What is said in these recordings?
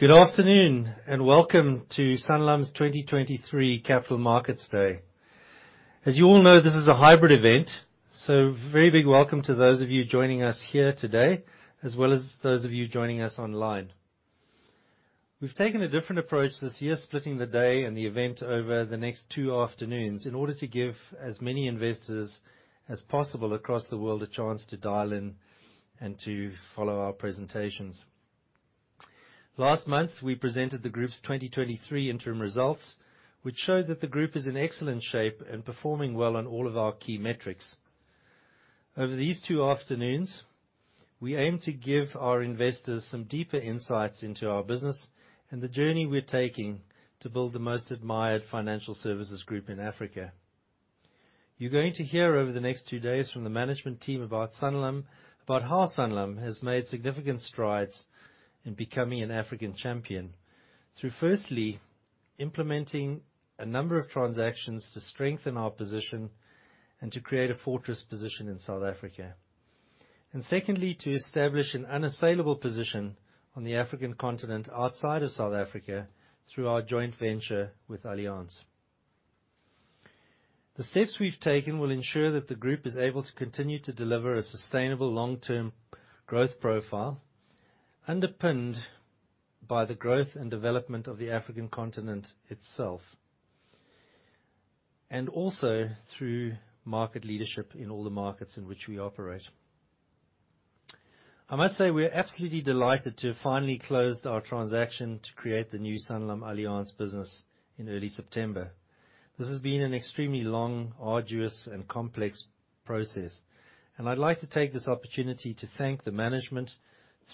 Good afternoon, and welcome to Sanlam's 2023 Capital Markets Day. As you all know, this is a hybrid event, so very big welcome to those of you joining us here today, as well as those of you joining us online. We've taken a different approach this year, splitting the day and the event over the next two afternoons in order to give as many investors as possible across the world, a chance to dial in and to follow our presentations. Last month, we presented the group's 2023 interim results, which show that the group is in excellent shape and performing well on all of our key metrics. Over these two afternoons, we aim to give our investors some deeper insights into our business and the journey we're taking to build the most admired financial services group in Africa. You're going to hear over the next two days from the management team about Sanlam, about how Sanlam has made significant strides in becoming an African champion. Through firstly, implementing a number of transactions to strengthen our position and to create a fortress position in South Africa. And secondly, to establish an unassailable position on the African continent outside of South Africa, through our joint venture with Allianz. The steps we've taken will ensure that the group is able to continue to deliver a sustainable long-term growth profile, underpinned by the growth and development of the African continent itself, and also through market leadership in all the markets in which we operate. I must say, we are absolutely delighted to have finally closed our transaction to create the new SanlamAllianz business in early September. This has been an extremely long, arduous, and complex process, and I'd like to take this opportunity to thank the management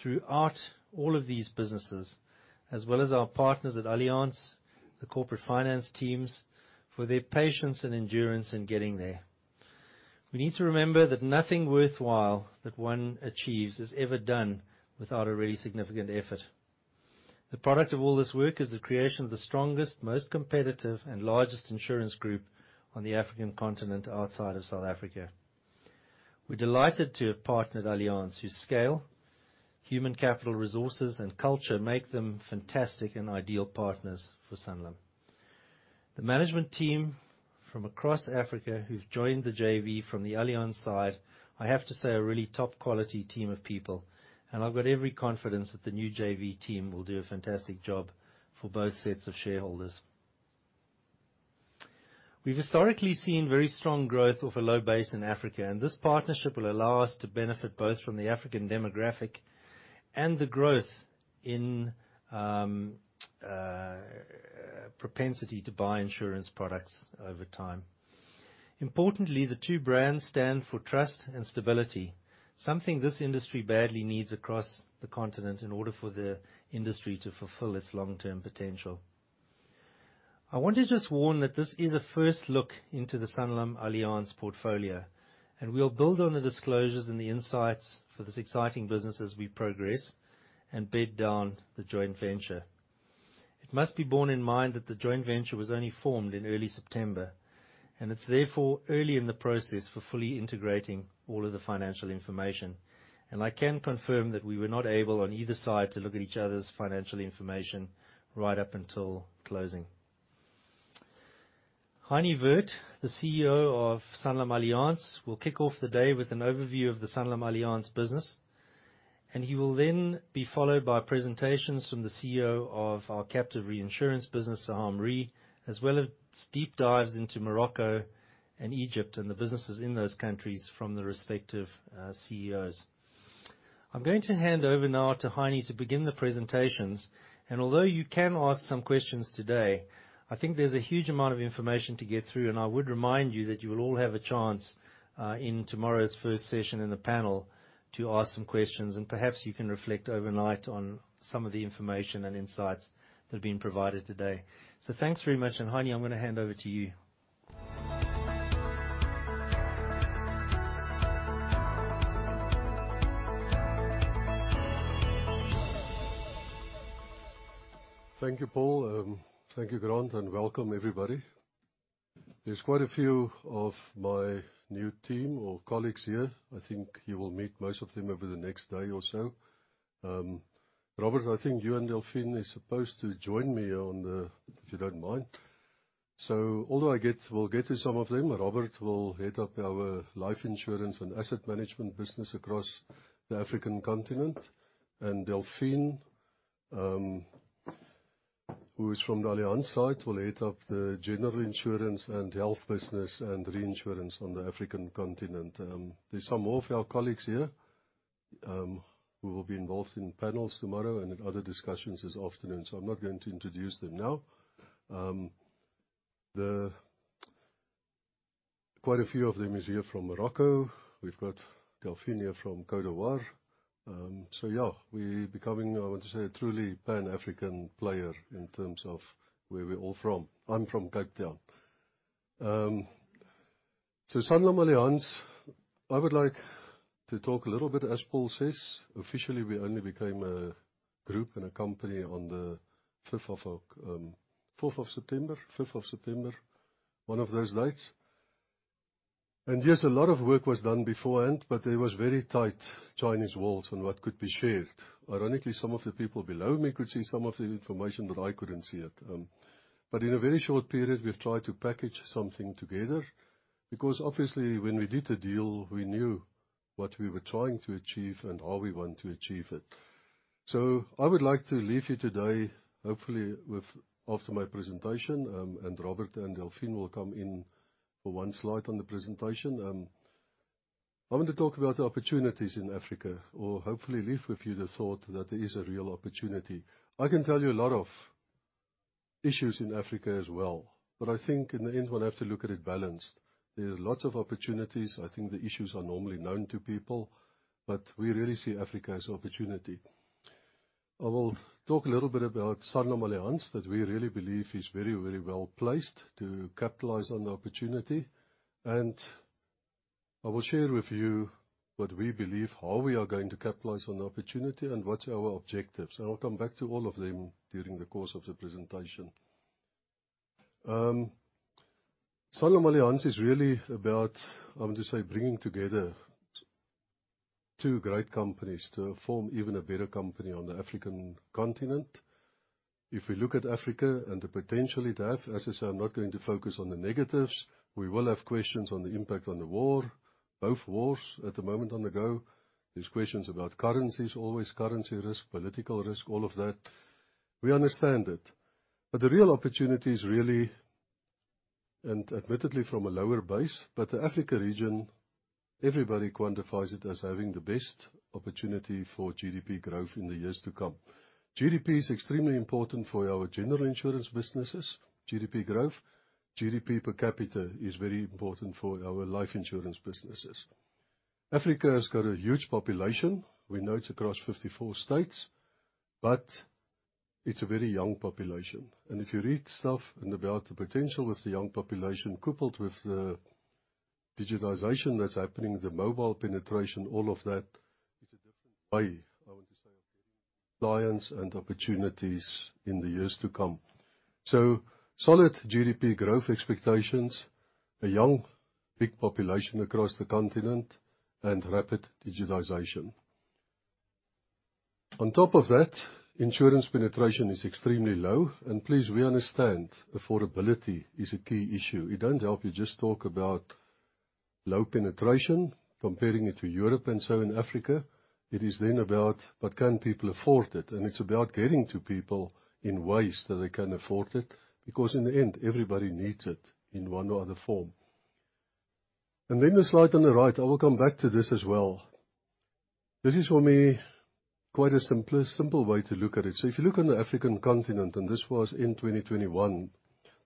throughout all of these businesses, as well as our partners at Allianz, the corporate finance teams, for their patience and endurance in getting there. We need to remember that nothing worthwhile that one achieves is ever done without a really significant effort. The product of all this work is the creation of the strongest, most competitive, and largest insurance group on the African continent outside of South Africa. We're delighted to have partnered Allianz, whose scale, human capital, resources, and culture make them fantastic and ideal partners for Sanlam. The management team from across Africa who've joined the JV from the Allianz side, I have to say, are a really top quality team of people, and I've got every confidence that the new JV team will do a fantastic job for both sets of shareholders. We've historically seen very strong growth of a low base in Africa, and this partnership will allow us to benefit both from the African demographic and the growth in propensity to buy insurance products over time. Importantly, the two brands stand for trust and stability, something this industry badly needs across the continent in order for the industry to fulfill its long-term potential. I want to just warn that this is a first look into the SanlamAllianz portfolio, and we'll build on the disclosures and the insights for this exciting business as we progress and bed down the joint venture. It must be borne in mind that the joint venture was only formed in early September, and it's therefore early in the process for fully integrating all of the financial information. I can confirm that we were not able on either side, to look at each other's financial information right up until closing. Heinie Werth, the CEO of SanlamAllianz, will kick off the day with an overview of the SanlamAllianz business, and he will then be followed by presentations from the CEO of our captive reinsurance business, Saham Re, as well as deep dives into Morocco and Egypt, and the businesses in those countries from the respective CEOs. I'm going to hand over now to Heinie to begin the presentations, and although you can ask some questions today, I think there's a huge amount of information to get through, and I would remind you that you will all have a chance in tomorrow's first session in the panel to ask some questions. Perhaps you can reflect overnight on some of the information and insights that are being provided today. So thanks very much. Heinie, I'm gonna hand over to you. Thank you, Paul. Thank you, Grant, and welcome, everybody. There's quite a few of my new team or colleagues here. I think you will meet most of them over the next day or so. Robert, I think you and Delphine is supposed to join me on the... If you don't mind. So we'll get to some of them, Robert will head up our life insurance and asset management business across the African continent, and Delphine, who is from the Allianz side, will head up the general insurance and health business and reinsurance on the African continent. There's some more of our colleagues here, who will be involved in panels tomorrow and in other discussions this afternoon, so I'm not going to introduce them now. The quite a few of them is here from Morocco. We've got Delphine here from Côte d'Ivoire. Yeah, we're becoming, I want to say, a truly Pan-African player in terms of where we're all from. I'm from Cape Town. So SanlamAllianz, I would like to talk a little bit, as Paul says, officially, we only became a group and a company on the 5th, 4th of September, 5th of September, one of those dates. And yes, a lot of work was done beforehand, but there was very tight Chinese walls on what could be shared. Ironically, some of the people below me could see some of the information, but I couldn't see it. But in a very short period, we've tried to package something together, because obviously, when we did the deal, we knew what we were trying to achieve and how we want to achieve it. So I would like to leave you today, hopefully, with after my presentation, and Robert and Delphine will come in for one slide on the presentation. I want to talk about the opportunities in Africa or hopefully leave with you the thought that there is a real opportunity. I can tell you a lot of issues in Africa as well, but I think in the end, one have to look at it balanced. There are lots of opportunities. I think the issues are normally known to people, but we really see Africa as an opportunity. I will talk a little bit about SanlamAllianz, that we really believe is very, very well placed to capitalize on the opportunity. I will share with you what we believe, how we are going to capitalize on the opportunity, and what's our objectives, and I'll come back to all of them during the course of the presentation. SanlamAllianz is really about, I want to say, bringing together two great companies to form even a better company on the African continent. If we look at Africa and the potential it has, as I say, I'm not going to focus on the negatives. We will have questions on the impact on the war, both wars at the moment on the go. There's questions about currencies, always currency risk, political risk, all of that. We understand it, but the real opportunity is really, and admittedly, from a lower base, but the Africa region, everybody quantifies it as having the best opportunity for GDP growth in the years to come. GDP is extremely important for our general insurance businesses, GDP growth. GDP per capita is very important for our life insurance businesses. Africa has got a huge population. We know it's across 54 states, but it's a very young population. And if you read stuff and about the potential with the young population, coupled with the digitization that's happening, the mobile penetration, all of that, it's a different way, I want to say, of clients and opportunities in the years to come. So solid GDP growth expectations, a young, big population across the continent, and rapid digitization. On top of that, insurance penetration is extremely low, and please, we understand affordability is a key issue. It don't help you just talk about low penetration, comparing it to Europe and so in Africa, it is then about, but can people afford it? It's about getting to people in ways that they can afford it, because in the end, everybody needs it in one or other form. Then the slide on the right, I will come back to this as well. This is, for me, quite a simple way to look at it. So if you look on the African continent, and this was in 2021,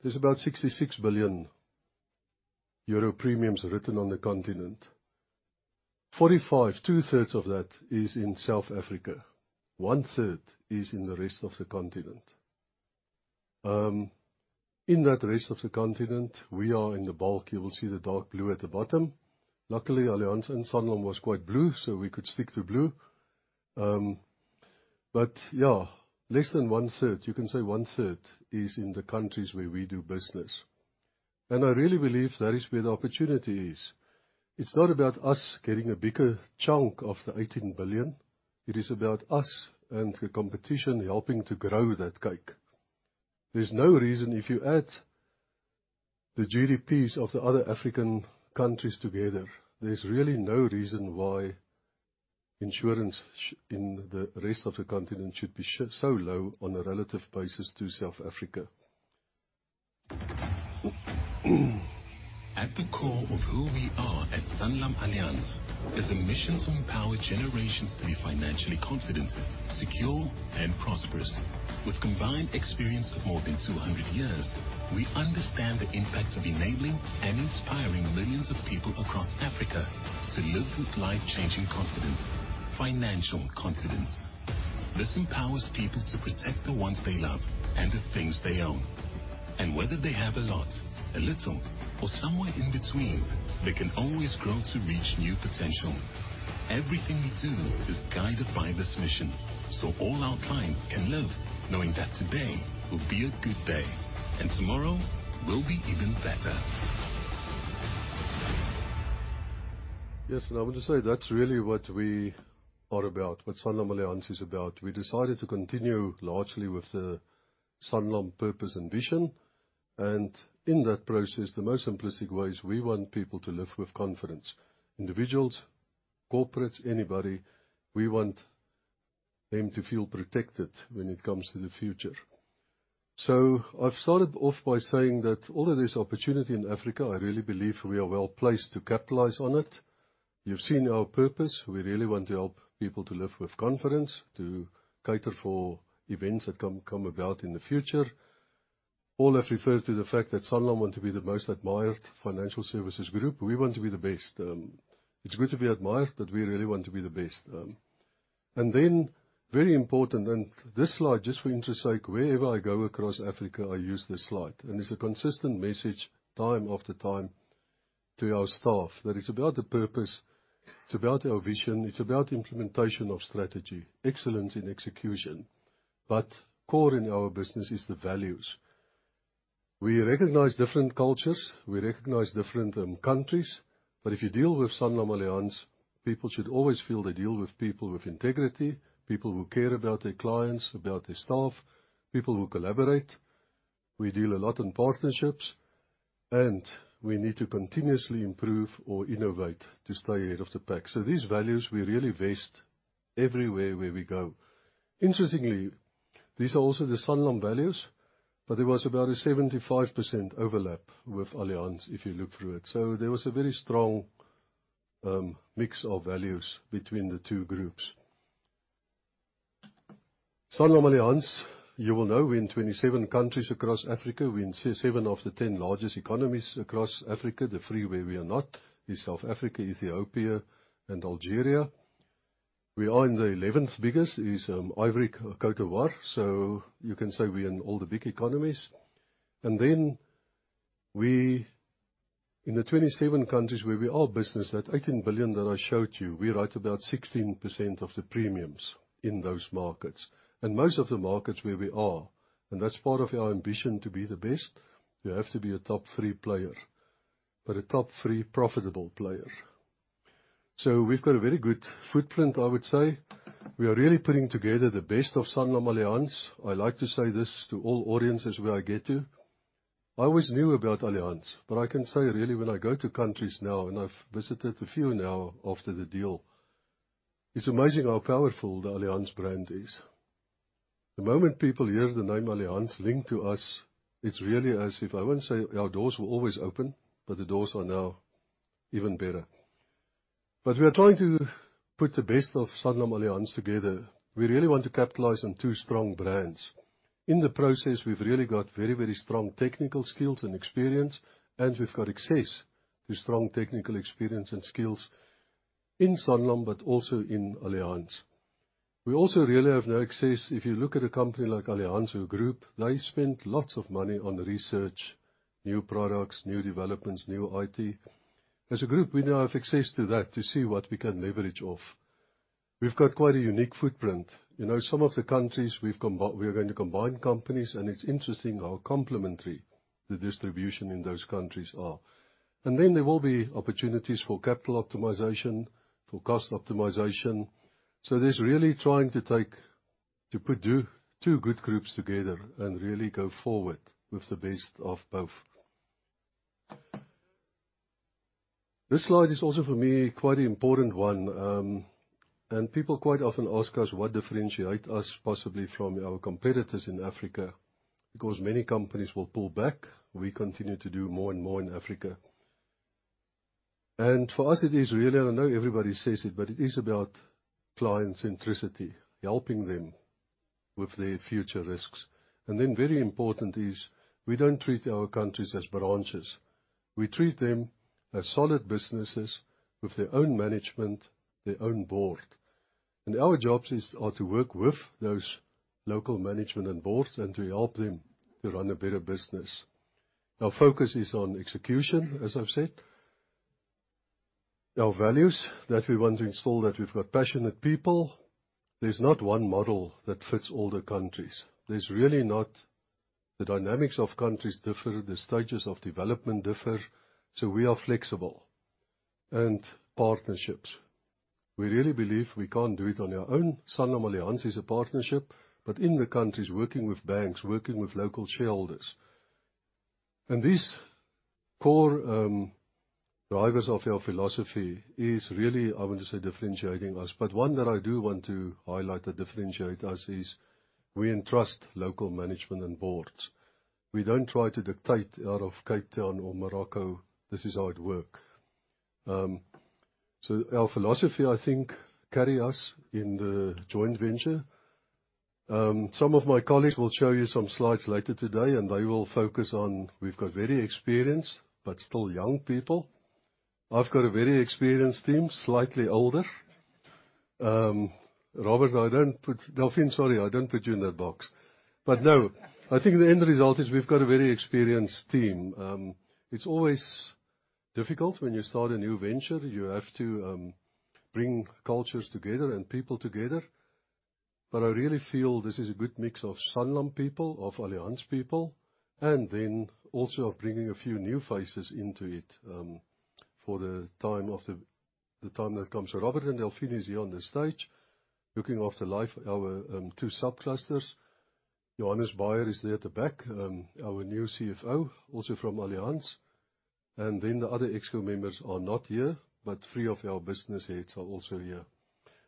there's about 66 billion euro premiums written on the continent. 45 billion, two-thirds of that is in South Africa. One-third is in the rest of the continent. In that rest of the continent, we are in the bulk. You will see the dark blue at the bottom. Luckily, Allianz and Sanlam was quite blue, so we could stick to blue. But yeah, less than one-third, you can say one-third is in the countries where we do business, and I really believe that is where the opportunity is. It's not about us getting a bigger chunk of the $18 billion. It is about us and the competition helping to grow that cake. There's no reason, if you add the GDPs of the other African countries together, there's really no reason why insurance in the rest of the continent should be so .ow on a relative basis to South Africa. At the core of who we are at SanlamAllianz is a mission to empower generations to be financially confident, secure, and prosperous. With combined experience of more than 200 years, we understand the impact of enabling and inspiring millions of people across Africa to live with life-changing confidence, financial confidence. This empowers people to protect the ones they love and the things they own. Whether they have a lot, a little, or somewhere in between, they can always grow to reach new potential. Everything we do is guided by this mission, so all our clients can live knowing that today will be a good day and tomorrow will be even better. Yes, and I want to say that's really what we are about, what SanlamAllianz is about. We decided to continue largely with the Sanlam purpose and vision, and in that process, the most simplistic way is we want people to live with confidence. Individuals, corporates, anybody, we want them to feel protected when it comes to the future. So I've started off by saying that all of this opportunity in Africa, I really believe we are well placed to capitalize on it. You've seen our purpose. We really want to help people to live with confidence, to cater for events that come about in the future. Paul has referred to the fact that Sanlam want to be the most admired financial services group. We want to be the best. It's good to be admired, but we really want to be the best. Then, very important, and this slide, just for interest's sake, wherever I go across Africa, I use this slide, and it's a consistent message time after time to our staff, that it's about the purpose... It's about our vision, it's about implementation of strategy, excellence in execution. But core in our business is the values. We recognize different cultures, we recognize different countries, but if you deal with SanlamAllianz, people should always feel they deal with people with integrity, people who care about their clients, about their staff, people who collaborate. We deal a lot in partnerships, and we need to continuously improve or innovate to stay ahead of the pack. So these values, we really vest everywhere where we go. Interestingly, these are also the Sanlam values, but there was about a 75% overlap with Allianz, if you look through it. There was a very strong mix of values between the two groups. SanlamAllianz, you will know, we're in 27 countries across Africa. We're in seven of the 10 largest economies across Africa. The three where we are not is South Africa, Ethiopia and Algeria. We are in the 11th biggest, is, Ivory Coast, so you can say we're in all the big economies. And then we, in the 27 countries where we are business, that 18 billion that I showed you, we write about 16% of the premiums in those markets. And most of the markets where we are, and that's part of our ambition to be the best, you have to be a top three player, but a top three profitable player. So we've got a very good footprint, I would say. We are really putting together the best of SanlamAllianz. I like to say this to all audiences where I get to. I always knew about Allianz, but I can say really, when I go to countries now, and I've visited a few now after the deal, it's amazing how powerful the Allianz brand is. The moment people hear the name Allianz linked to us, it's really as if I won't say our doors were always open, but the doors are now even better. But we are trying to put the best of SanlamAllianz together. We really want to capitalize on two strong brands. In the process, we've really got very, very strong technical skills and experience, and we've got access to strong technical experience and skills in Sanlam, but also in Allianz. We also really have now access. If you look at a company like Allianz, they spend lots of money on research, new products, new developments, new IT. As a group, we now have access to that to see what we can leverage off. We've got quite a unique footprint. You know, some of the countries we are going to combine companies, and it's interesting how complementary the distribution in those countries are. And then there will be opportunities for capital optimization, for cost optimization. So there's really to put two, two good groups together and really go forward with the best of both. This slide is also, for me, quite an important one, and people quite often ask us what differentiate us, possibly from our competitors in Africa, because many companies will pull back. We continue to do more and more in Africa. For us, it is really, I know everybody says it, but it is about client centricity, helping them with their future risks. Then, very important is, we don't treat our countries as branches. We treat them as solid businesses with their own management, their own board. And our jobs is, are to work with those local management and boards, and to help them to run a better business. Our focus is on execution, as I've said. Our values that we want to install, that we've got passionate people. There's not one model that fits all the countries. There's really not... The dynamics of countries differ, the stages of development differ, so we are flexible. And partnerships. We really believe we can't do it on our own. SanlamAllianz is a partnership, but in the countries, working with banks, working with local shareholders. These core drivers of our philosophy is really, I want to say, differentiating us. But one that I do want to highlight that differentiate us is, we entrust local management and boards. We don't try to dictate out of Cape Town or Morocco, this is how it work. So our philosophy, I think, carry us in the joint venture. Some of my colleagues will show you some slides later today, and they will focus on, we've got very experienced but still young people. I've got a very experienced team, slightly older. Robert, I don't put Delphine, sorry, I don't put you in that box. But no, I think the end result is we've got a very experienced team. It's always difficult when you start a new venture. You have to bring cultures together and people together. But I really feel this is a good mix of Sanlam people, of Allianz people, and then also of bringing a few new faces into it, for the time of the, the time that comes. So Robert and Delphine is here on the stage, looking after life, our, two subclusters. Johannes Bayer is there at the back, our new CFO, also from Allianz. And then the other exco members are not here, but three of our business heads are also here.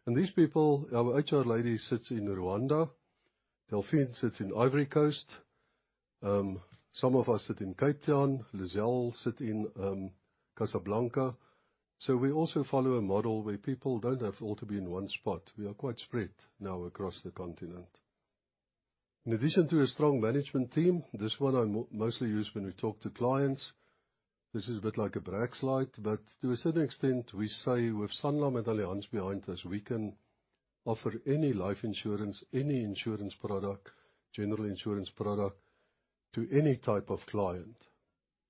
And these people, our HR lady sits in Rwanda, Delphine sits in Ivory Coast, some of us sit in Cape Town, Lizelle sit in, Casablanca. So we also follow a model where people don't have all to be in one spot. We are quite spread now across the continent. In addition to a strong management team, this one I mostly use when we talk to clients. This is a bit like a brag slide, but to a certain extent, we say with Sanlam and Allianz behind us, we can offer any life insurance, any insurance product, general insurance product, to any type of client...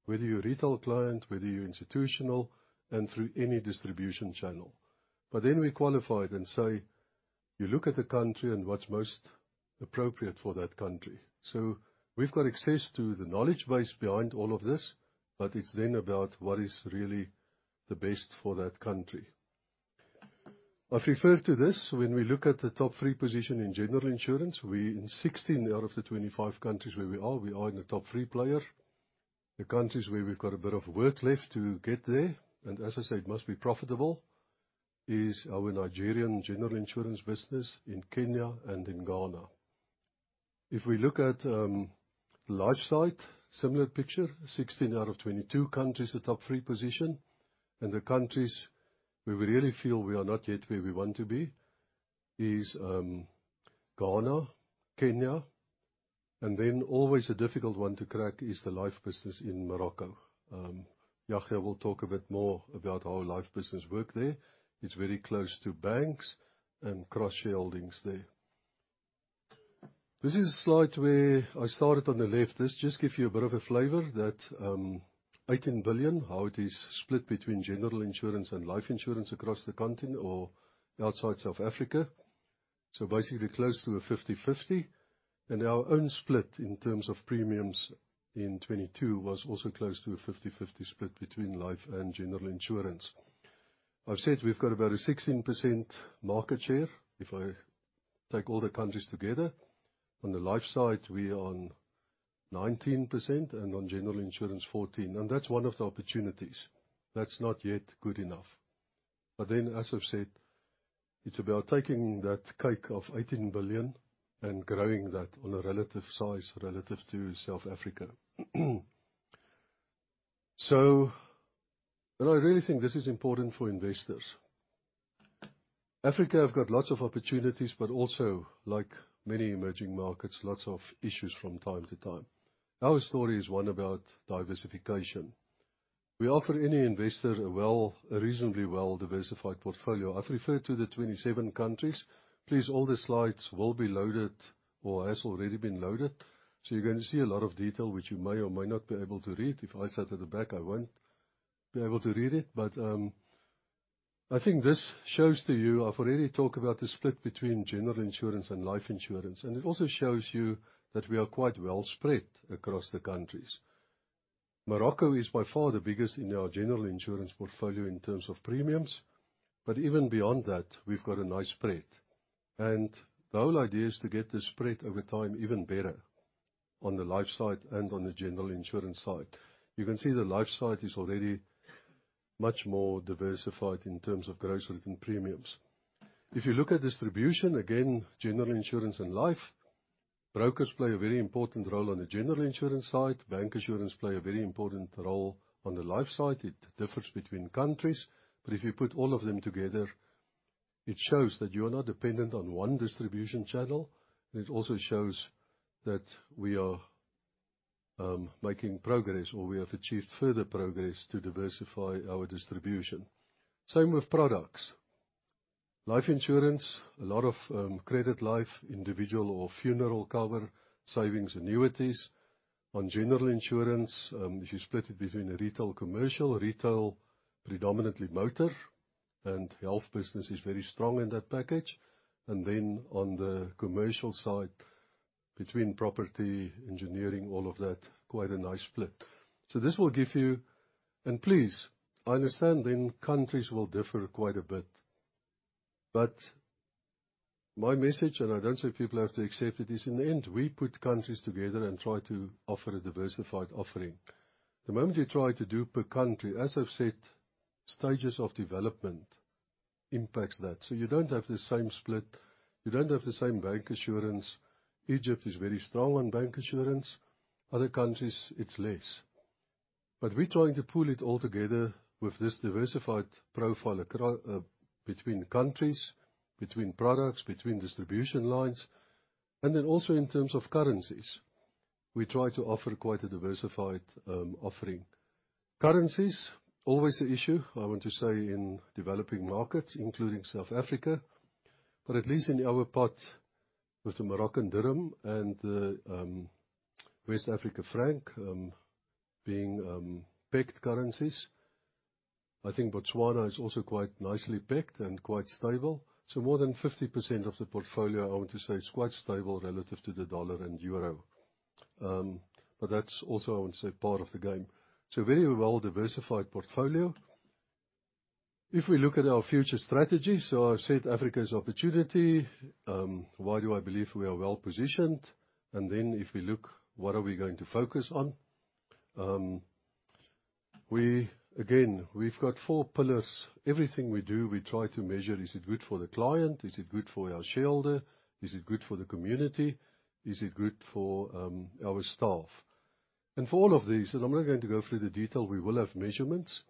whether you're a retail client, whether you're institutional, and through any distribution channel. But then we qualify it and say, you look at the country and what's most appropriate for that country. So we've got access to the knowledge base behind all of this, but it's then about what is really the best for that country. I've referred to this. When we look at the top three position in general insurance, we, in 16 out of the 25 countries where we are, we are in the top three player. The countries where we've got a bit of work left to get there, and as I said, must be profitable, is our Nigerian general insurance business in Kenya and in Ghana. If we look at life side, similar picture, 16 out of 22 countries, the top three position, and the countries where we really feel we are not yet where we want to be is Ghana, Kenya, and then always a difficult one to crack is the life business in Morocco. Yahia will talk a bit more about how life business work there. It's very close to banks and cross-shareholdings there. This is a slide where I started on the left. This just give you a bit of a flavor that 18 billion, how it is split between general insurance and life insurance across the continent or outside South Africa. So basically, close to a 50/50. Our own split in terms of premiums in 2022 was also close to a 50/50 split between life and general insurance. I've said we've got about a 16% market share. If I take all the countries together, on the life side, we are on 19%, and on general insurance, 14%. That's one of the opportunities. That's not yet good enough. But then, as I've said, it's about taking that cake of 18 billion and growing that on a relative size, relative to South Africa. So... I really think this is important for investors. Africa have got lots of opportunities, but also, like many emerging markets, lots of issues from time to time. Our story is one about diversification. We offer any investor a well, a reasonably well-diversified portfolio. I've referred to the 27 countries. Please, all the slides will be loaded or has already been loaded, so you're going to see a lot of detail which you may or may not be able to read. If I sat at the back, I won't be able to read it, but I think this shows to you, I've already talked about the split between general insurance and life insurance, and it also shows you that we are quite well spread across the countries. Morocco is by far the biggest in our general insurance portfolio in terms of premiums, but even beyond that, we've got a nice spread. And the whole idea is to get the spread over time even better on the life side and on the general insurance side. You can see the life side is already much more diversified in terms of gross written premiums. If you look at distribution, again, general insurance and life, brokers play a very important role on the general insurance side. Bancassurance plays a very important role on the life side. It differs between countries, but if you put all of them together, it shows that you are not dependent on one distribution channel, and it also shows that we are making progress, or we have achieved further progress to diversify our distribution. Same with products. Life insurance, a lot of credit life, individual or funeral cover, savings, annuities. On general insurance, if you split it between the retail, commercial, retail, predominantly motor and health business is very strong in that package. And then on the commercial side, between property, engineering, all of that, quite a nice split. So this will give you... Please, I understand then countries will differ quite a bit, but my message, and I don't say people have to accept it, is in the end, we put countries together and try to offer a diversified offering. The moment you try to do per country, as I've said, stages of development impacts that. So you don't have the same split, you don't have the same bancassurance. Egypt is very strong on bancassurance. Other countries, it's less. But we're trying to pull it all together with this diversified profile across between countries, between products, between distribution lines, and then also in terms of currencies. We try to offer quite a diversified offering. Currencies, always an issue, I want to say, in developing markets, including South Africa, but at least in our part with the Moroccan dirham and the West African franc being pegged currencies. I think Botswana is also quite nicely pegged and quite stable. So more than 50% of the portfolio, I want to say, is quite stable relative to the dollar and euro. But that's also, I want to say, part of the game. So very well-diversified portfolio. If we look at our future strategy, so I've said Africa is opportunity. Why do I believe we are well positioned? And then if we look, what are we going to focus on? Again, we've got four pillars. Everything we do, we try to measure, is it good for the client? Is it good for our shareholder? Is it good for the community? Is it good for our staff? For all of these, and I'm not going to go through the detail, we will have measurements.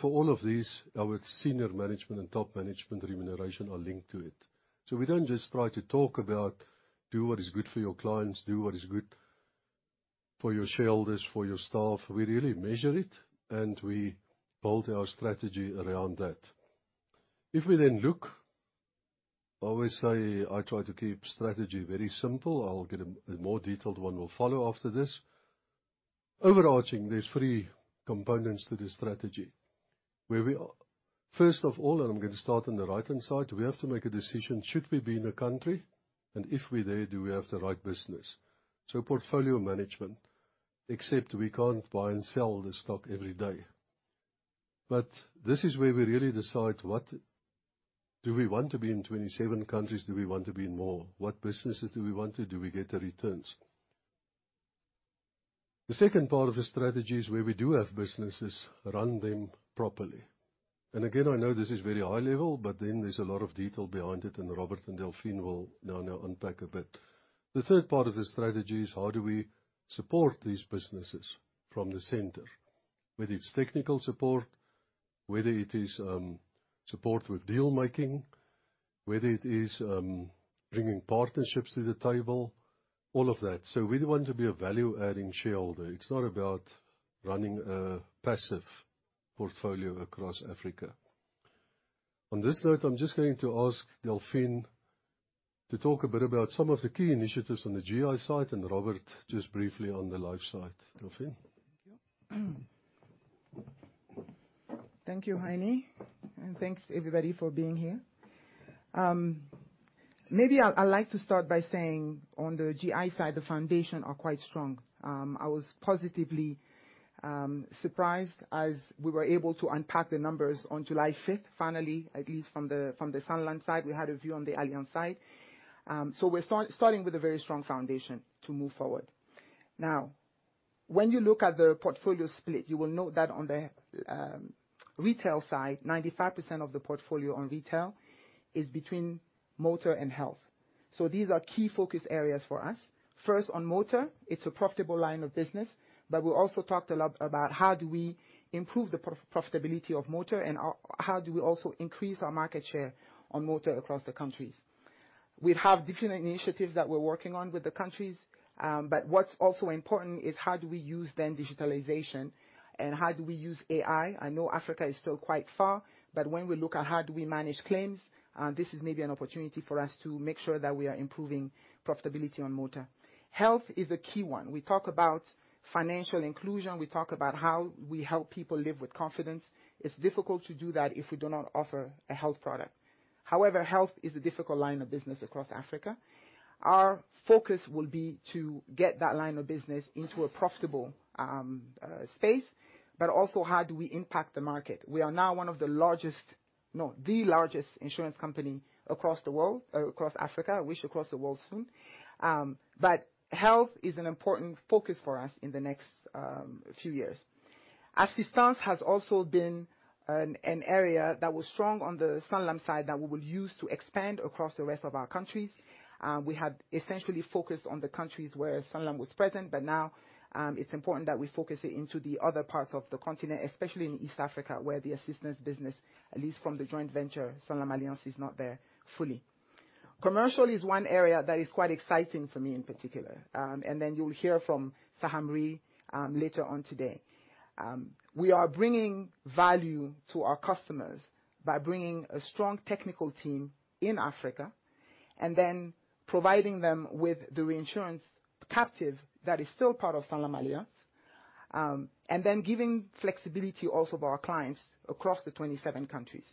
For all of these, our senior management and top management remuneration are linked to it. So we don't just try to talk about do what is good for your clients, do what is good for your shareholders, for your staff. We really measure it, and we build our strategy around that. If we then look, I always say I try to keep strategy very simple. I'll get a more detailed one will follow after this. Overarching, there's three components to this strategy. Where we are. First of all, and I'm gonna start on the right-hand side, we have to make a decision: Should we be in a country? And if we're there, do we have the right business? So portfolio management, except we can't buy and sell the stock every day. But this is where we really decide what— Do we want to be in 27 countries? Do we want to be in more? What businesses do we want to? Do we get the returns? The second part of the strategy is where we do have businesses, run them properly. And again, I know this is very high level, but then there's a lot of detail behind it, and Robert and Delphine will now, now unpack a bit. The third part of the strategy is: How do we support these businesses from the center? Whether it's technical support, whether it is, support with deal making, whether it is, bringing partnerships to the table, all of that. So we want to be a value-adding shareholder. It's not about running a passive portfolio across Africa. On this note, I'm just going to ask Delphine to talk a bit about some of the key initiatives on the GI side, and Robert, just briefly on the life side. Delphine? Thank you. Thank you, Heinie, and thanks, everybody, for being here. Maybe I'd like to start by saying on the GI side, the foundation are quite strong. I was positively surprised as we were able to unpack the numbers on July 5th, finally, at least from the Sanlam side. We had a view on the Allianz side. So we're starting with a very strong foundation to move forward. Now, when you look at the portfolio split, you will note that on the retail side, 95% of the portfolio on retail is between motor and health. These are key focus areas for us. First, on motor, it's a profitable line of business, but we also talked a lot about how do we improve the profitability of motor, and how do we also increase our market share on motor across the countries? We have different initiatives that we're working on with the countries, but what's also important is how do we use then digitalization, and how do we use AI? I know Africa is still quite far, but when we look at how do we manage claims, this is maybe an opportunity for us to make sure that we are improving profitability on motor. Health is a key one. We talk about financial inclusion. We talk about how we help people live with confidence. It's difficult to do that if we do not offer a health product. However, health is a difficult line of business across Africa. Our focus will be to get that line of business into a profitable space, but also, how do we impact the market? We are now one of the largest... No, the largest insurance company across the world, across Africa, we wish across the world soon. But health is an important focus for us in the next few years. Assistance has also been an area that was strong on the Sanlam side that we will use to expand across the rest of our countries. We had essentially focused on the countries where Sanlam was present, but now, it's important that we focus it into the other parts of the continent, especially in East Africa, where the assistance business, at least from the joint venture, Sanlam Allianz, is not there fully. Commercial is one area that is quite exciting for me in particular, and then you'll hear from Saham Re later on today. We are bringing value to our customers by bringing a strong technical team in Africa, and then providing them with the reinsurance captive that is still part of SanlamAllianz, and then giving flexibility also to our clients across the 27 countries.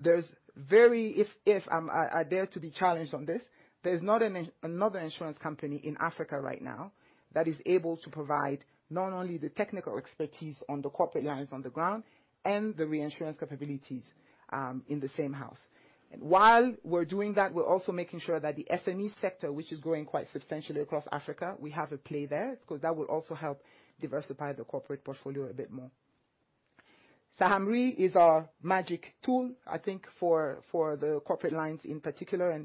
There's very, if I dare to be challenged on this, there's not another insurance company in Africa right now that is able to provide not only the technical expertise on the corporate lines on the ground and the reinsurance capabilities in the same house. While we're doing that, we're also making sure that the SME sector, which is growing quite substantially across Africa, we have a play there, 'cause that will also help diversify the corporate portfolio a bit more. Saham Re is our magic tool, I think, for the corporate lines in particular,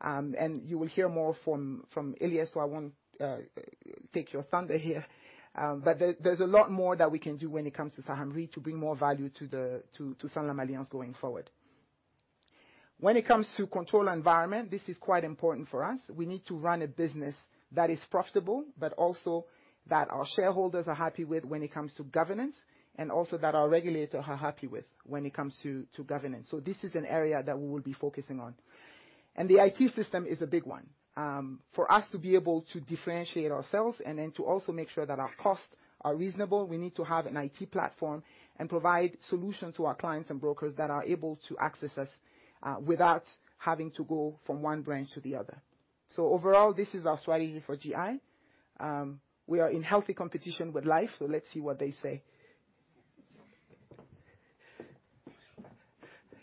and you will hear more from Ilyes, so I won't take your thunder here. But there, there's a lot more that we can do when it comes to Saham Re to bring more value to the SanlamAllianz going forward. When it comes to control environment, this is quite important for us. We need to run a business that is profitable, but also that our shareholders are happy with when it comes to governance, and also that our regulators are happy with when it comes to governance. So this is an area that we will be focusing on. The IT system is a big one. For us to be able to differentiate ourselves and then to also make sure that our costs are reasonable, we need to have an IT platform and provide solutions to our clients and brokers that are able to access us, without having to go from one branch to the other. So overall, this is our strategy for GI. We are in healthy competition with life, so let's see what they say.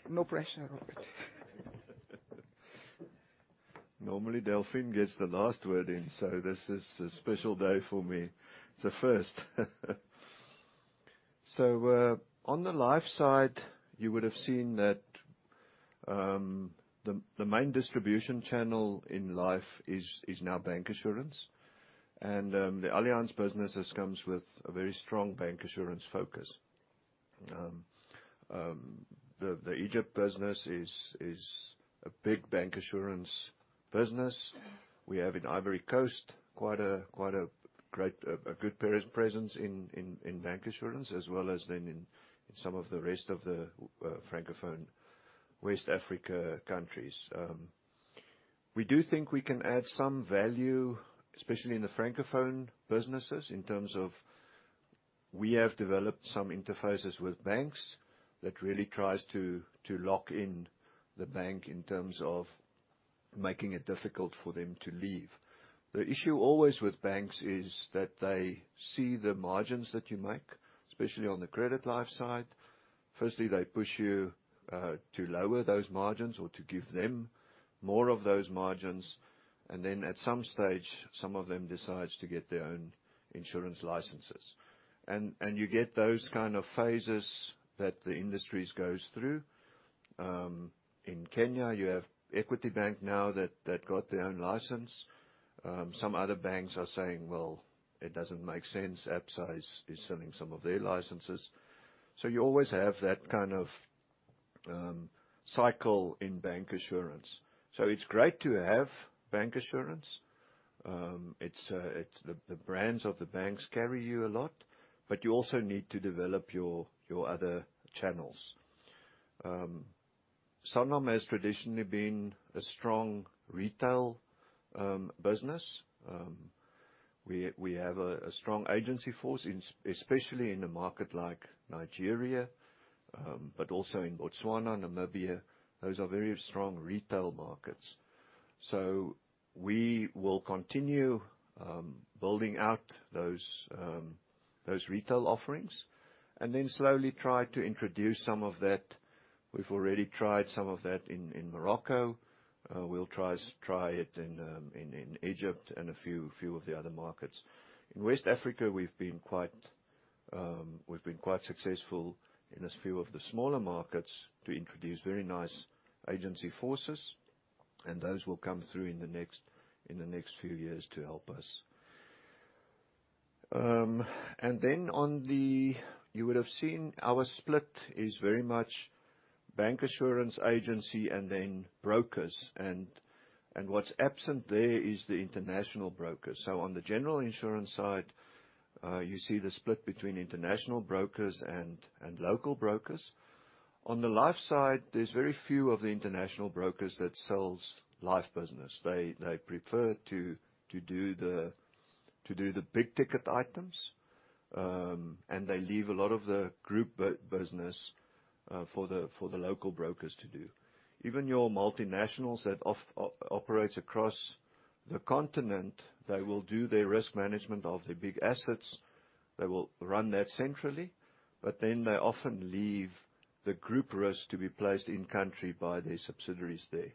No pressure, Robert. Normally, Delphine gets the last word in, so this is a special day for me. It's a first. So, on the life side, you would have seen that, the main distribution channel in life is now bancassurance, and, the Allianz businesses comes with a very strong bancassurance focus. The Egypt business is a big bancassurance-... business. We have in Ivory Coast a good presence in bank insurance, as well as then in some of the rest of the Francophone West Africa countries. We do think we can add some value, especially in the Francophone businesses, in terms of we have developed some interfaces with banks that really tries to lock in the bank in terms of making it difficult for them to leave. The issue, always, with banks is that they see the margins that you make, especially on the credit life side. Firstly, they push you to lower those margins or to give them more of those margins, and then at some stage, some of them decides to get their own insurance licenses. And you get those kind of phases that the industries goes through. In Kenya, you have Equity Bank now that got their own license. Some other banks are saying, "Well, it doesn't make sense." Absa is selling some of their licenses. So you always have that kind of cycle in bank insurance. So it's great to have bank insurance. It's the brands of the banks carry you a lot, but you also need to develop your other channels. Sanlam has traditionally been a strong retail business. We have a strong agency force, especially in a market like Nigeria, but also in Botswana, Namibia. Those are very strong retail markets. So we will continue building out those retail offerings, and then slowly try to introduce some of that. We've already tried some of that in Morocco. We'll try, try it in, in Egypt and a few, few of the other markets. In West Africa, we've been quite successful in a few of the smaller markets to introduce very nice agency forces, and those will come through in the next few years to help us. And then on the... You would have seen our split is very much bank insurance, agency, and then brokers. And what's absent there is the international brokers. So on the general insurance side, you see the split between international brokers and local brokers. On the life side, there's very few of the international brokers that sells life business. They prefer to do the big ticket items, and they leave a lot of the group business for the local brokers to do. Even your multinationals that operate across the continent, they will do their risk management of the big assets. They will run that centrally, but then they often leave the group risk to be placed in country by their subsidiaries there.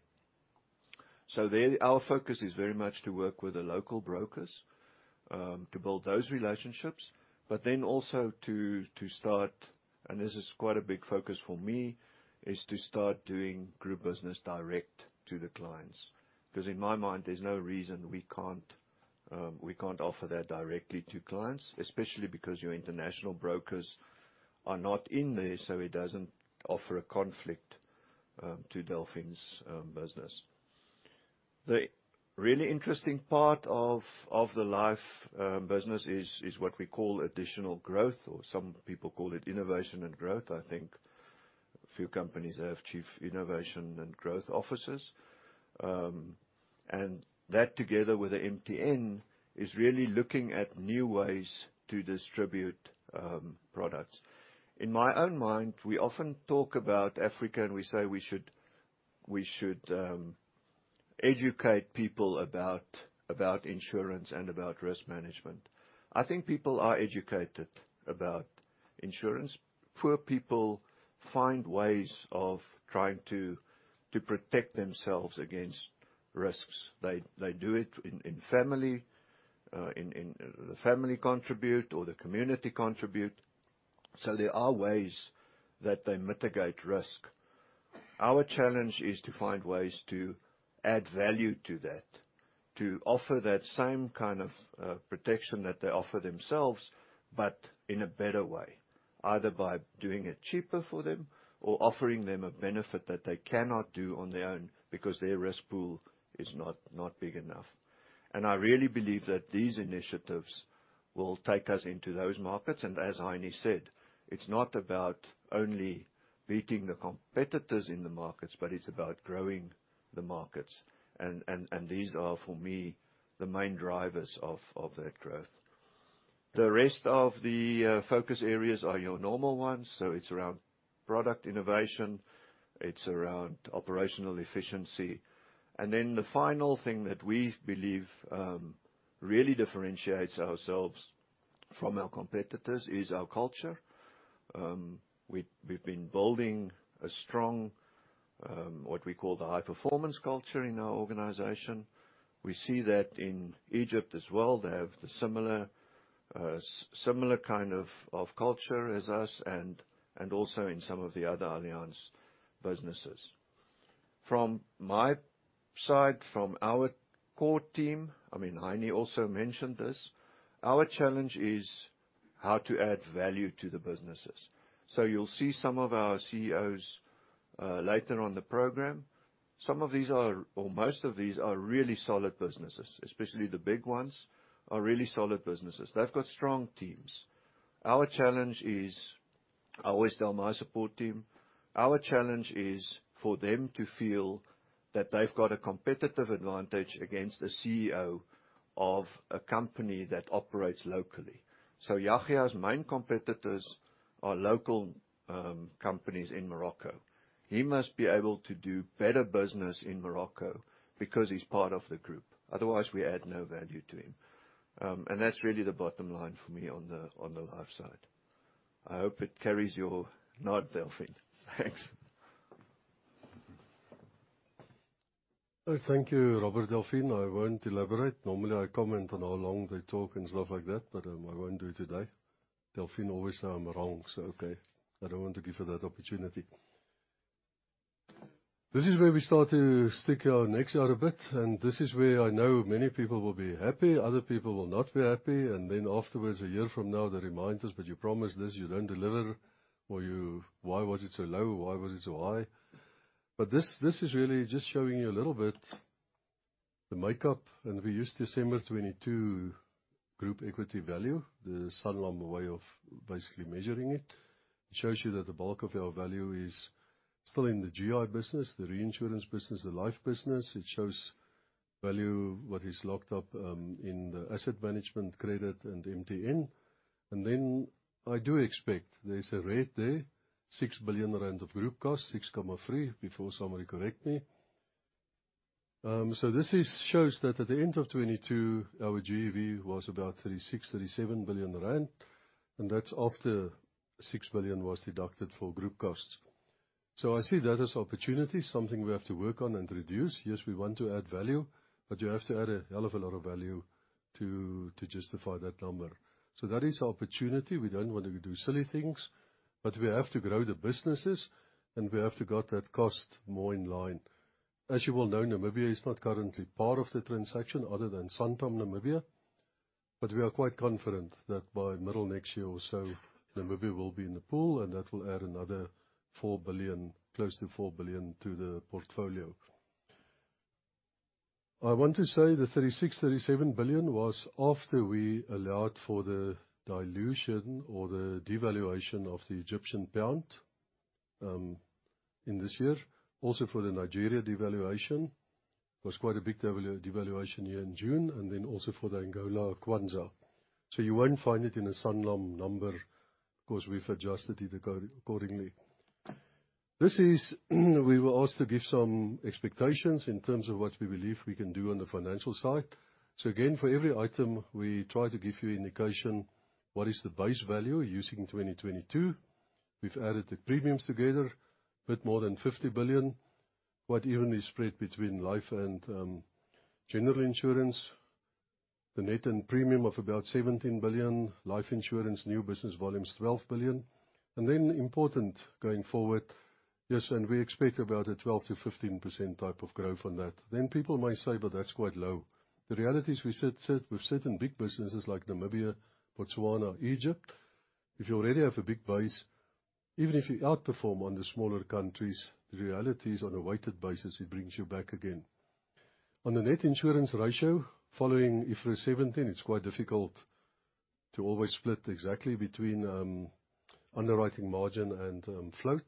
So there, our focus is very much to work with the local brokers to build those relationships, but then also to start, and this is quite a big focus for me, is to start doing group business direct to the clients. 'Cause in my mind, there's no reason we can't, we can't offer that directly to clients, especially because your international brokers are not in there, so it doesn't offer a conflict to Delphine's business. The really interesting part of the life business is what we call additional growth, or some people call it innovation and growth. I think a few companies have chief innovation and growth officers. And that, together with the MTN, is really looking at new ways to distribute products. In my own mind, we often talk about Africa, and we say we should educate people about insurance and about risk management. I think people are educated about insurance. Poor people find ways of trying to protect themselves against risks. They do it in family, in... The family contribute or the community contribute. So there are ways that they mitigate risk. Our challenge is to find ways to add value to that, to offer that same kind of protection that they offer themselves, but in a better way, either by doing it cheaper for them or offering them a benefit that they cannot do on their own because their risk pool is not, not big enough. And I really believe that these initiatives will take us into those markets. And as Heinie said, it's not about only beating the competitors in the markets, but it's about growing the markets. And these are, for me, the main drivers of that growth. The rest of the focus areas are your normal ones, so it's around product innovation, it's around operational efficiency. Then the final thing that we believe really differentiates ourselves from our competitors is our culture. We've, we've been building a strong what we call the high performance culture in our organization. We see that in Egypt as well. They have the similar kind of culture as us and also in some of the other Allianz businesses. From my side, from our core team, I mean, Heinie also mentioned this, our challenge is how to add value to the businesses. You'll see some of our CEOs later on the program. Some of these are, or most of these are really solid businesses, especially the big ones, are really solid businesses. They've got strong teams. Our challenge is, I always tell my support team, our challenge is for them to feel that they've got a competitive advantage against a CEO of a company that operates locally. So Yahia's main competitors are local companies in Morocco. He must be able to do better business in Morocco because he's part of the group, otherwise, we add no value to him. And that's really the bottom line for me on the life side. I hope it carries your nod, Delphine. Thanks. Thank you, Robert. Delphine. I won't elaborate. Normally, I comment on how long they talk and stuff like that, but, I won't do it today. Delphine always say I'm wrong, so, okay, I don't want to give her that opportunity. This is where we start to stick our necks out a bit, and this is where I know many people will be happy, other people will not be happy. And then afterwards, a year from now, they remind us: "But you promised this, you don't deliver," or, "You - Why was it so low? Why was it so high?" But this, this is really just showing you a little bit the makeup, and we use December 2022 group equity value, the Sanlam way of basically measuring it. It shows you that the bulk of our value is still in the GI business, the reinsurance business, the life business. It shows value, what is locked up in the asset management, credit and MTN. And then, I do expect, there's a rate there, 6 billion rand of group cost, 6.3, before somebody correct me. So this shows that at the end of 2022, our GEV was about 36 billion-37 billion rand, and that's after 6 billion was deducted for group costs. So I see that as opportunity, something we have to work on and reduce. Yes, we want to add value, but you have to add a hell of a lot of value to justify that number. So that is opportunity. We don't want to do silly things, but we have to grow the businesses, and we have to get that cost more in line. As you well know, Namibia is not currently part of the transaction other than Sanlam Namibia, but we are quite confident that by middle of next year or so, Namibia will be in the pool, and that will add another 4 billion, close to 4 billion to the portfolio. I want to say the 36 billion-37 billion was after we allowed for the dilution or the devaluation of the Egyptian pound in this year. Also, for the Nigeria devaluation. It was quite a big devaluation here in June, and then also for the Angola Kwanza. So you won't find it in a Sanlam number 'cause we've adjusted it accordingly. This is, we were asked to give some expectations in terms of what we believe we can do on the financial side. So again, for every item, we try to give you indication what is the base value using 2022. We've added the premiums together, a bit more than 50 billion, quite evenly spread between life and general insurance. The net and premium of about 17 billion, life insurance, new business volumes, 12 billion. And then, important going forward, yes, and we expect about a 12%-15% type of growth on that. Then people may say, "But that's quite low." The reality is we sit with certain big businesses like Namibia, Botswana, Egypt. If you already have a big base, even if you outperform on the smaller countries, the reality is, on a weighted basis, it brings you back again. On the net insurance ratio, following IFRS 17, it's quite difficult to always split exactly between underwriting margin and float.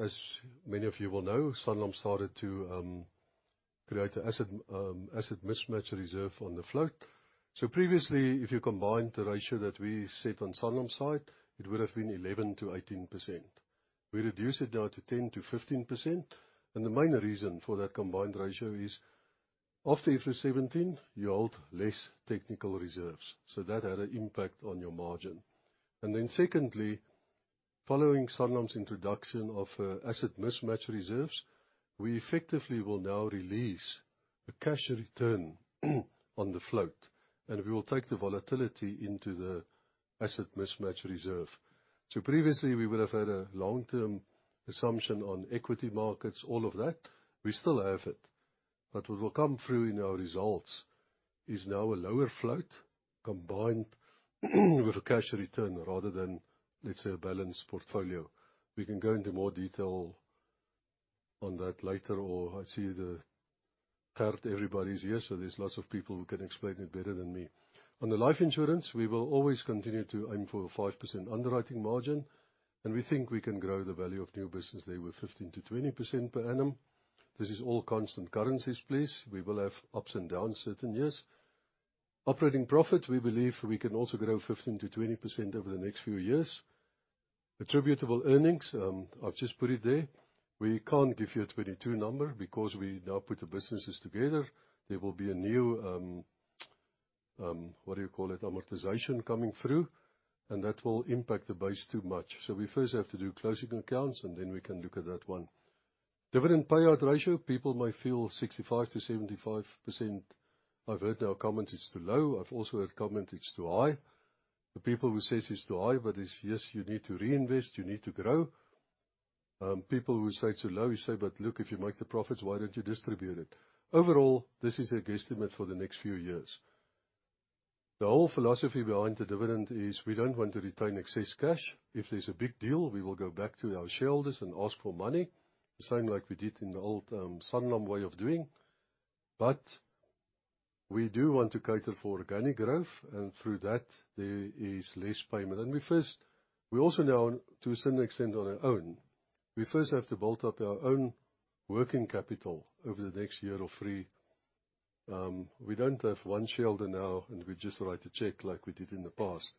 As many of you will know, Sanlam started to create an asset mismatch reserve on the float. So previously, if you combined the ratio that we set on Sanlam side, it would have been 11%-18%. We reduced it now to 10%-15%, and the main reason for that combined ratio is, after IFRS 17, you hold less technical reserves, so that had an impact on your margin. And then secondly, following Sanlam's introduction of asset mismatch reserves, we effectively will now release a cash return on the float, and we will take the volatility into the asset mismatch reserve. So previously, we would have had a long-term assumption on equity markets, all of that. We still have it, but what will come through in our results is now a lower float combined with a cash return rather than, let's say, a balanced portfolio. We can go into more detail on that later, or I see the third everybody's here, so there's lots of people who can explain it better than me. On the life insurance, we will always continue to aim for a 5% underwriting margin, and we think we can grow the value of new business there with 15%-20% per annum. This is all constant currencies, please. We will have ups and downs certain years. Operating profit, we believe we can also grow 15%-20% over the next few years. Attributable earnings, I've just put it there. We can't give you a 2022 number because we now put the businesses together. There will be a new, what do you call it? Amortization coming through, and that will impact the base too much. So we first have to do closing accounts, and then we can look at that one. Dividend payout ratio, people may feel 65%-75%. I've heard now comments it's too low. I've also heard comments it's too high. The people who says it's too high, but it's, yes, you need to reinvest, you need to grow. People who say it's so low, you say, "But look, if you make the profits, why don't you distribute it?" Overall, this is a guesstimate for the next few years. The whole philosophy behind the dividend is we don't want to retain excess cash. If there's a big deal, we will go back to our shareholders and ask for money, the same like we did in the old Sanlam way of doing. But we do want to cater for organic growth, and through that, there is less payment. We also now, to a certain extent, on our own. We first have to build up our own working capital over the next year or three. We don't have one shareholder now, and we just write a check, like we did in the past.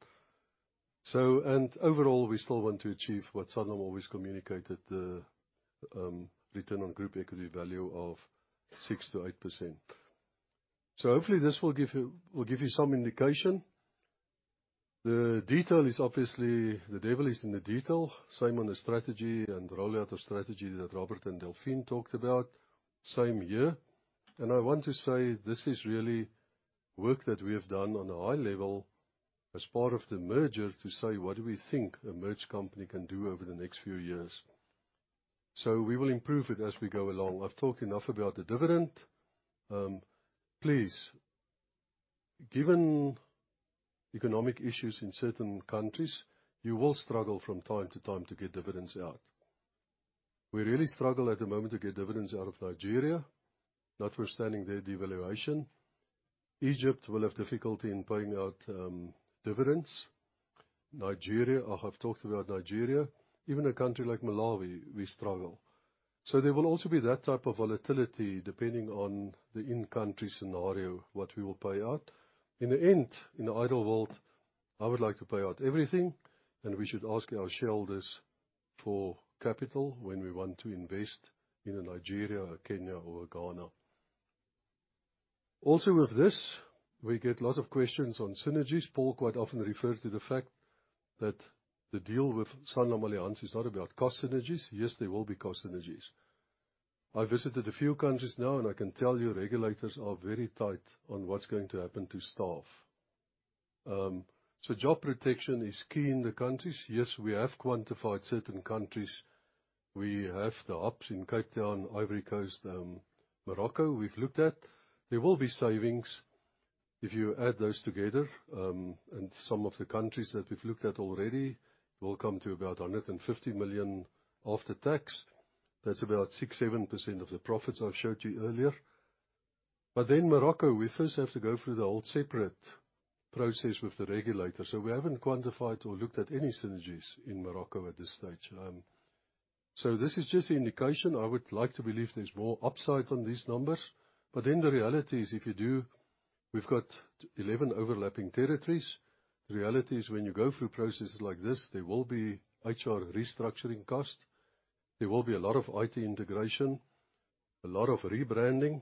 So, and overall, we still want to achieve what Sanlam always communicated, the return on group equity value of 6%-8%. So hopefully, this will give you, will give you some indication. The detail is obviously, the devil is in the detail. Same on the strategy and rollout of strategy that Robert and Delphine talked about, same here. And I want to say, this is really work that we have done on a high level as part of the merger, to say what do we think a merged company can do over the next few years. So we will improve it as we go along. I've talked enough about the dividend. Please, given economic issues in certain countries, you will struggle from time to time to get dividends out. We really struggle at the moment to get dividends out of Nigeria, notwithstanding their devaluation. Egypt will have difficulty in paying out dividends. Nigeria, oh, I've talked about Nigeria. Even a country like Malawi, we struggle. So there will also be that type of volatility, depending on the in-country scenario, what we will pay out. In the end, in an ideal world, I would like to pay out everything, and we should ask our shareholders for capital when we want to invest in Nigeria, Kenya, or Ghana. Also, with this, we get a lot of questions on synergies. Paul quite often referred to the fact that the deal with SanlamAllianz is not about cost synergies. Yes, there will be cost synergies. I visited a few countries now, and I can tell you, regulators are very tight on what's going to happen to staff. So job protection is key in the countries. Yes, we have quantified certain countries. We have the hubs in Cape Town, Ivory Coast, Morocco, we've looked at. There will be savings. If you add those together, and some of the countries that we've looked at already, will come to about 150 million after tax. That's about 6%-7% of the profits I've showed you earlier. But then Morocco, we first have to go through the whole separate process with the regulator, so we haven't quantified or looked at any synergies in Morocco at this stage. So this is just an indication. I would like to believe there's more upside on these numbers, but then the reality is, if you do, we've got 11 overlapping territories. The reality is when you go through processes like this, there will be HR restructuring cost. There will be a lot of IT integration, a lot of rebranding.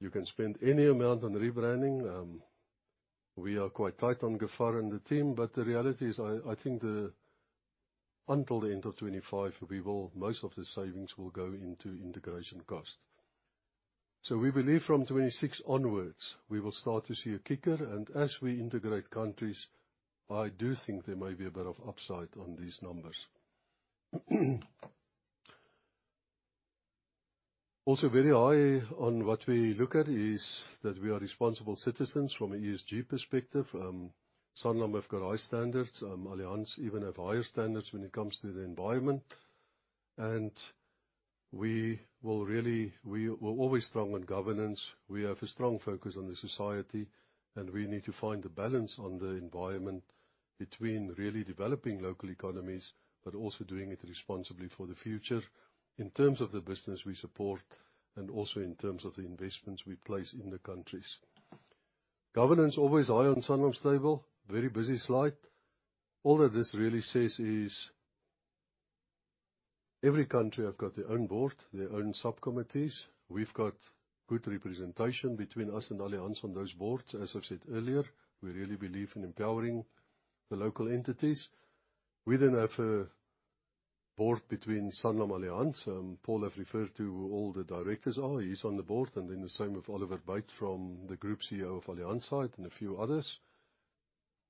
You can spend any amount on rebranding. We are quite tight on Gafar and the team, but the reality is, I think the until the end of 2025, we will, most of the savings will go into integration cost. So we believe from 2026 onwards, we will start to see a kicker, and as we integrate countries, I do think there may be a bit of upside on these numbers. Also, very high on what we look at is that we are responsible citizens from an ESG perspective. Sanlam have got high standards. Allianz even have higher standards when it comes to the environment, and we will really, we were always strong on governance. We have a strong focus on the society, and we need to find a balance on the environment between really developing local economies, but also doing it responsibly for the future, in terms of the business we support, and also in terms of the investments we place in the countries. Governance, always high on Sanlam's table. Very busy slide. All that this really says is, every country have got their own board, their own subcommittees. We've got good representation between us and Allianz on those boards. As I've said earlier, we really believe in empowering the local entities. We then have a board between SanlamAllianz, Paul have referred to who all the directors are. He's on the board, and then the same with Oliver Bäte from the Group CEO of Allianz side, and a few others.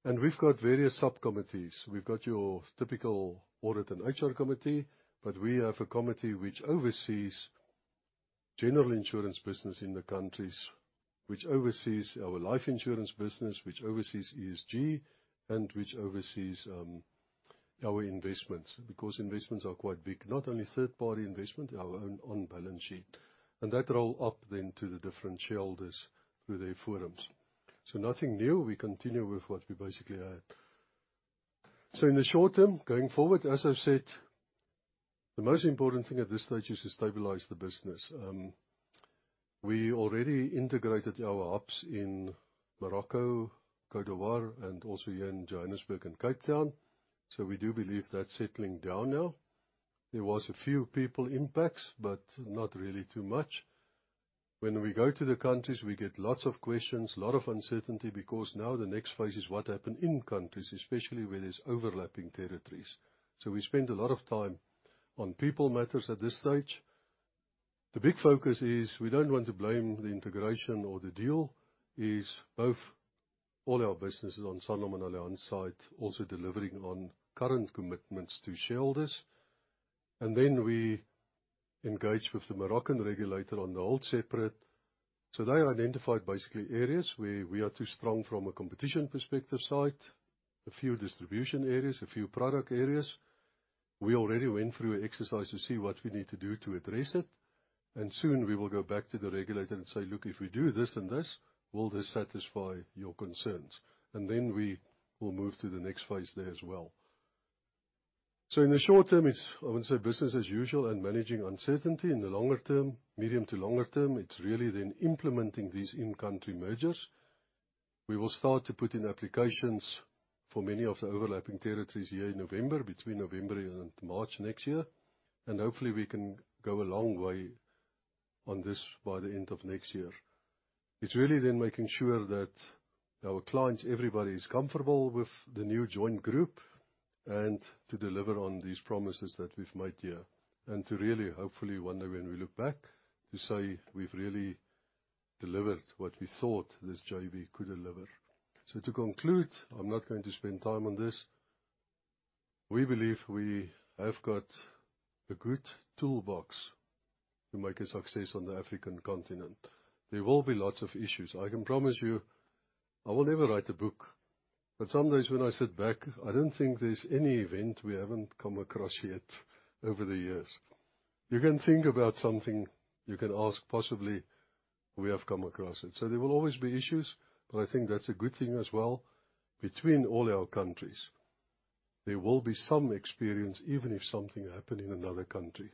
And we've got various subcommittees. We've got your typical audit and HR committee, but we have a committee which oversees general insurance business in the countries, which oversees our life insurance business, which oversees ESG, and which oversees our investments, because investments are quite big. Not only third-party investment, our own on-balance sheet. And that roll up then to the different shareholders through their forums. So nothing new. We continue with what we basically had. So in the short term, going forward, as I've said, the most important thing at this stage is to stabilize the business. We already integrated our hubs in Morocco, Côte d'Ivoire, and also here in Johannesburg and Cape Town, so we do believe that's settling down now. There was a few people impacts, but not really too much. When we go to the countries, we get lots of questions, a lot of uncertainty, because now the next phase is what happen in countries, especially where there's overlapping territories. So we spend a lot of time on people matters at this stage.... The big focus is, we don't want to blame the integration or the deal, is both all our businesses on Sanlam and Allianz side also delivering on current commitments to shareholders. And then we engage with the Moroccan regulator on the whole, separate. So they identified basically areas where we are too strong from a competition perspective side, a few distribution areas, a few product areas. We already went through an exercise to see what we need to do to address it, and soon we will go back to the regulator and say, "Look, if we do this and this, will this satisfy your concerns?" And then we will move to the next phase there as well. So in the short term, it's, I would say, business as usual and managing uncertainty. In the longer term, medium to longer term, it's really then implementing these in-country mergers. We will start to put in applications for many of the overlapping territories here in November, between November and March next year, and hopefully we can go a long way on this by the end of next year. It's really then making sure that our clients, everybody, is comfortable with the new joint group, and to deliver on these promises that we've made here, and to really, hopefully, one day, when we look back, to say we've really delivered what we thought this JV could deliver. So to conclude, I'm not going to spend time on this. We believe we have got a good toolbox to make a success on the African continent. There will be lots of issues. I can promise you, I will never write a book, but some days when I sit back, I don't think there's any event we haven't come across yet over the years. You can think about something, you can ask, possibly we have come across it. So there will always be issues, but I think that's a good thing as well between all our countries. There will be some experience, even if something happened in another country.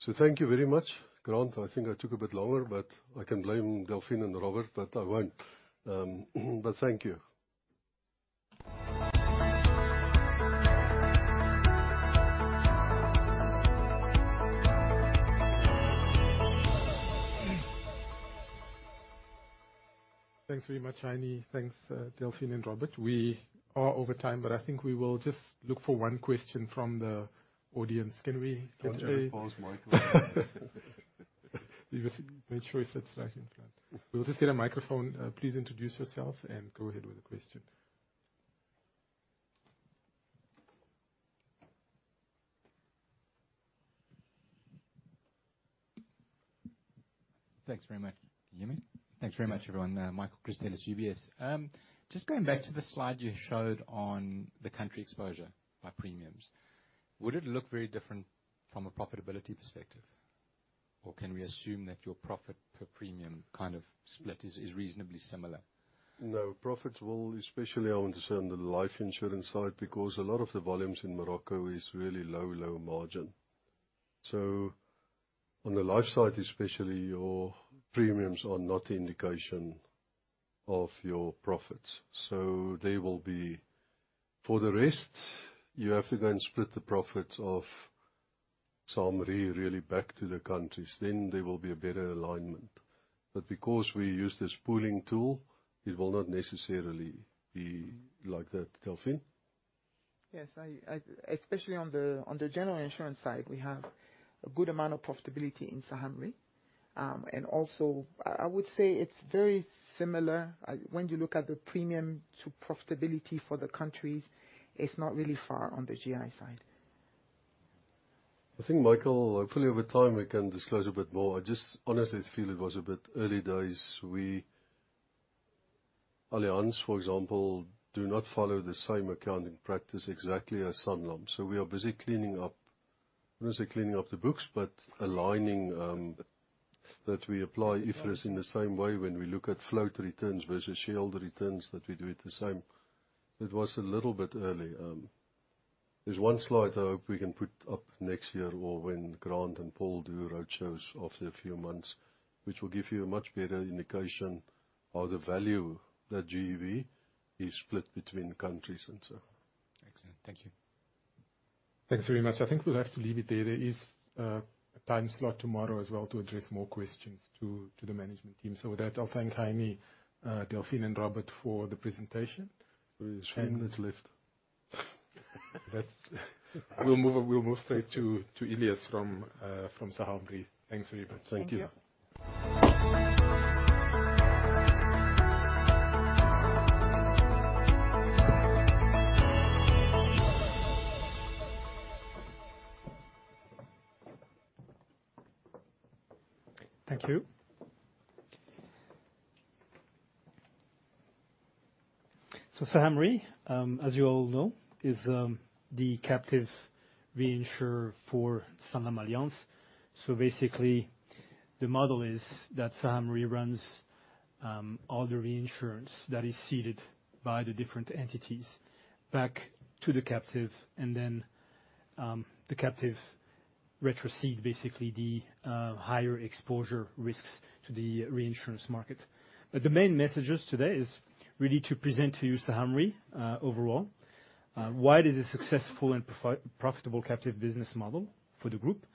So thank you very much. Grant, I think I took a bit longer, but I can blame Delphine and Robert, but I won't. But thank you. Thanks very much, Heinie. Thanks, Delphine and Robert. We are over time, but I think we will just look for one question from the audience. Can we get a- Pass microphone. Because make sure he sits right in front. We'll just get a microphone. Please introduce yourself and go ahead with the question. Thanks very much, Jimmy. Thanks very much, everyone. Michael Christelis, UBS. Just going back to the slide you showed on the country exposure by premiums, would it look very different from a profitability perspective, or can we assume that your profit per premium, kind of, split is, is reasonably similar? No, profits will, especially, I want to say, on the life insurance side, because a lot of the volumes in Morocco is really low, low margin. So on the life side, especially, your premiums are not the indication of your profits. So there will be... For the rest, you have to go and split the profits of Saham Re really back to the countries, then there will be a better alignment. But because we use this pooling tool, it will not necessarily be like that. Delphine? Yes, especially on the general insurance side, we have a good amount of profitability in Saham Re. Also, I would say it's very similar when you look at the premium to profitability for the countries, it's not really far on the GI side. I think, Michael, hopefully, over time, we can disclose a bit more. I just honestly feel it was a bit early days. We, Allianz, for example, do not follow the same accounting practice exactly as Sanlam. So we are busy cleaning up, I wouldn't say cleaning up the books, but aligning, that we apply IFRS in the same way. When we look at float returns versus shareholder returns, that we do it the same. It was a little bit early. There's one slide I hope we can put up next year or when Grant and Paul do roadshows after a few months, which will give you a much better indication of the value that GEV is split between countries and so on. Excellent. Thank you. Thanks very much. I think we'll have to leave it there. There is a time slot tomorrow as well to address more questions to the management team. So with that, I'll thank Heine, Delphine, and Robert for the presentation. We have three minutes left. We'll move straight to Ilyes from Saham Re.. Thanks very much. Thank you. Thank you. Thank you. Saham Re, as you all know, is the captive reinsurer for SanlamAllianz. Basically, the model is that Saham Re runs all the reinsurance that is ceded by the different entities back to the captive, and then the captive retrocede the higher exposure risks to the reinsurance market. The main messages today is really to present to you Saham Re overall. Why it is a successful and profitable captive business model for the group.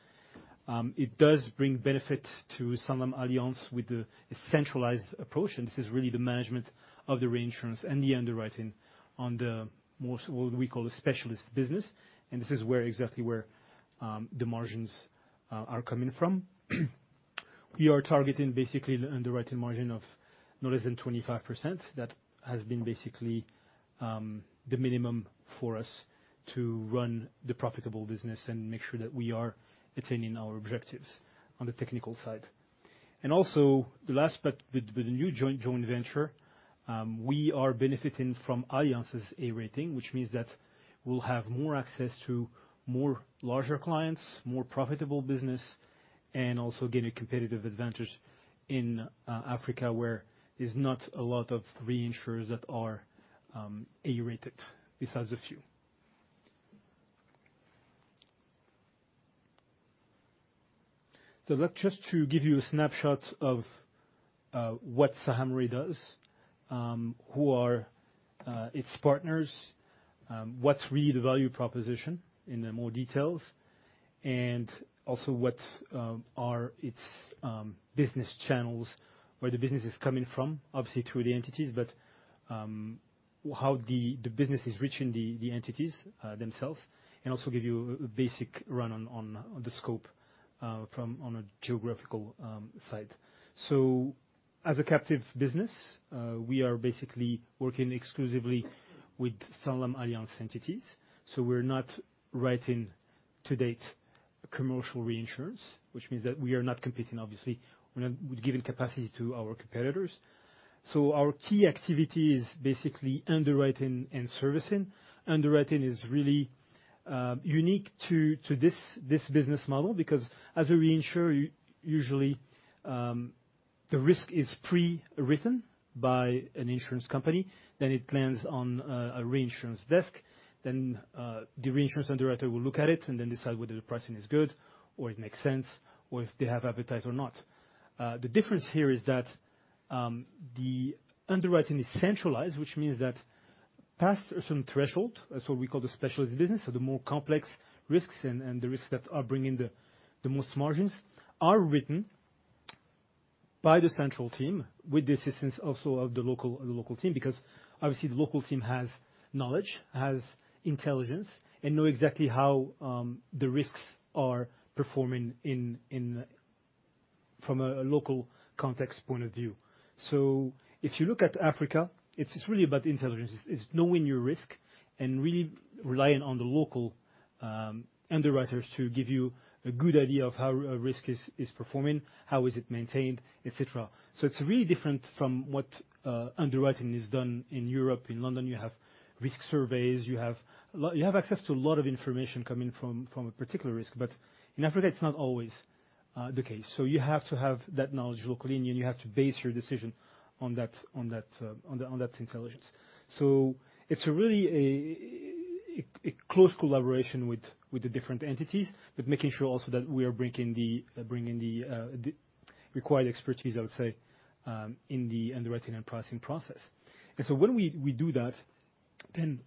It does bring benefits to SanlamAllianz with the centralized approach, and this is really the management of the reinsurance and the underwriting on the more, what we call, a specialist business, and this is where exactly the margins are coming from. We are targeting basically the underwriting margin of not less than 25%. That has been basically the minimum for us to run the profitable business and make sure that we are attaining our objectives on the technical side. And also the last part, with the new joint venture, we are benefiting from Allianz's A rating, which means that we'll have more access to more larger clients, more profitable business, and also gain a competitive advantage in Africa, where is not a lot of reinsurers that are A-rated besides a few. So let's just to give you a snapshot of what Saham Re does, who are its partners, what's really the value proposition in more details, and also what are its business channels, where the business is coming from, obviously through the entities, but how the business is reaching the entities themselves, and also give you a basic run on the scope from on a geographical side. So as a captive business, we are basically working exclusively with SanlamAllianz entities, so we're not writing to date commercial reinsurance, which means that we are not competing obviously, we're not giving capacity to our competitors. So our key activity is basically underwriting and servicing. Underwriting is really unique to this business model because as a reinsurer, usually, the risk is pre-written by an insurance company, then it lands on a reinsurance desk. Then, the reinsurance underwriter will look at it and then decide whether the pricing is good or it makes sense, or if they have appetite or not. The difference here is that the underwriting is centralized, which means that past some threshold, that's what we call the specialist business, so the more complex risks and the risks that are bringing the most margins are written by the central team with the assistance also of the local team. Because obviously the local team has knowledge, has intelligence, and know exactly how the risks are performing in from a local context point of view. So if you look at Africa, it's really about intelligence. It's knowing your risk and really relying on the local underwriters to give you a good idea of how a risk is performing, how is it maintained, et cetera. So it's really different from what underwriting is done in Europe. In London, you have risk surveys, you have access to a lot of information coming from a particular risk. But in Africa, it's not always the case. So you have to have that knowledge locally, and you have to base your decision on that intelligence. So it's really a close collaboration with the different entities, but making sure also that we are bringing the required expertise, I would say, in the underwriting and pricing process. And so when we do that, then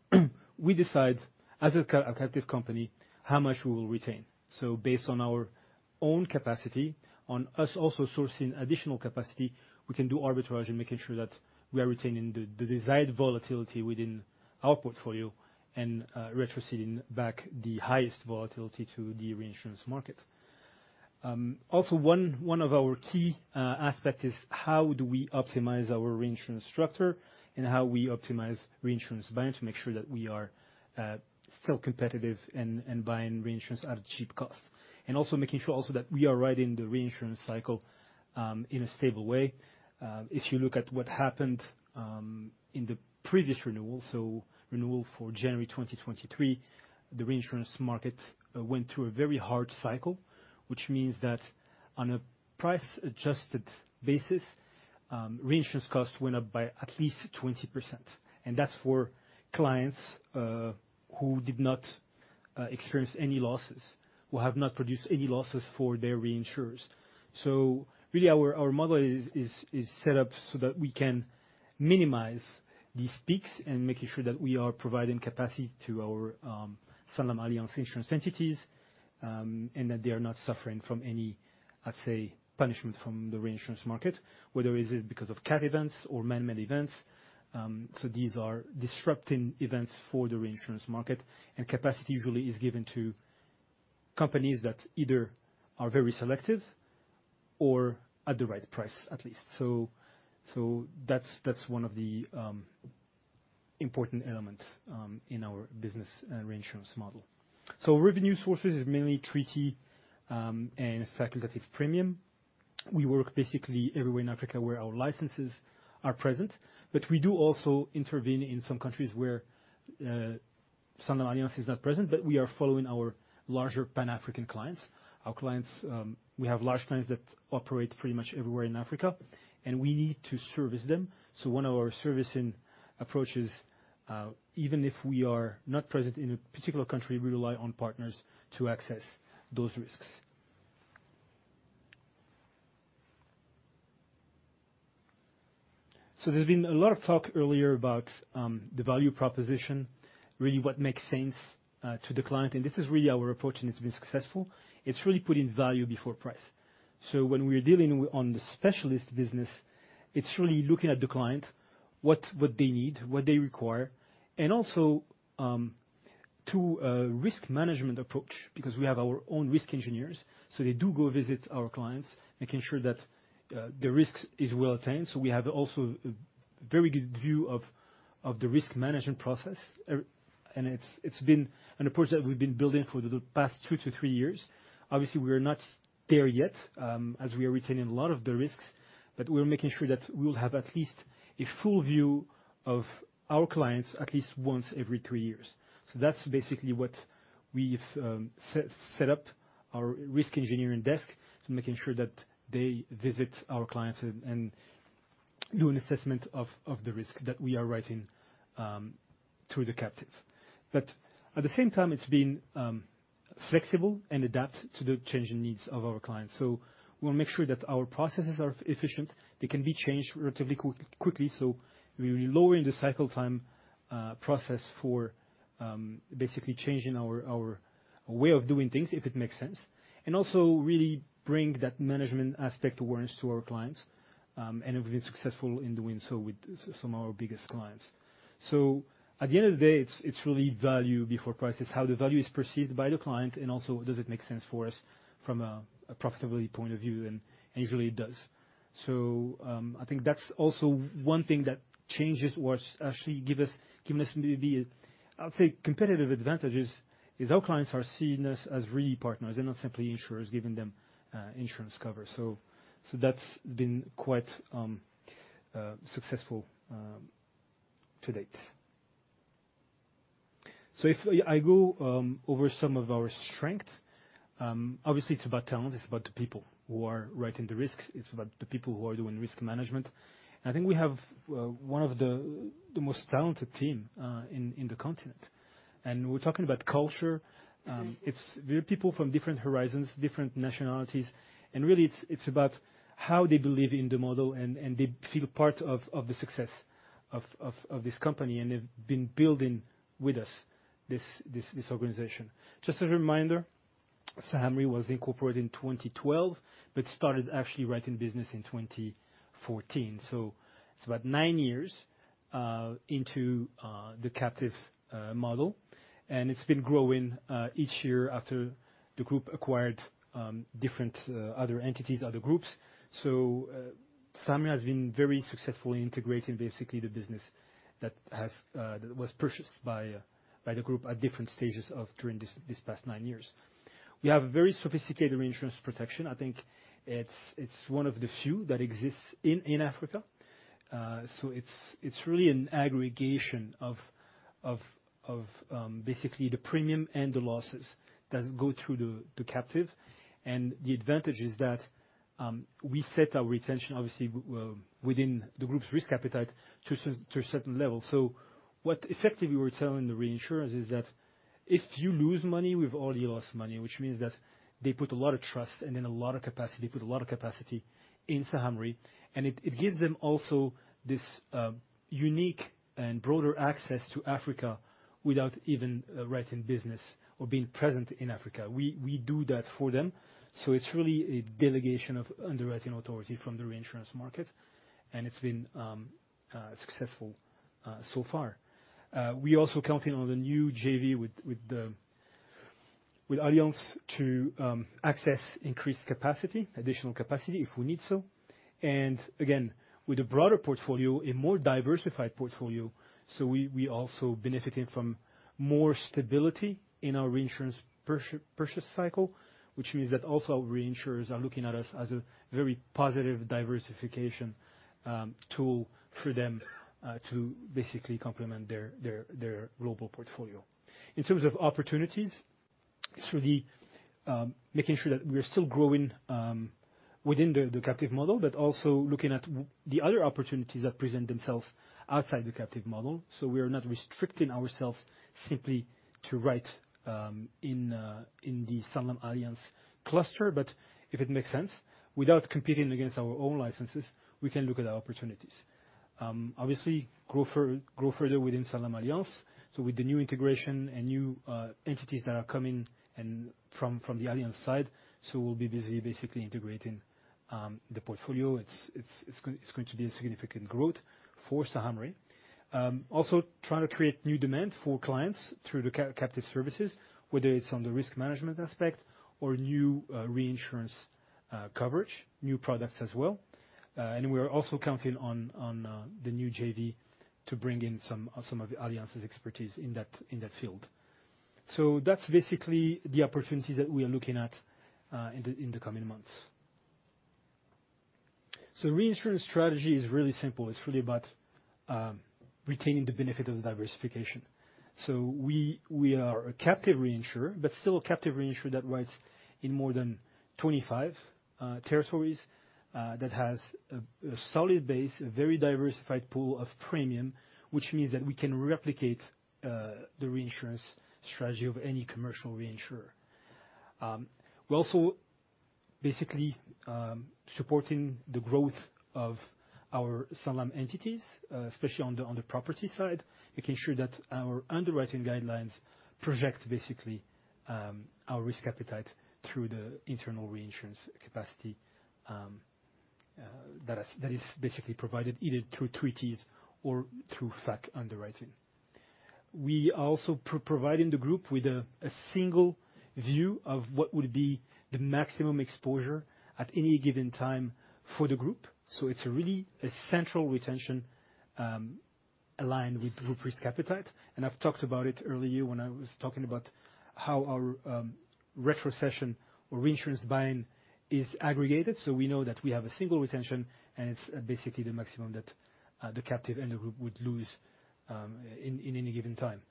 we decide, as a captive company, how much we will retain. So based on our own capacity, on us also sourcing additional capacity, we can do arbitrage and making sure that we are retaining the desired volatility within our portfolio and retroceding back the highest volatility to the reinsurance market. Also one of our key aspect is how do we optimize our reinsurance structure and how we optimize reinsurance buy-in to make sure that we are still competitive and buying reinsurance at a cheap cost. And also making sure also that we are right in the reinsurance cycle in a stable way. If you look at what happened in the previous renewal, so renewal for January 2023, the reinsurance market went through a very hard cycle. Which means that on a price-adjusted basis, reinsurance costs went up by at least 20%, and that's for clients who did not experience any losses, who have not produced any losses for their reinsurers. So really, our model is set up so that we can minimize these peaks and making sure that we are providing capacity to our SanlamAllianz insurance entities, and that they are not suffering from any, I'd say, punishment from the reinsurance market, whether is it because of cat events or man-made events. So these are disrupting events for the reinsurance market, and capacity usually is given to companies that either are very selective or at the right price, at least. So that's one of the important elements in our business reinsurance model. So revenue sources is mainly treaty, and facultative premium. We work basically everywhere in Africa where our licenses are present, but we do also intervene in some countries where, SanlamAllianz is not present, but we are following our larger Pan-African clients. Our clients, we have large clients that operate pretty much everywhere in Africa, and we need to service them. So one of our servicing approaches, even if we are not present in a particular country, we rely on partners to access those risks. So there's been a lot of talk earlier about, the value proposition, really what makes sense, to the client, and this is really our approach, and it's been successful. It's really putting value before price. So when we're dealing with, on the specialist business, it's really looking at the client, what, what they need, what they require, and also to a risk management approach, because we have our own risk engineers, so they do go visit our clients, making sure that the risk is well retained. So we have also a very good view of the risk management process. And it's been an approach that we've been building for the past 2-3 years. Obviously, we are not there yet, as we are retaining a lot of the risks, but we are making sure that we'll have at least a full view of our clients at least once every 3 years. So that's basically what we've set up our risk engineering desk, making sure that they visit our clients and do an assessment of the risk that we are writing through the captive. But at the same time, it's been flexible and adapt to the changing needs of our clients. So we'll make sure that our processes are efficient. They can be changed relatively quickly, so we're lowering the cycle time process for basically changing our way of doing things, if it makes sense. And also really bring that management aspect awareness to our clients. And we've been successful in doing so with some of our biggest clients. So at the end of the day, it's really value before price. It's how the value is perceived by the client, and also, does it make sense for us from a profitability point of view? And usually it does. So, I think that's also one thing that changes what actually give us maybe, I'd say, competitive advantages, is our clients are seeing us as really partners. They're not simply insurers giving them insurance cover. So that's been quite successful to date. So if I go over some of our strength, obviously it's about talent. It's about the people who are writing the risks. It's about the people who are doing risk management. I think we have one of the most talented team in the continent, and we're talking about culture. It's... We have people from different horizons, different nationalities, and really, it's about how they believe in the model, and they feel part of the success of this company, and they've been building with us this organization. Just as a reminder, Saham Re was incorporated in 2012, but started actually writing business in 2014. So it's about nine years into the captive model, and it's been growing each year after the group acquired different other entities, other groups. So, Saham has been very successful in integrating, basically, the business that was purchased by the group at different stages during this, these past nine years. We have a very sophisticated reinsurance protection. I think it's one of the few that exists in Africa. So it's really an aggregation of basically the premium and the losses that go through the captive. And the advantage is that we set our retention, obviously, within the group's risk appetite to a certain level. So what effectively we're telling the reinsurers is that if you lose money, we've already lost money, which means that they put a lot of trust and then a lot of capacity in Saham Re. And it gives them also this unique and broader access to Africa without even writing business or being present in Africa. We do that for them, so it's really a delegation of underwriting authority from the reinsurance market, and it's been successful so far. We also counting on the new JV with Allianz to access increased capacity, additional capacity, if we need so. And again, with a broader portfolio, a more diversified portfolio, so we also benefiting from more stability in our reinsurance purchase cycle, which means that also our reinsurers are looking at us as a very positive diversification tool for them to basically complement their global portfolio. In terms of opportunities, it's really making sure that we are still growing within the captive model, but also looking at the other opportunities that present themselves outside the captive model. So we are not restricting ourselves simply to write in the SanlamAllianz cluster. But if it makes sense, without competing against our own licenses, we can look at our opportunities. Obviously, grow further within SanlamAllianz. So with the new integration and new entities that are coming in from the Allianz side, so we'll be busy basically integrating the portfolio. It's going to be a significant growth for Saham Re. Also trying to create new demand for clients through the captive services, whether it's on the risk management aspect or new reinsurance coverage, new products as well. And we are also counting on the new JV to bring in some of Allianz's expertise in that field. So that's basically the opportunities that we are looking at in the coming months. So reinsurance strategy is really simple. It's really about retaining the benefit of the diversification. So we are a captive reinsurer, but still a captive reinsurer that writes in more than 25 territories, that has a solid base, a very diversified pool of premium, which means that we can replicate the reinsurance strategy of any commercial reinsurer. We're also basically supporting the growth of our Saham entities, especially on the property side, making sure that our underwriting guidelines project basically our risk appetite through the internal reinsurance capacity, that is basically provided either through treaties or through FAC underwriting. We also providing the group with a single view of what would be the maximum exposure at any given time for the group. So it's really a central retention, aligned with group risk appetite, and I've talked about it earlier when I was talking about how our retrocession or reinsurance buying is aggregated. We know that we have a single retention, and it's basically the maximum that the captive and the group would lose in any given time.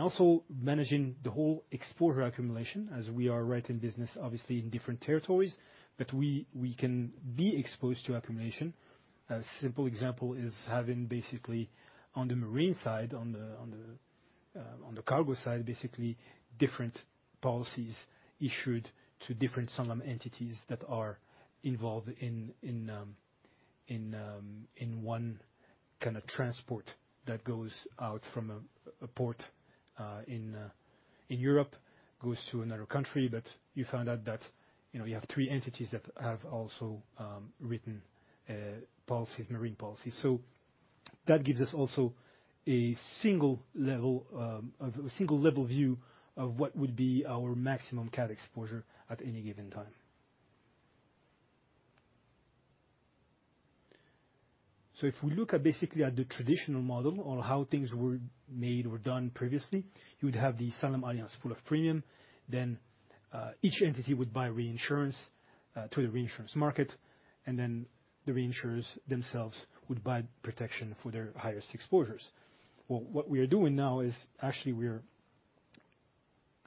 Also managing the whole exposure accumulation, as we are writing business, obviously, in different territories, but we can be exposed to accumulation. A simple example is having basically, on the marine side, on the cargo side, basically, different policies issued to different Sanlam entities that are involved in one kind of transport that goes out from a port in Europe, goes to another country, but you found out that, you know, you have three entities that have also written policies, marine policies. So that gives us also a single level of a single-level view of what would be our maximum cat exposure at any given time. So if we look at, basically, at the traditional model or how things were made or done previously, you would have the SanlamAllianz pool of premium. Then, each entity would buy reinsurance to the reinsurance market, and then the reinsurers themselves would buy protection for their highest exposures. Well, what we are doing now is actually we are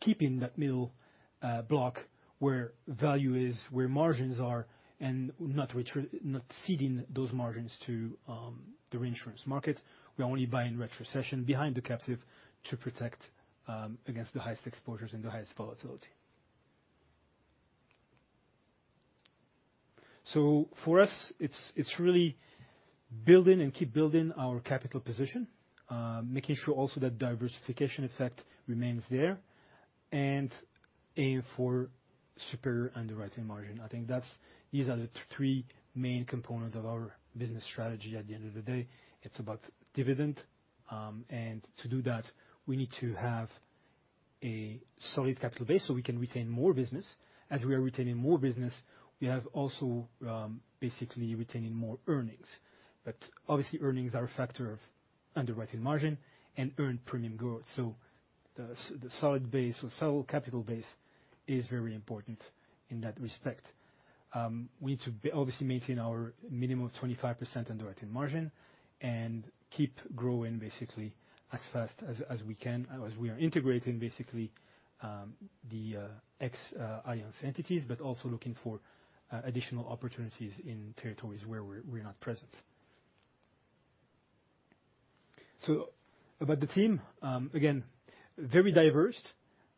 keeping that middle block where value is, where margins are, and not ceding those margins to the reinsurance market. We are only buying retrocession behind the captive to protect against the highest exposures and the highest volatility. So for us, it's really building and keep building our capital position, making sure also that diversification effect remains there, and aim for superior underwriting margin. I think that's. These are the three main components of our business strategy at the end of the day. It's about dividend, and to do that, we need to have a solid capital base so we can retain more business. As we are retaining more business, we have also basically retaining more earnings. But obviously, earnings are a factor of underwriting margin and earned premium growth. So the solid base or solid capital base is very important in that respect. We need to obviously maintain our minimum of 25% underwriting margin and keep growing basically as fast as we can, as we are integrating basically the ex Allianz entities, but also looking for additional opportunities in territories where we're not present. So about the team, again, very diverse,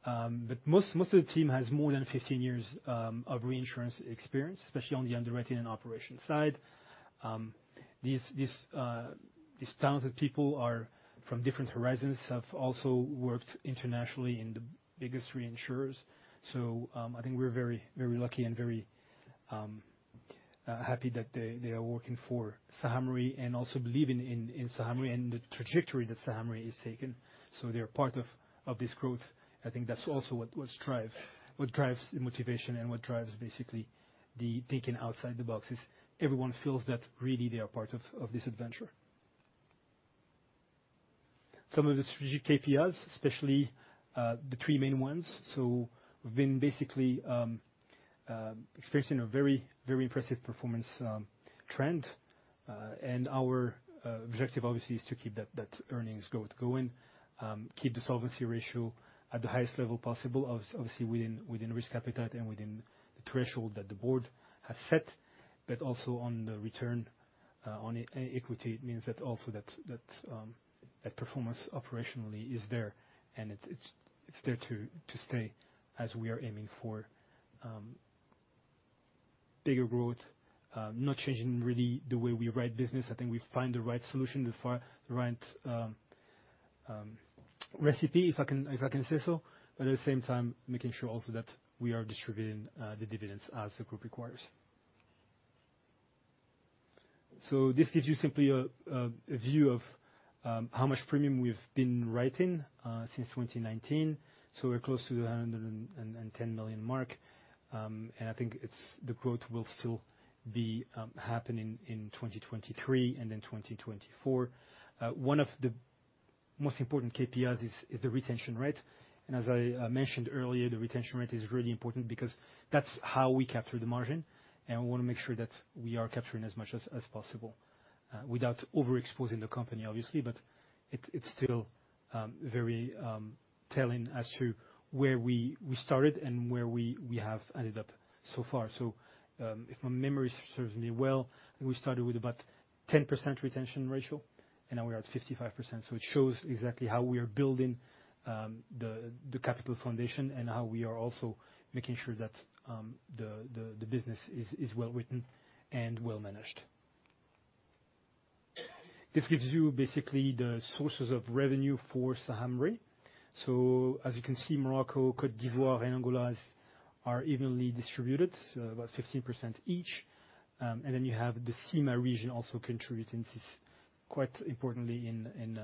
but most of the team has more than 15 years of reinsurance experience, especially on the underwriting and operations side. These talented people are from different horizons, have also worked internationally in the biggest reinsurers. I think we're very, very lucky and very happy that they are working for Saham Re and also believe in Saham Re and the trajectory that Saham Re is taking, so they are part of this growth. I think that's also what drives the motivation and what drives basically the thinking outside the boxes. Everyone feels that really they are part of this adventure. Some of the strategic KPIs, especially the three main ones. We've been basically experiencing a very, very impressive performance trend and our objective obviously is to keep that earnings growth going, keep the solvency ratio at the highest level possible, obviously, within risk appetite and within the threshold that the board has set, but also on the return on equity. It means that also performance operationally is there, and it's there to stay as we are aiming for bigger growth, not changing really the way we write business. I think we find the right solution, the right recipe, if I can say so, but at the same time, making sure also that we are distributing the dividends as the group requires. So this gives you simply a view of how much premium we've been writing since 2019. So we're close to the 110 million mark, and I think it's the growth will still be happening in 2023 and in 2024. One of the most important KPIs is the retention rate, and as I mentioned earlier, the retention rate is really important because that's how we capture the margin, and we want to make sure that we are capturing as much as possible without overexposing the company, obviously. But it's still very telling as to where we started and where we have ended up so far. So, if my memory serves me well, we started with about 10% retention ratio, and now we are at 55%. So it shows exactly how we are building the capital foundation and how we are also making sure that the business is well-written and well-managed.... This gives you basically the sources of revenue for Saham Re. So as you can see, Morocco, Côte d'Ivoire, and Angola is, are evenly distributed, so about 15% each. And then you have the CIMA region also contributing quite importantly in, in,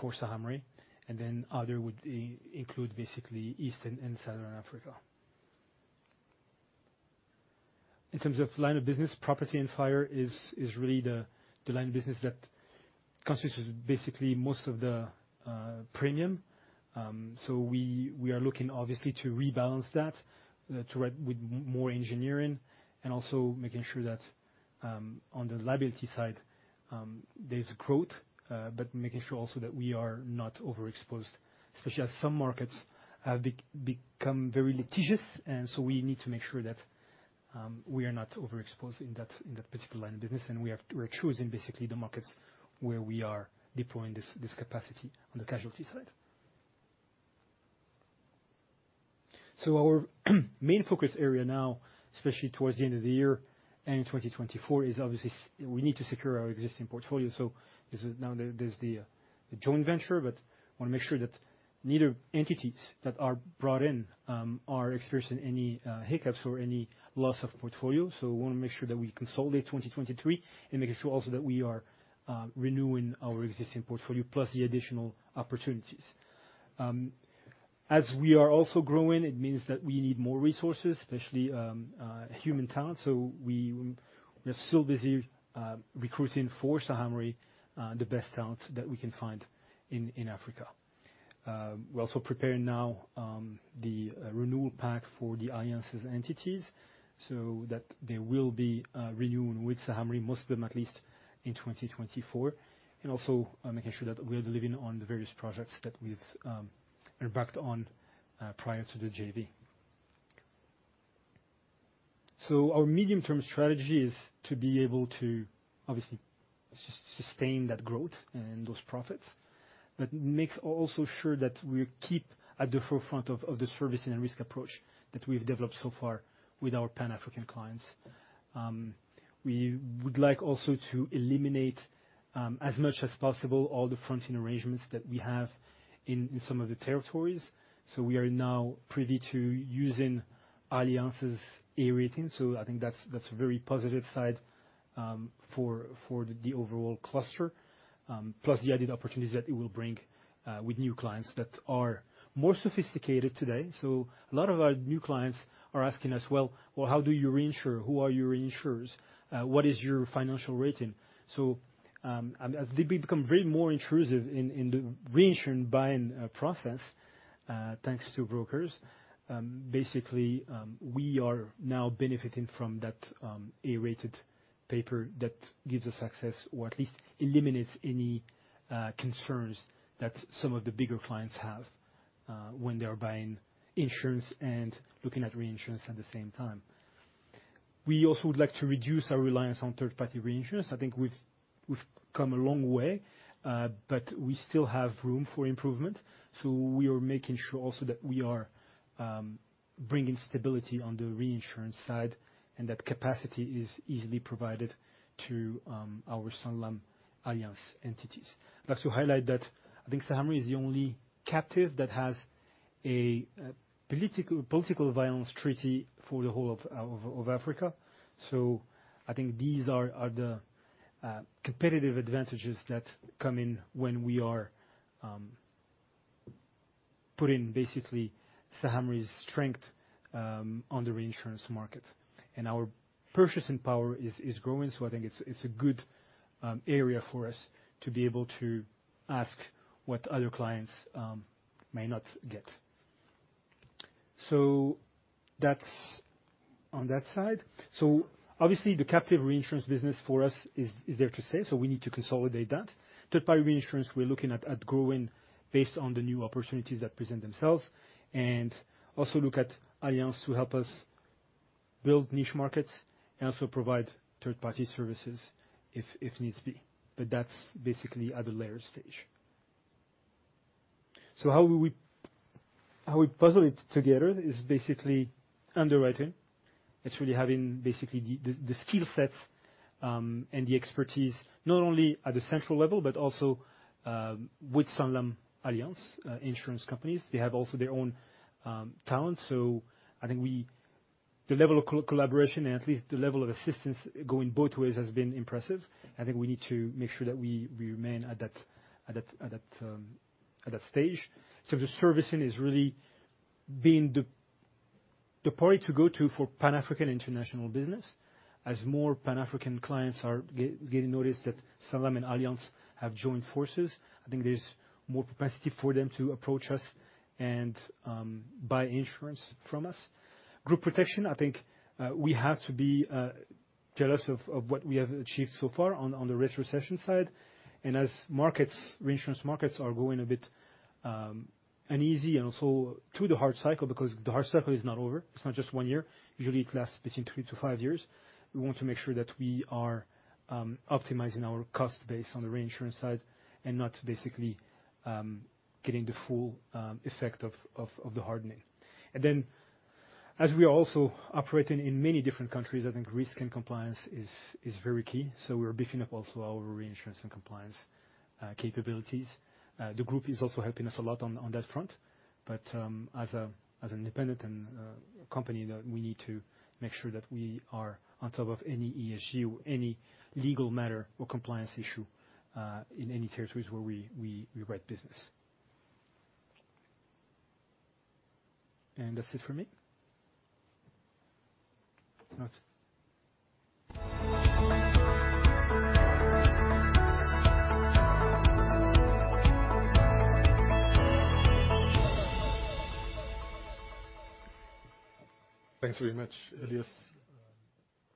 for Saham Re. And then other would include basically East and, and Southern Africa. In terms of line of business, property and fire is, is really the, the line of business that constitutes basically most of the premium. So we are looking obviously to rebalance that, to, with more engineering and also making sure that, on the liability side, there's growth, but making sure also that we are not overexposed. Especially as some markets have become very litigious, and so we need to make sure that we are not overexposed in that, in that particular line of business. We are choosing basically the markets where we are deploying this this capacity on the casualty side. So our main focus area now, especially towards the end of the year and in 2024, is obviously we need to secure our existing portfolio. So this is. Now, there's the joint venture, but want to make sure that neither entities that are brought in are experiencing any hiccups or any loss of portfolio. So we want to make sure that we consolidate 2023 and making sure also that we are renewing our existing portfolio plus the additional opportunities. As we are also growing, it means that we need more resources, especially human talent. So we are still busy recruiting for Saham Re the best talent that we can find in Africa. We're also preparing now the renewal pack for the Allianz entities, so that they will be renewing with Saham Re, most of them at least in 2024. And also making sure that we are delivering on the various projects that we've embarked on prior to the JV. So our medium-term strategy is to be able to obviously sustain that growth and those profits. That makes also sure that we keep at the forefront of the service and risk approach that we've developed so far with our Pan-African clients. We would like also to eliminate as much as possible all the fronting arrangements that we have in some of the territories. So we are now privy to using Allianz's A rating. So I think that's a very positive side for the overall cluster. Plus the added opportunities that it will bring, with new clients that are more sophisticated today. So a lot of our new clients are asking us, "Well, well, how do you reinsure? Who are your reinsurers? What is your financial rating?" So, as they become very more intrusive in the reinsurance buying process, thanks to brokers, basically, we are now benefiting from that A-rated paper that gives us access, or at least eliminates any concerns that some of the bigger clients have, when they are buying insurance and looking at reinsurance at the same time. We also would like to reduce our reliance on third-party reinsurers. I think we've come a long way, but we still have room for improvement. So we are making sure also that we are bringing stability on the reinsurance side, and that capacity is easily provided to our SanlamAllianz entities. I'd like to highlight that I think Saham Re is the only captive that has a political violence treaty for the whole of Africa. So I think these are the competitive advantages that come in when we are putting basically Saham Re's strength on the reinsurance market. And our purchasing power is growing, so I think it's a good area for us to be able to ask what other clients may not get. So that's on that side. So obviously, the captive reinsurance business for us is there to stay, so we need to consolidate that. Third-party reinsurance, we're looking at growing based on the new opportunities that present themselves, and also look at Allianz to help us build niche markets and also provide third-party services if needs be. But that's basically at a later stage. So how we puzzle it together is basically underwriting. It's really having, basically, the skill sets and the expertise, not only at the central level, but also with SanlamAllianz insurance companies. They have also their own talent. So I think the level of collaboration and at least the level of assistance going both ways has been impressive. I think we need to make sure that we remain at that stage. So the servicing is really being the party to go to for Pan-African international business. As more Pan-African clients are getting noticed that Sanlam and Allianz have joined forces, I think there's more capacity for them to approach us and buy insurance from us. Group protection, I think, we have to be jealous of what we have achieved so far on the retrocession side. As markets, reinsurance markets are going a bit uneasy and also through the hard cycle, because the hard cycle is not over. It's not just one year. Usually, it lasts between 3-5 years. We want to make sure that we are optimizing our cost base on the reinsurance side and not basically getting the full effect of the hardening. As we are also operating in many different countries, I think risk and compliance is very key, so we're beefing up also our reinsurance and compliance capabilities. The group is also helping us a lot on that front. But, as an independent and company, that we need to make sure that we are on top of any ESG or any legal matter or compliance issue in any territories where we write business. That's it for me. If not? Thanks very much, Ilyes.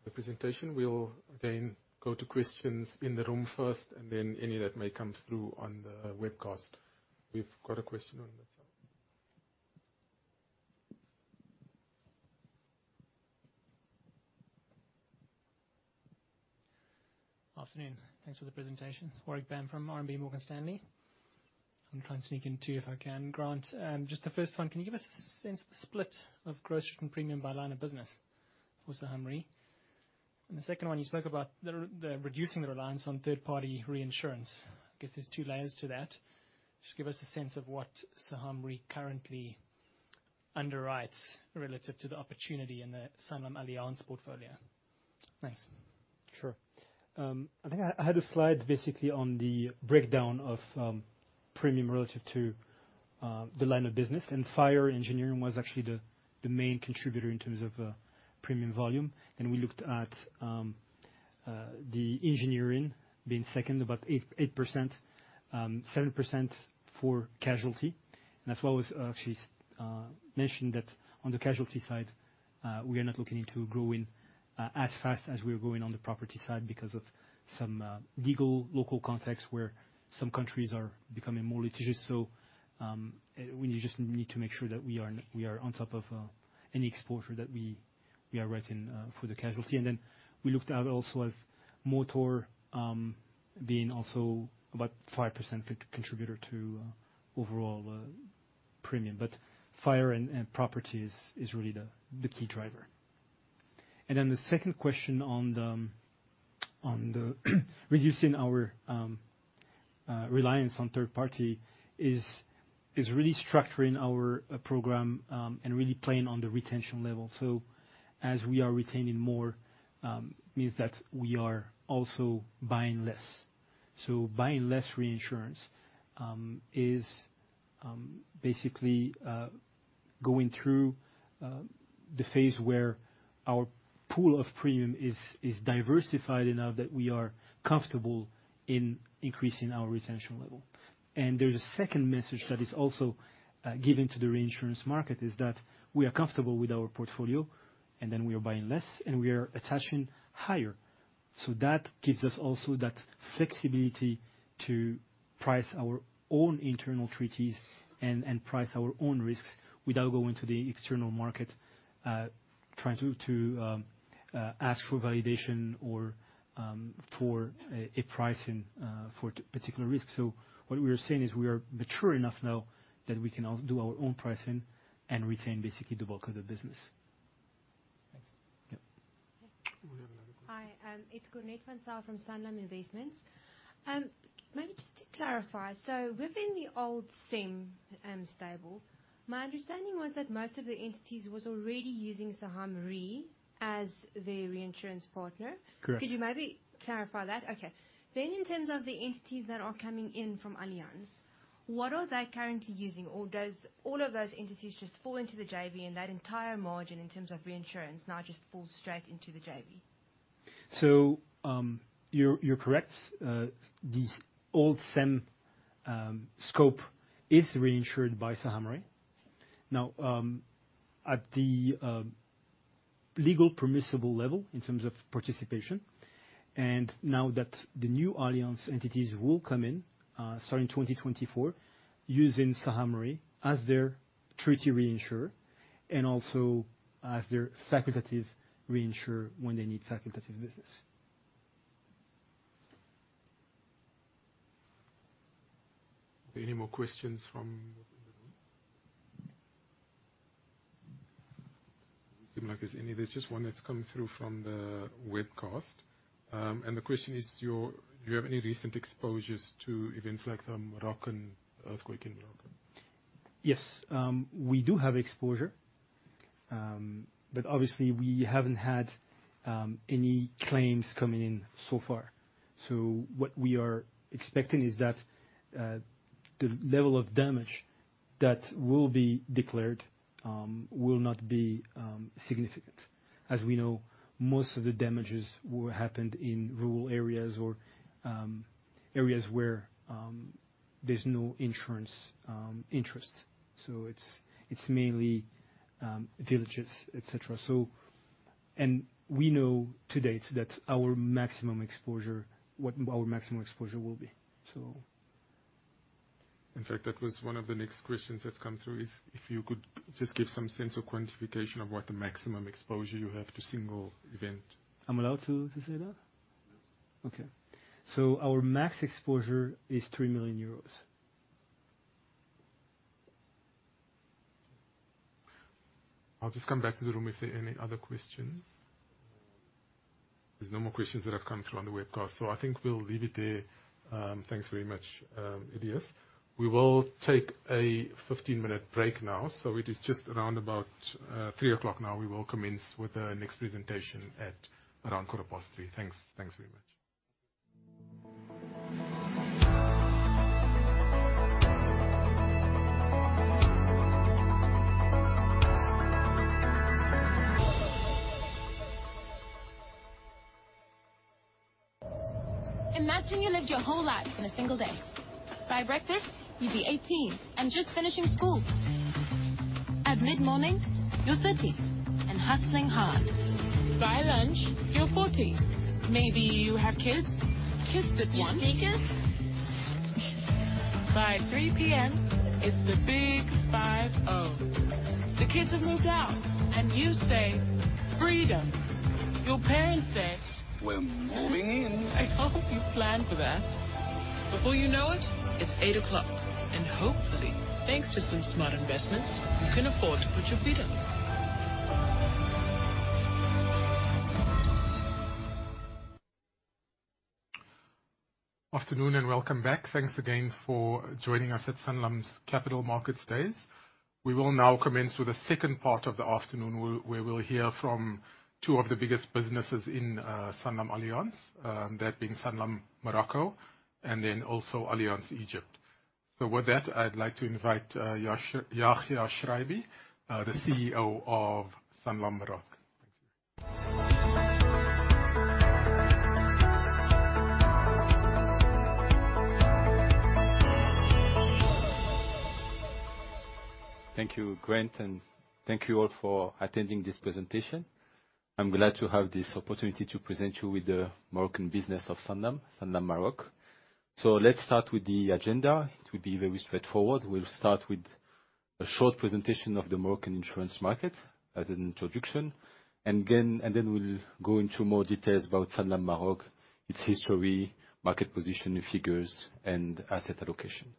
The presentation, we'll again go to questions in the room first, and then any that may come through on the webcast. We've got a question on that side. Afternoon. Thanks for the presentation. Warwick Bam from RMB Morgan Stanley. I'm trying to sneak in two, if I can, Grant. Just the first one, can you give us a sense of the split of gross written premium by line of business for Saham Re? And the second one, you spoke about the reducing the reliance on third-party reinsurance. I guess there's two layers to that. Just give us a sense of what Saham Re currently underwrites relative to the opportunity in the SanlamAllianz portfolio. Thanks. Sure. I think I had a slide basically on the breakdown of premium relative to the line of business, and fire engineering was actually the main contributor in terms of premium volume. Then we looked at the engineering being second, about 8%, 8%, 7% for casualty. And as well as, she's mentioned that on the casualty side, we are not looking into growing as fast as we are growing on the property side because of some legal, local context, where some countries are becoming more litigious. So, we just need to make sure that we are we are on top of any exposure that we are writing for the casualty. And then we looked at also as motor, being also about 5% co-contributor to overall premium. But fire and property is really the key driver. And then the second question on the reducing our reliance on third party is really structuring our program and really playing on the retention level. So as we are retaining more, means that we are also buying less. So buying less reinsurance is basically going through the phase where our pool of premium is diversified enough that we are comfortable in increasing our retention level. And there's a second message that is also given to the reinsurance market, is that we are comfortable with our portfolio, and then we are buying less, and we are attaching higher. So that gives us also that flexibility to price our own internal treaties and price our own risks without going to the external market, trying to ask for validation or for a pricing for particular risks. So what we are saying is, we are mature enough now that we can do our own pricing and retain basically the bulk of the business. Thanks. Yep. We have another question. Hi, it's Cornette van Zyl from Sanlam Investments. Maybe just to clarify: so within the old SEM, stable, my understanding was that most of the entities was already using Saham Re as their reinsurance partner. Correct. Could you maybe clarify that? Okay. In terms of the entities that are coming in from Allianz, what are they currently using? Or does all of those entities just fall into the JV, and that entire margin, in terms of reinsurance, now just falls straight into the JV? So, you're correct. The old SEM scope is reinsured by Saham Re. Now, at the legal permissible level in terms of participation, and now that the new Allianz entities will come in, starting in 2024, using Saham Re as their treaty reinsurer and also as their facultative reinsurer when they need facultative business. Any more questions from the room? Seems like there's any... There's just one that's come through from the webcast. And the question is, do you have any recent exposures to events like the Moroccan earthquake in Morocco? Yes, we do have exposure, but obviously we haven't had any claims coming in so far. So what we are expecting is that the level of damage that will be declared will not be significant. As we know, most of the damages were happened in rural areas or areas where there's no insurance interest. So it's mainly villages, et cetera, so. And we know to date that our maximum exposure, what our maximum exposure will be, so. In fact, that was one of the next questions that's come through, is if you could just give some sense or quantification of what the maximum exposure you have to single event? I'm allowed to say that? Yes. Okay, so our max exposure is 3 million euros.... I'll just come back to the room if there are any other questions. There's no more questions that have come through on the webcast, so I think we'll leave it there. Thanks very much, Ilyes. We will take a 15-minute break now. It is just around about 3:00 P.M. now. We will commence with the next presentation at around 3:15 P.M. Thanks. Thanks very much. Imagine you lived your whole life in a single day. By breakfast, you'd be 18 and just finishing school. At mid-morning, you're 30 and hustling hard. By lunch, you're 40. Maybe you have kids, kissed at once. You speakers? By 3:00 P.M., it's the big 50. The kids have moved out, and you say, "Freedom!" Your parents say... We're moving in. I hope you planned for that. Before you know it, it's 8:00, and hopefully, thanks to some smart investments, you can afford to put your feet up. Afternoon, and welcome back. Thanks again for joining us at Sanlam's Capital Markets Days. We will now commence with the second part of the afternoon, where we'll hear from two of the biggest businesses in SanlamAllianz, that being Sanlam Maroc and then also Allianz Egypt. So with that, I'd like to invite Yahia Chraïbi, the CEO of Sanlam Maroc. Thank you, Grant, and thank you all for attending this presentation. I'm glad to have this opportunity to present you with the Moroccan business of Sanlam, Sanlam Maroc. So let's start with the agenda. It will be very straightforward. We'll start with a short presentation of the Moroccan insurance market as an introduction, and then, and then we'll go into more details about Sanlam Maroc, its history, market position, figures, and asset allocation.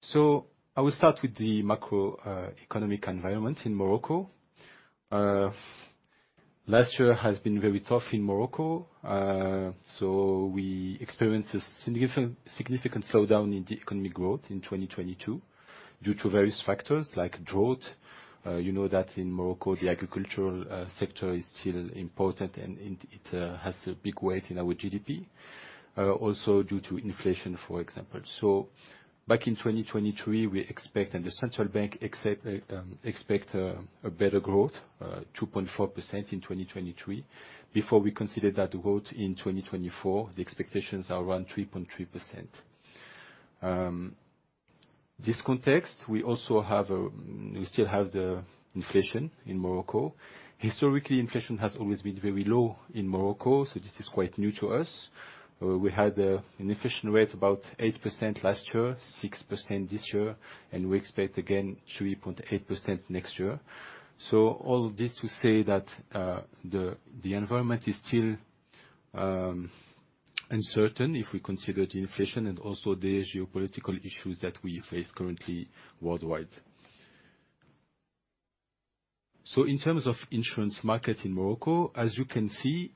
So I will start with the macro economic environment in Morocco. Last year has been very tough in Morocco. So we experienced a significant, significant slowdown in the economic growth in 2022 due to various factors like drought. You know that in Morocco, the agricultural sector is still important, and it, it has a big weight in our GDP. Also due to inflation, for example. So back in 2023, we expect, and the Central Bank expect a better growth, 2.4% in 2023. Before we consider that growth in 2024, the expectations are around 3.3%. In this context, we still have the inflation in Morocco. Historically, inflation has always been very low in Morocco, so this is quite new to us. We had an inflation rate about 8% last year, 6% this year, and we expect again 3.8% next year. So all of this to say that, the environment is still uncertain if we consider the inflation and also the geopolitical issues that we face currently worldwide. So in terms of insurance market in Morocco, as you can see,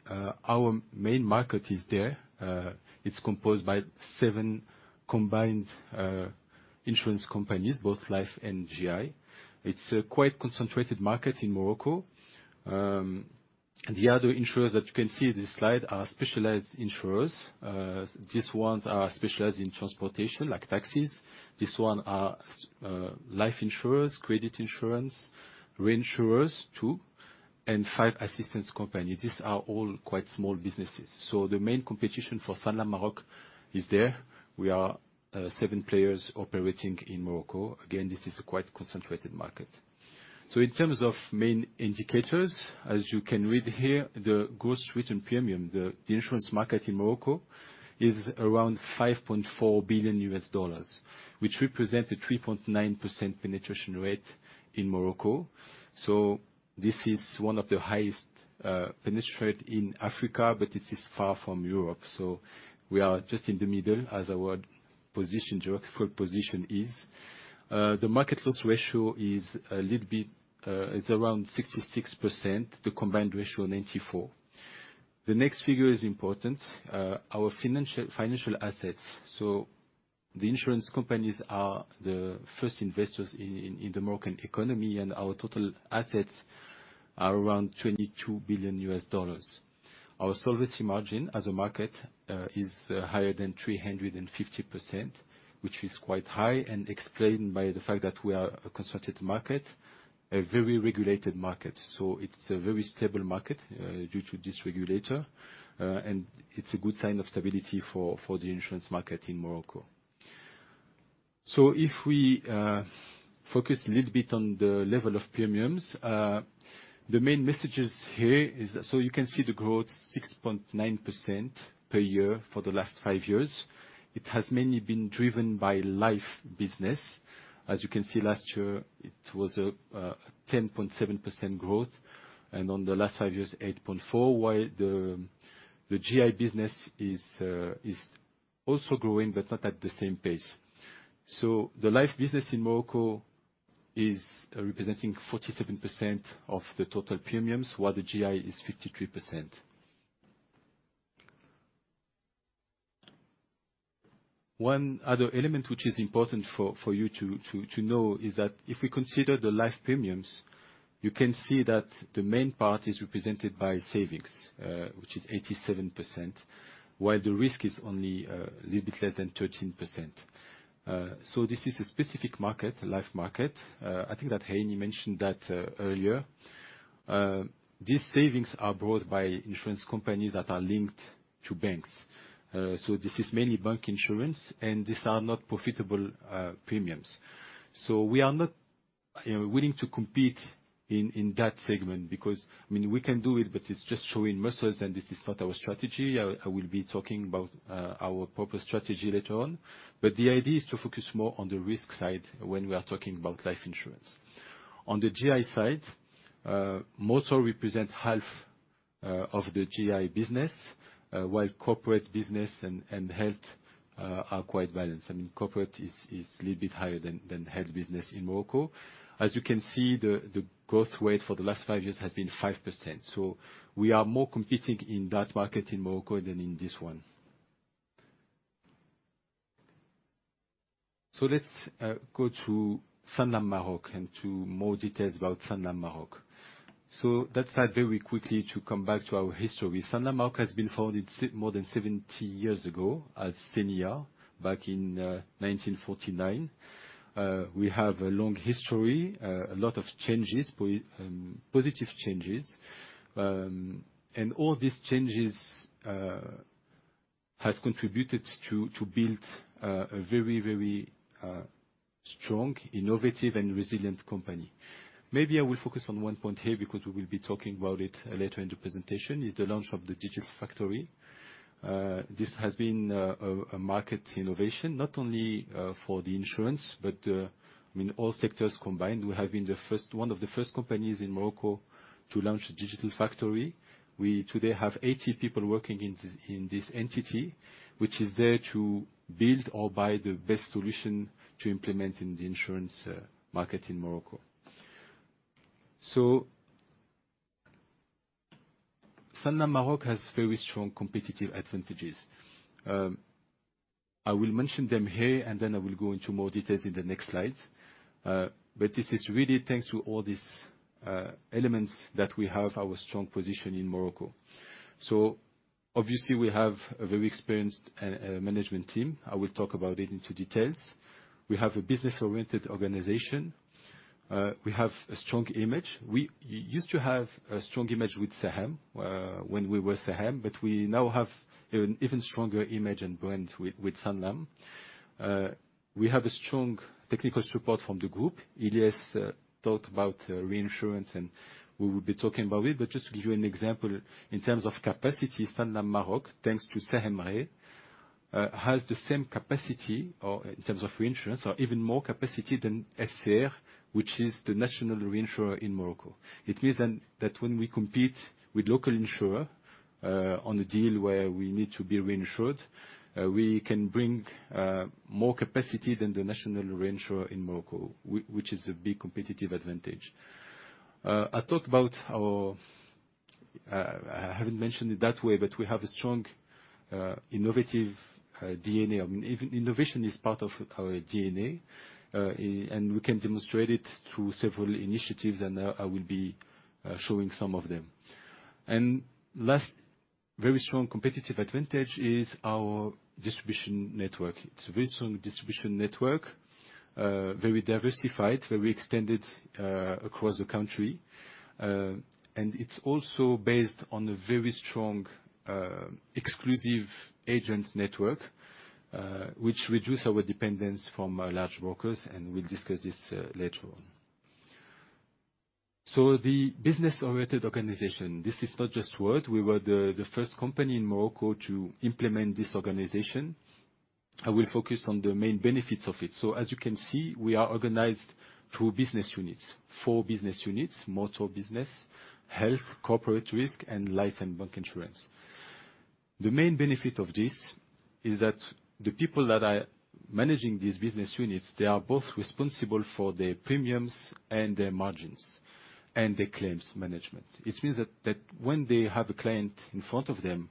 our main market is there. It's composed by seven combined insurance companies, both life and GI. It's a quite concentrated market in Morocco. The other insurers that you can see in this slide are specialized insurers. These ones are specialized in transportation, like taxis. This one are life insurers, credit insurance, reinsurers, too, and five assistance companies. These are all quite small businesses. So the main competition for Sanlam Maroc is there. We are seven players operating in Morocco. Again, this is a quite concentrated market. So in terms of main indicators, as you can read here, the gross written premium, the insurance market in Morocco is around $5.4 billion, which represent a 3.9% penetration rate in Morocco. So this is one of the highest penetration rate in Africa, but this is far from Europe. So we are just in the middle as our position, geographical position is. The market loss ratio is a little bit, it's around 66%, the combined ratio 94. The next figure is important, our financial assets. So the insurance companies are the first investors in the Moroccan economy, and our total assets are around $22 billion. Our solvency margin as a market is higher than 350%, which is quite high and explained by the fact that we are a concentrated market, a very regulated market. So it's a very stable market due to this regulator, and it's a good sign of stability for the insurance market in Morocco. So if we focus a little bit on the level of premiums, the main messages here is... So you can see the growth, 6.9% per year for the last five years. It has mainly been driven by life business. As you can see, last year, it was 10.7% growth, and over the last five years, 8.4%. While the GI business is also growing, but not at the same pace. So the life business in Morocco is representing 47% of the total premiums, while the GI is 53%. One other element, which is important for you to know, is that if we consider the life premiums, you can see that the main part is represented by savings, which is 87%, while the risk is only a little bit less than 13%. So this is a specific market, a life market. I think that Heinie mentioned that earlier. These savings are brought by insurance companies that are linked to banks. So this is mainly bank insurance, and these are not profitable premiums. So we are not, you know, willing to compete in that segment because, I mean, we can do it, but it's just showing muscles, and this is not our strategy. I will be talking about our proper strategy later on, but the idea is to focus more on the risk side when we are talking about life insurance. On the GI side, motor represent half of the GI business, while corporate business and health are quite balanced. I mean, corporate is a little bit higher than health business in Morocco. As you can see, the growth rate for the last 5 years has been 5%, so we are more competing in that market in Morocco than in this one. So let's go to Sanlam Maroc and to more details about Sanlam Maroc. So that said, very quickly, to come back to our history. Sanlam Maroc has been founded more than 70 years ago as CNIA, back in 1949. We have a long history, a lot of changes, positive changes. And all these changes has contributed to build a very, very strong, innovative, and resilient company. Maybe I will focus on one point here, because we will be talking about it later in the presentation, is the launch of the Digital Factory. This has been a market innovation, not only for the insurance, but I mean, all sectors combined. We have been one of the first companies in Morocco to launch a Digital Factory. We today have 80 people working in this entity, which is there to build or buy the best solution to implement in the insurance market in Morocco. So Sanlam Maroc has very strong competitive advantages. I will mention them here, and then I will go into more details in the next slides. But this is really thanks to all these elements that we have our strong position in Morocco. So obviously, we have a very experienced management team. I will talk about it into details. We have a business-oriented organization. We have a strong image. We used to have a strong image with Saham, when we were Saham, but we now have an even stronger image and brand with Sanlam. We have a strong technical support from the group. Ilyes talked about reinsurance, and we will be talking about it, but just to give you an example, in terms of capacity, Sanlam Maroc, thanks to Saham Re, has the same capacity, or in terms of reinsurance, or even more capacity than SCR, which is the national reinsurer in Morocco. It means then, that when we compete with local insurer on a deal where we need to be reinsured, we can bring more capacity than the national reinsurer in Morocco, which is a big competitive advantage. I talked about our... I haven't mentioned it that way, but we have a strong innovative DNA. I mean, even innovation is part of our DNA, and we can demonstrate it through several initiatives, and I will be showing some of them. And last, very strong competitive advantage is our distribution network. It's a very strong distribution network, very diversified, very extended across the country. And it's also based on a very strong exclusive agent network, which reduce our dependence from large brokers, and we'll discuss this later on. So the business-oriented organization, this is not just word. We were the first company in Morocco to implement this organization. I will focus on the main benefits of it. So as you can see, we are organized through business units, four business units, motor business, health, corporate risk, and life and bank insurance. The main benefit of this is that the people that are managing these business units, they are both responsible for their premiums and their margins, and their claims management. It means that, that when they have a client in front of them,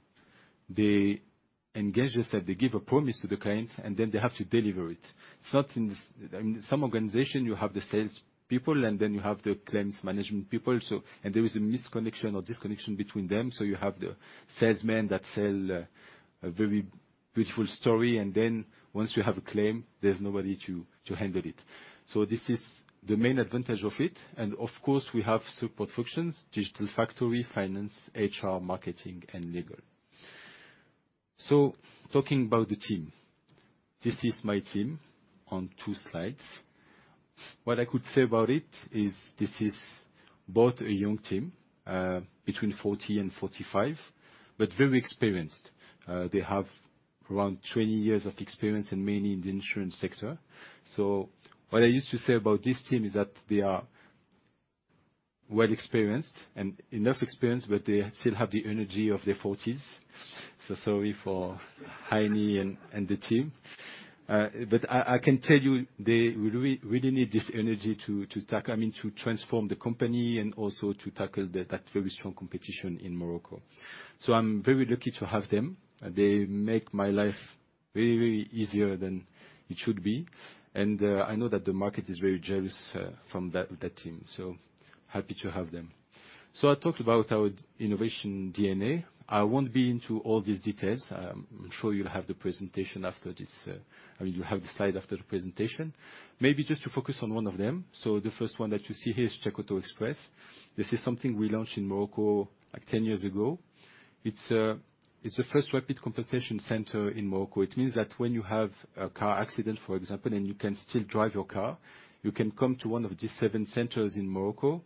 they engage with them, they give a promise to the client, and then they have to deliver it. Sometimes, I mean, some organization, you have the sales people, and then you have the claims management people, so and there is a misconnection or disconnection between them, so you have the salesmen that sell a very beautiful story, and then once you have a claim, there's nobody to handle it. So this is the main advantage of it. And of course, we have support functions, digital factory, finance, HR, marketing, and legal. So talking about the team, this is my team on two slides. What I could say about it is this is both a young team between 40 and 45, but very experienced. They have around 20 years of experience and mainly in the insurance sector. So what I used to say about this team is that they are well experienced and enough experience, but they still have the energy of their forties. So sorry for Heinie and the team. But I can tell you, they really, really need this energy to tackle, I mean, to transform the company and also to tackle that very strong competition in Morocco. So I'm very lucky to have them, and they make my life very, very easier than it should be. And I know that the market is very jealous from that team, so happy to have them. So I talked about our innovation DNA. I won't be into all these details. I'm sure you'll have the presentation after this—I mean, you'll have the slide after the presentation. Maybe just to focus on one of them. So the first one that you see here is Check Auto Express. This is something we launched in Morocco, like, 10 years ago. It's a, it's the first rapid compensation center in Morocco. It means that when you have a car accident, for example, and you can still drive your car, you can come to one of these 7 centers in Morocco,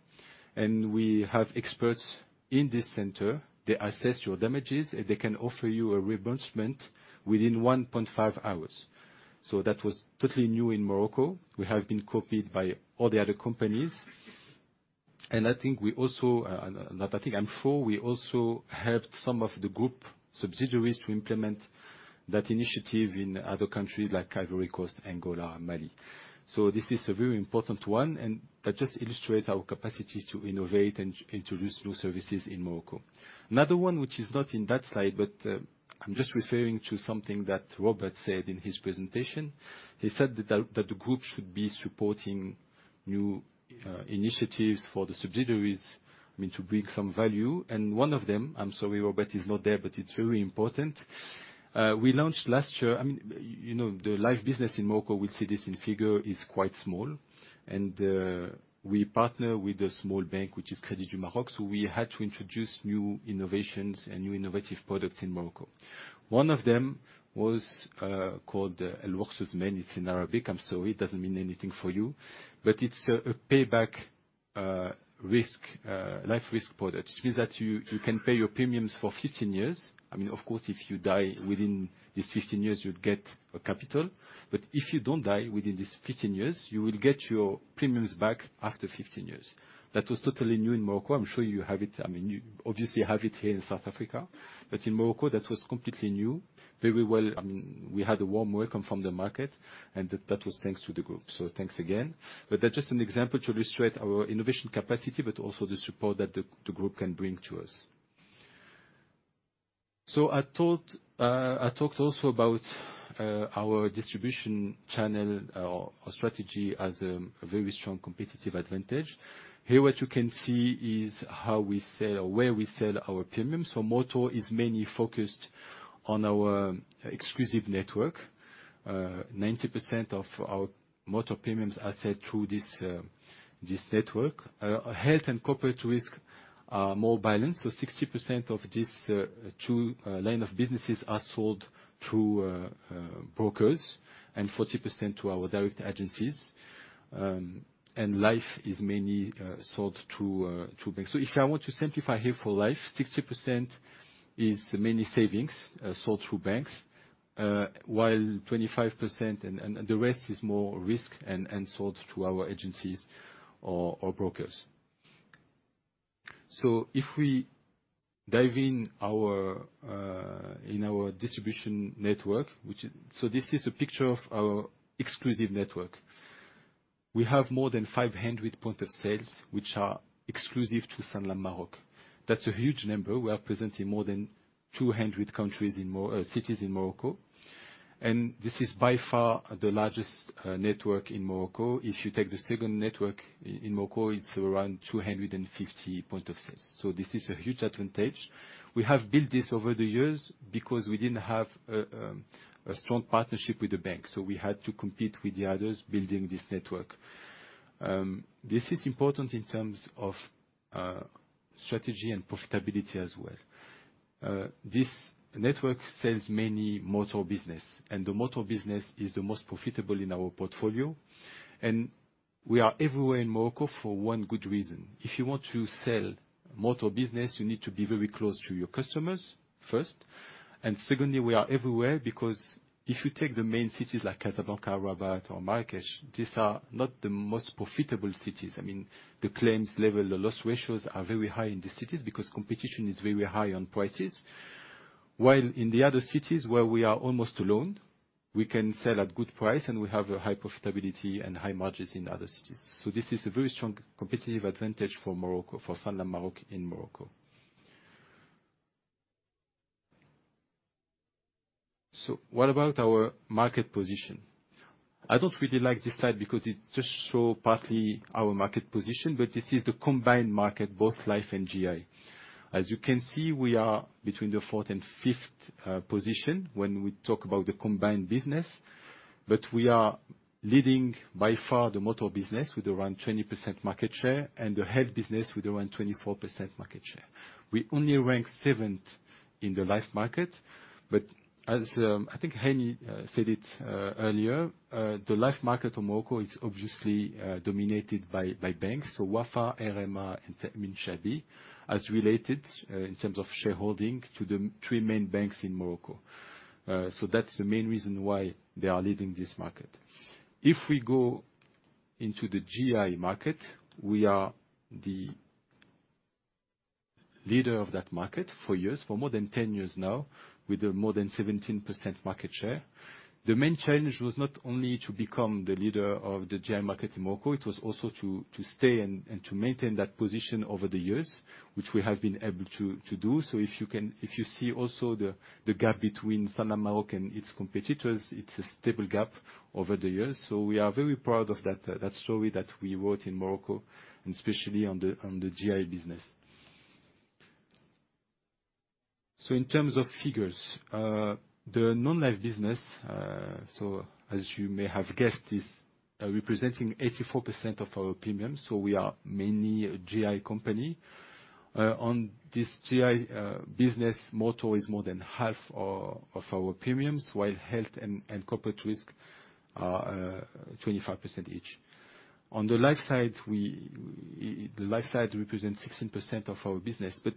and we have experts in this center. They assess your damages, and they can offer you a reimbursement within 1.5 hours. So that was totally new in Morocco. We have been copied by all the other companies, and I think we also, not I think, I'm sure, we also helped some of the group subsidiaries to implement that initiative in other countries, like Ivory Coast, Angola, and Mali. So this is a very important one, and that just illustrates our capacity to innovate and introduce new services in Morocco. Another one, which is not in that slide, but, I'm just referring to something that Robert said in his presentation. He said that the, that the group should be supporting new, initiatives for the subsidiaries, I mean, to bring some value, and one of them, I'm sorry Robert is not there, but it's very important. We launched last year... I mean, you know, the life business in Morocco, we see this in figure, is quite small, and we partner with a small bank, which is Crédit du Maroc. So we had to introduce new innovations and new innovative products in Morocco. One of them was called Wessal Al Amane. It's in Arabic. I'm sorry, it doesn't mean anything for you. But it's a payback risk life risk product, which means that you can pay your premiums for 15 years. I mean, of course, if you die within these 15 years, you'd get a capital. But if you don't die within these 15 years, you will get your premiums back after 15 years. That was totally new in Morocco. I'm sure you have it, I mean, you obviously have it here in South Africa. But in Morocco, that was completely new. Very well, I mean, we had a warm welcome from the market, and that was thanks to the group. So thanks again. But that's just an example to illustrate our innovation capacity, but also the support that the group can bring to us. So I thought, I talked also about our distribution channel, our strategy as a very strong competitive advantage. Here, what you can see is how we sell or where we sell our premiums. So motor is mainly focused on our exclusive network. 90% of our motor premiums are sold through this network. Health and corporate risk are more balanced, so 60% of these two line of businesses are sold through brokers, and 40% to our direct agencies. And life is mainly sold through banks. So if I want to simplify here for life, 60% is mainly savings, sold through banks, while 25% and the rest is more risk and sold through our agencies or brokers. So if we dive into our distribution network, which is... So this is a picture of our exclusive network. We have more than 500 points of sale, which are exclusive to Sanlam Maroc. That's a huge number. We are present in more than 200 cities in Morocco, and this is by far the largest network in Morocco. If you take the second network in Morocco, it's around 250 points of sale. So this is a huge advantage. We have built this over the years because we didn't have a strong partnership with the bank, so we had to compete with the others building this network. This is important in terms of strategy and profitability as well. This network sells many motor business, and the motor business is the most profitable in our portfolio, and we are everywhere in Morocco for one good reason. If you want to sell motor business, you need to be very close to your customers, first, and secondly, we are everywhere because if you take the main cities, like Casablanca, Rabat, or Marrakech, these are not the most profitable cities. I mean, the claims level, the loss ratios, are very high in the cities because competition is very high on prices. While in the other cities, where we are almost alone, we can sell at good price, and we have a high profitability and high margins in other cities. So this is a very strong competitive advantage for Morocco, for Sanlam Maroc in Morocco. So what about our market position? I don't really like this slide because it just show partly our market position, but this is the combined market, both life and GI. As you can see, we are between the fourth and fifth position when we talk about the combined business, but we are leading, by far, the motor business with around 20% market share and the health business with around 24% market share. We only rank seventh in the life market, but as, I think Heinie said it earlier, the life market of Morocco is obviously dominated by banks, so Wafa, RMA, and Attijari, as related in terms of shareholding to the three main banks in Morocco. So that's the main reason why they are leading this market. If we go into the GI market, we are the leader of that market for years, for more than 10 years now, with a more than 17% market share. The main challenge was not only to become the leader of the GI market in Morocco, it was also to stay and maintain that position over the years, which we have been able to do. So if you can, if you see also the gap between Sanlam Maroc and its competitors, it's a stable gap over the years. So we are very proud of that story that we wrote in Morocco, and especially on the GI business. So in terms of figures, the non-life business, so as you may have guessed, is representing 84% of our premiums, so we are mainly a GI company. On this GI business, motor is more than half of our premiums, while health and corporate risk are 25% each. On the life side, the life side represents 16% of our business. But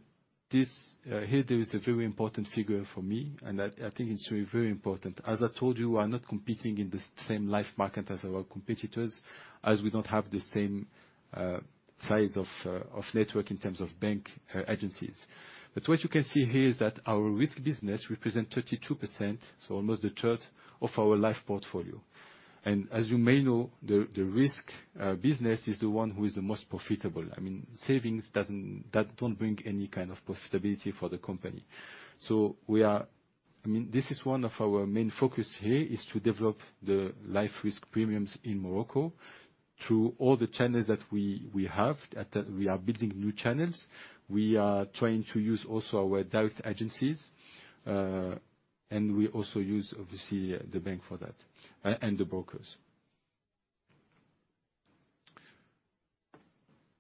this here, there is a very important figure for me, and I think it's very, very important. As I told you, we are not competing in the same life market as our competitors, as we don't have the same size of network in terms of bank agencies. But what you can see here is that our risk business represent 32%, so almost a third, of our life portfolio. And as you may know, the risk business is the one who is the most profitable. I mean, savings doesn't -- that don't bring any kind of profitability for the company. So we are... I mean, this is one of our main focus here, is to develop the life risk premiums in Morocco through all the channels that we have. At that, we are building new channels. We are trying to use also our direct agencies, and we also use, obviously, the bank for that, and the brokers.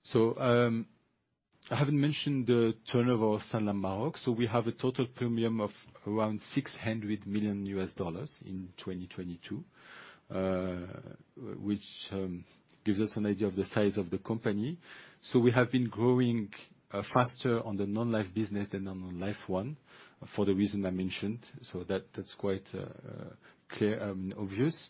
So, I haven't mentioned the turnover of Sanlam Maroc. So we have a total premium of around $600 million in 2022, which gives us an idea of the size of the company. So we have been growing faster on the non-life business than on the life one, for the reason I mentioned. So that, that's quite clear and obvious.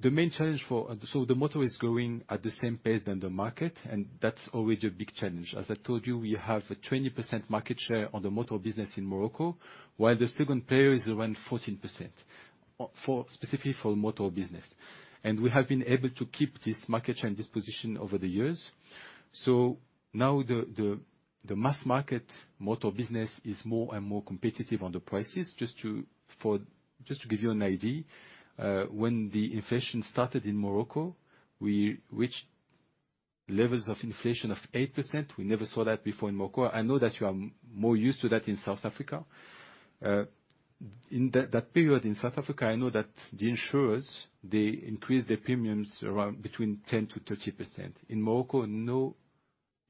The main challenge for— So the motor is growing at the same pace than the market, and that's always a big challenge. As I told you, we have a 20% market share on the motor business in Morocco, while the second player is around 14% for, specifically for motor business. And we have been able to keep this market share and this position over the years. So now, the mass market motor business is more and more competitive on the prices. Just to give you an idea, when the inflation started in Morocco, we reached levels of inflation of 8%. We never saw that before in Morocco. I know that you are more used to that in South Africa. In that period in South Africa, I know that the insurers, they increased their premiums around between 10%-30%. In Morocco, no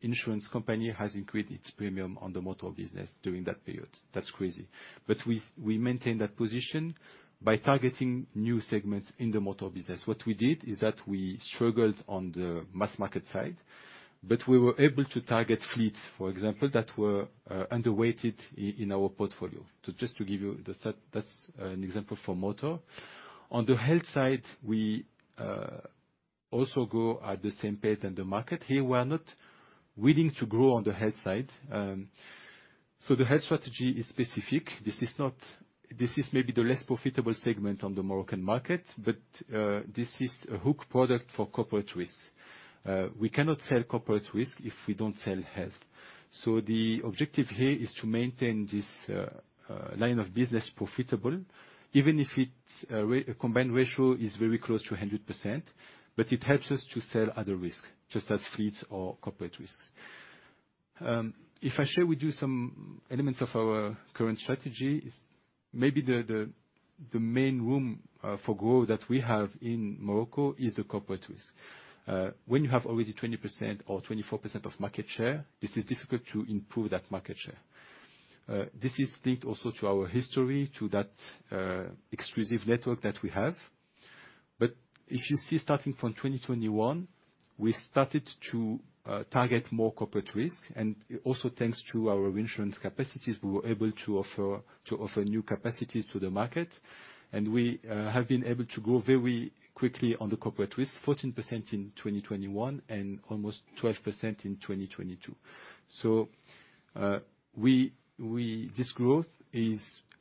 insurance company has increased its premium on the motor business during that period. That's crazy. But we maintained that position by targeting new segments in the motor business. What we did is that we struggled on the mass market side, but we were able to target fleets, for example, that were underweighted in our portfolio. So just to give you the stat, that's an example for motor. On the health side, we also grow at the same pace as the market. Here, we are not willing to grow on the health side, so the health strategy is specific. This is not, this is maybe the less profitable segment on the Moroccan market, but this is a hook product for corporate risk. We cannot sell corporate risk if we don't sell health. So the objective here is to maintain this line of business profitable, even if it's combined ratio is very close to 100%, but it helps us to sell other risk, just as fleets or corporate risks. If I share with you some elements of our current strategy, maybe the main room for growth that we have in Morocco is the corporate risk. When you have already 20% or 24% of market share, this is difficult to improve that market share. This is linked also to our history, to that exclusive network that we have. But if you see, starting from 2021, we started to target more corporate risk. And also, thanks to our reinsurance capacities, we were able to offer new capacities to the market, and we have been able to grow very quickly on the corporate risk, 14% in 2021 and almost 12% in 2022. So, we... This growth is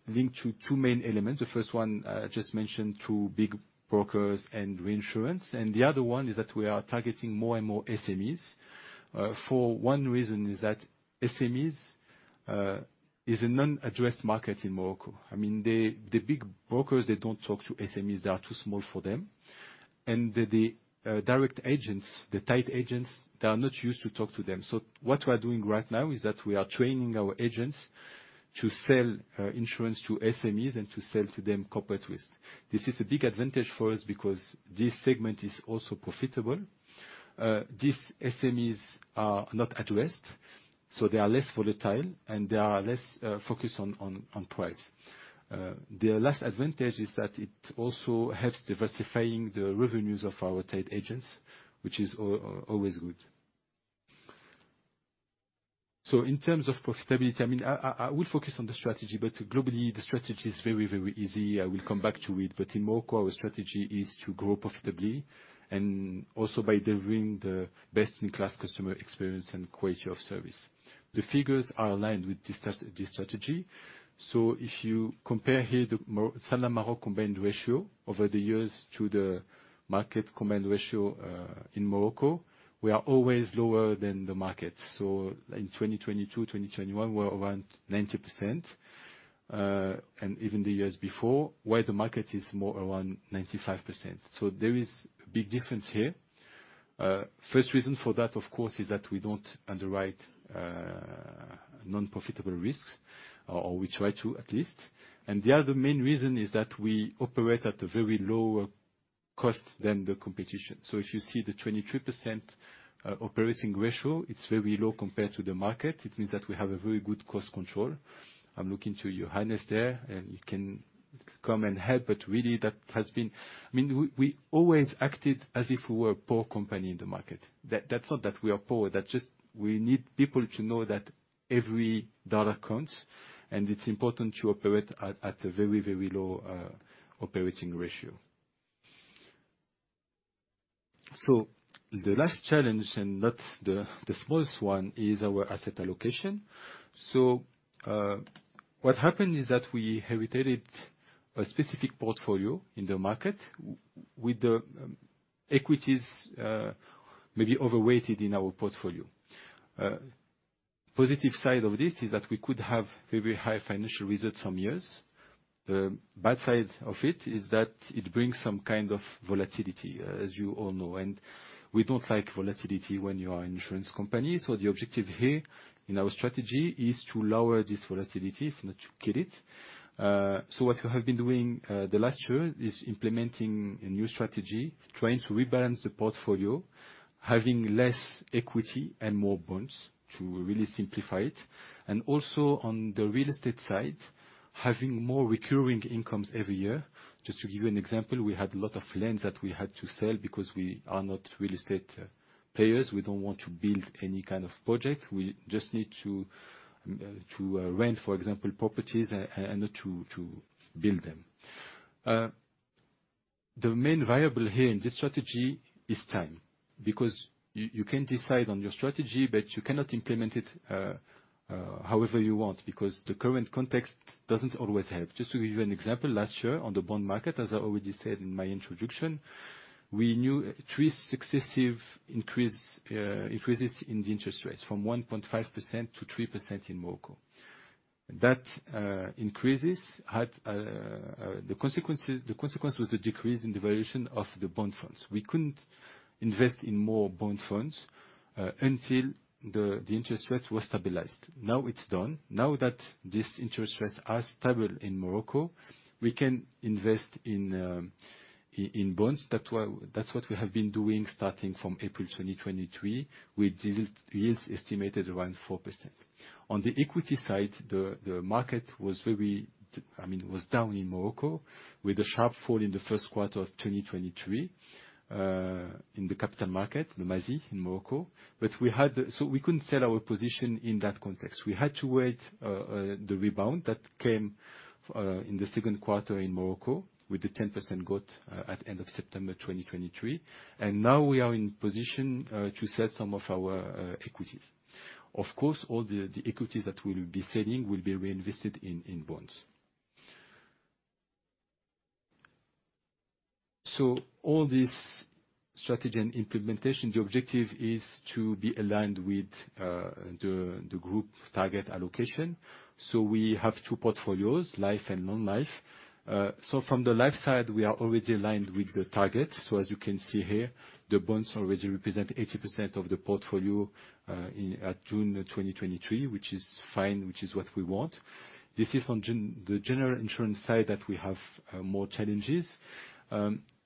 linked to two main elements. The first one, I just mentioned, two big brokers and reinsurance, and the other one is that we are targeting more and more SMEs. For one reason, is that SMEs is a non-addressed market in Morocco. I mean, the big brokers, they don't talk to SMEs. They are too small for them. And the direct agents, the tied agents, they are not used to talk to them. So what we are doing right now, is that we are training our agents to sell insurance to SMEs and to sell to them corporate risk. This is a big advantage for us, because this segment is also profitable. These SMEs are not addressed, so they are less volatile, and they are less focused on price. The last advantage is that it also helps diversifying the revenues of our trade agents, which is always good. So in terms of profitability, I mean, I will focus on the strategy, but globally, the strategy is very, very easy. I will come back to it. But in Morocco, our strategy is to grow profitably and also by delivering the best-in-class customer experience and quality of service. The figures are aligned with this strategy. So if you compare here, the Sanlam Maroc combined ratio over the years to the market combined ratio in Morocco, we are always lower than the market. So in 2022, 2021, we're around 90%, and even the years before, where the market is more around 95%. So there is a big difference here. First reason for that, of course, is that we don't underwrite non-profitable risks, or we try to, at least. The other main reason is that we operate at a very lower cost than the competition. If you see the 23%, operating ratio, it's very low compared to the market. It means that we have a very good cost control. I'm looking to you, Heinie, there, and you can come and help, but really, that has been—I mean, we, we always acted as if we were a poor company in the market. That's not that we are poor, that just we need people to know that every dollar counts, and it's important to operate at a very, very low operating ratio. The last challenge, and not the smallest one, is our asset allocation. So, what happened is that we inherited a specific portfolio in the market with the, equities, maybe overweighted in our portfolio. Positive side of this is that we could have very high financial results some years. Bad side of it is that it brings some kind of volatility, as you all know, and we don't like volatility when you are an insurance company. So the objective here in our strategy is to lower this volatility, if not to kill it. So what we have been doing, the last year, is implementing a new strategy, trying to rebalance the portfolio, having less equity and more bonds, to really simplify it. And also on the real estate side, having more recurring incomes every year. Just to give you an example, we had a lot of lands that we had to sell because we are not real estate players. We don't want to build any kind of project. We just need to rent, for example, properties, and not to build them. The main variable here in this strategy is time, because you can decide on your strategy, but you cannot implement it however you want, because the current context doesn't always help. Just to give you an example, last year on the bond market, as I already said in my introduction, we knew three successive increases in the interest rates, from 1.5% to 3% in Morocco. That increases had the consequences, the consequence was a decrease in the valuation of the bond funds. We couldn't invest in more bond funds until the interest rates were stabilized. Now it's done. Now that these interest rates are stable in Morocco, we can invest in in bonds. That's what that's what we have been doing starting from April 2023, with these yields estimated around 4%. On the equity side, the market was very I mean was down in Morocco, with a sharp fall in the first quarter of 2023 in the capital market, the MASI in Morocco. But we had the- so we couldn't sell our position in that context. We had to wait the rebound that came in the second quarter in Morocco, with the 10% growth at end of September 2023. And now we are in position to sell some of our equities. Of course, all the equities that we'll be selling will be reinvested in bonds. So all this strategy and implementation, the objective is to be aligned with the group target allocation. So we have two portfolios, life and non-life. So from the life side, we are already aligned with the target. So as you can see here, the bonds already represent 80% of the portfolio in at June 2023, which is fine, which is what we want. This is on the general insurance side that we have more challenges.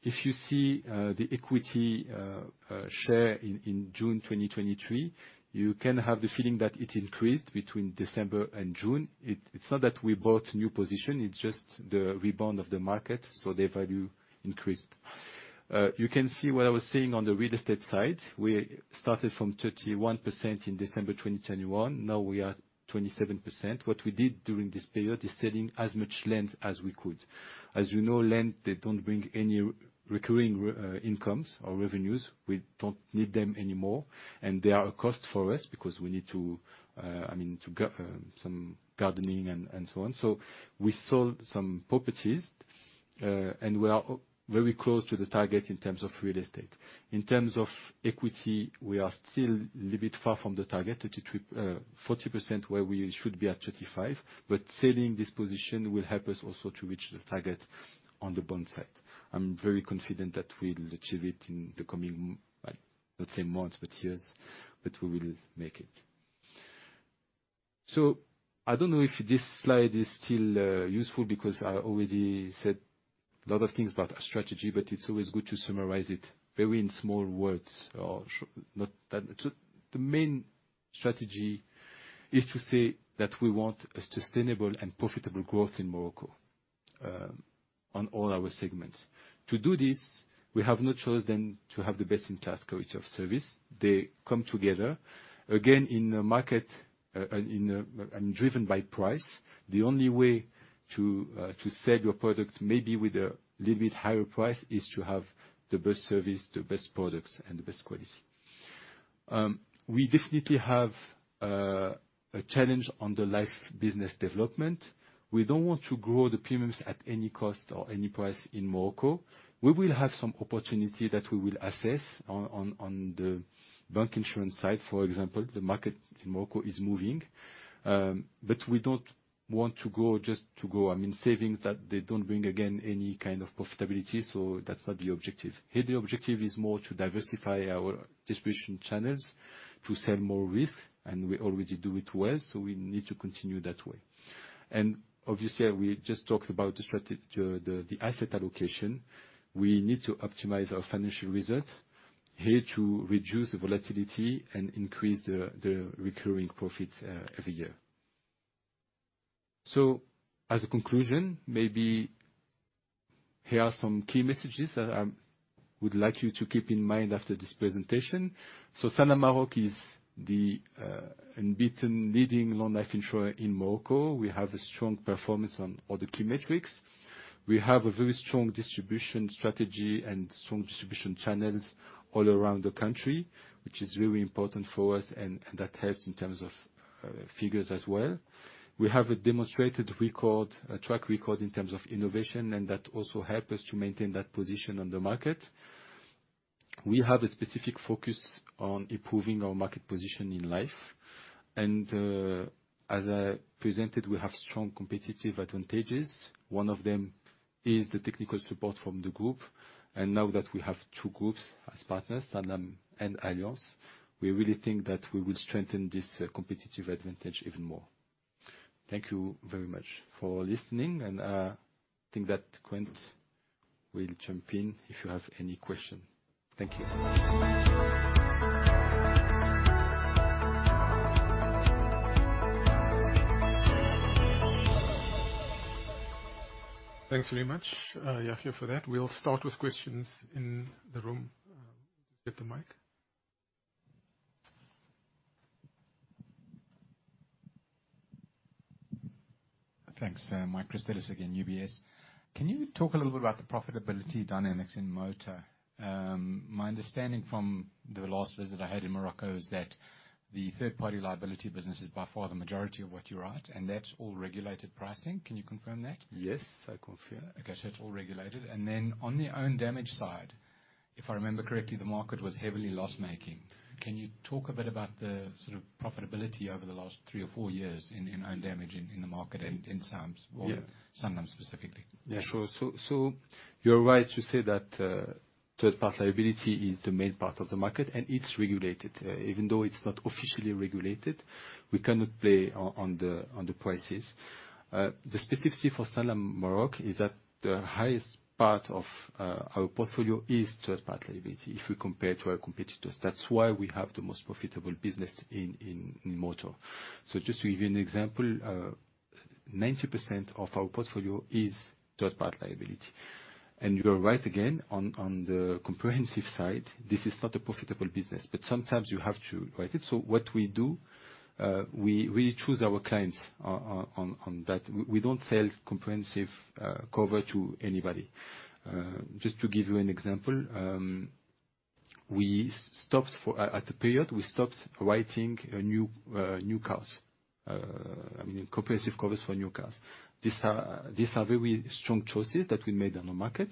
If you see the equity share in June 2023, you can have the feeling that it increased between December and June. It's not that we bought new position, it's just the rebound of the market, so the value increased. You can see what I was saying on the real estate side. We started from 31% in December 2021, now we are at 27%. What we did during this period is selling as much land as we could. As you know, land, they don't bring any recurring incomes or revenues. We don't need them anymore, and they are a cost for us because we need to, I mean, to some gardening and so on. So we sold some properties, and we are very close to the target in terms of real estate. In terms of equity, we are still a little bit far from the target, 33%-40%, where we should be at 35%, but selling this position will help us also to reach the target on the bond side. I'm very confident that we'll achieve it in the coming, not say months, but years, but we will make it. So I don't know if this slide is still useful, because I already said a lot of things about our strategy, but it's always good to summarize it very in small words. So the main strategy is to say that we want a sustainable and profitable growth in Morocco, on all our segments. To do this, we have no choice than to have the best-in-class quality of service. They come together. Again, in a market and driven by price, the only way to sell your product, maybe with a little bit higher price, is to have the best service, the best products, and the best quality. We definitely have a challenge on the life business development. We don't want to grow the premiums at any cost or any price in Morocco. We will have some opportunity that we will assess on the bank insurance side, for example. The market in Morocco is moving. But we don't want to go just to go. I mean, savings that they don't bring, again, any kind of profitability, so that's not the objective. Here, the objective is more to diversify our distribution channels, to sell more risk, and we already do it well, so we need to continue that way. And obviously, we just talked about the strategy, the asset allocation. We need to optimize our financial results here to reduce the volatility and increase the recurring profits every year. So as a conclusion, maybe here are some key messages that I would like you to keep in mind after this presentation. So Sanlam Maroc is the unbeaten, leading non-life insurer in Morocco. We have a strong performance on all the key metrics. We have a very strong distribution strategy and strong distribution channels all around the country, which is really important for us, and that helps in terms of figures as well. We have a demonstrated record, a track record in terms of innovation, and that also helps us to maintain that position on the market. We have a specific focus on improving our market position in life, and as I presented, we have strong competitive advantages. One of them is the technical support from the group. And now that we have two groups as partners, Sanlam and Allianz, we really think that we will strengthen this competitive advantage even more. Thank you very much for listening, and I think that Quint will jump in if you have any questions. Thank you. Thanks very much, Yahia, for that. We'll start with questions in the room. Get the mic. Thanks. Mike Christelis again, UBS. Can you talk a little bit about the profitability dynamics in motor? My understanding from the last visit I had in Morocco is that the third-party liability business is by far the majority of what you write, and that's all regulated pricing. Can you confirm that? Yes, I confirm. Okay, so it's all regulated. And then on the own damage side, if I remember correctly, the market was heavily loss-making. Can you talk a bit about the sort of profitability over the last three or four years in own damage in the market, and in Sanlam- Yeah. Sanlam specifically? Yeah, sure. So, you're right to say that, third-party liability is the main part of the market, and it's regulated. Even though it's not officially regulated, we cannot play on the prices. The specificity for Sanlam Maroc is that the highest part of our portfolio is third-party liability, if we compare to our competitors. That's why we have the most profitable business in motor. So just to give you an example, 90% of our portfolio is third-party liability. And you are right again, on the comprehensive side, this is not a profitable business, but sometimes you have to write it. So what we do, we choose our clients on that. We don't sell comprehensive cover to anybody. Just to give you an example, we stopped for... At a period, we stopped writing new cars, I mean, comprehensive covers for new cars. These are very strong choices that we made on the market.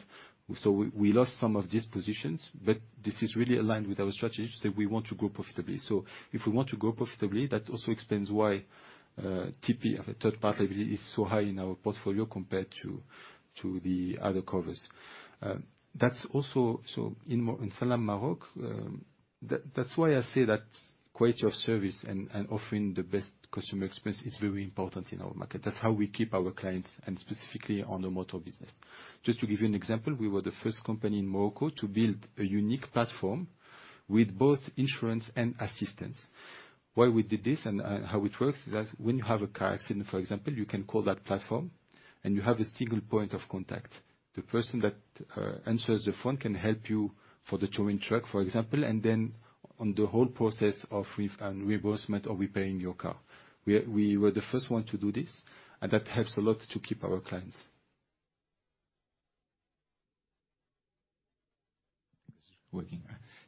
So we lost some of these positions, but this is really aligned with our strategy to say we want to grow profitably. So if we want to grow profitably, that also explains why TP, or third-party liability, is so high in our portfolio compared to the other covers. That's also... So in Sanlam Maroc, that's why I say that quality of service and offering the best customer experience is very important in our market. That's how we keep our clients, and specifically on the motor business. Just to give you an example, we were the first company in Morocco to build a unique platform with both insurance and assistance. Why we did this, and how it works, is that when you have a car accident, for example, you can call that platform, and you have a single point of contact. The person that answers the phone can help you for the towing truck, for example, and then on the whole process of repair and reimbursement or repairing your car. We were the first one to do this, and that helps a lot to keep our clients.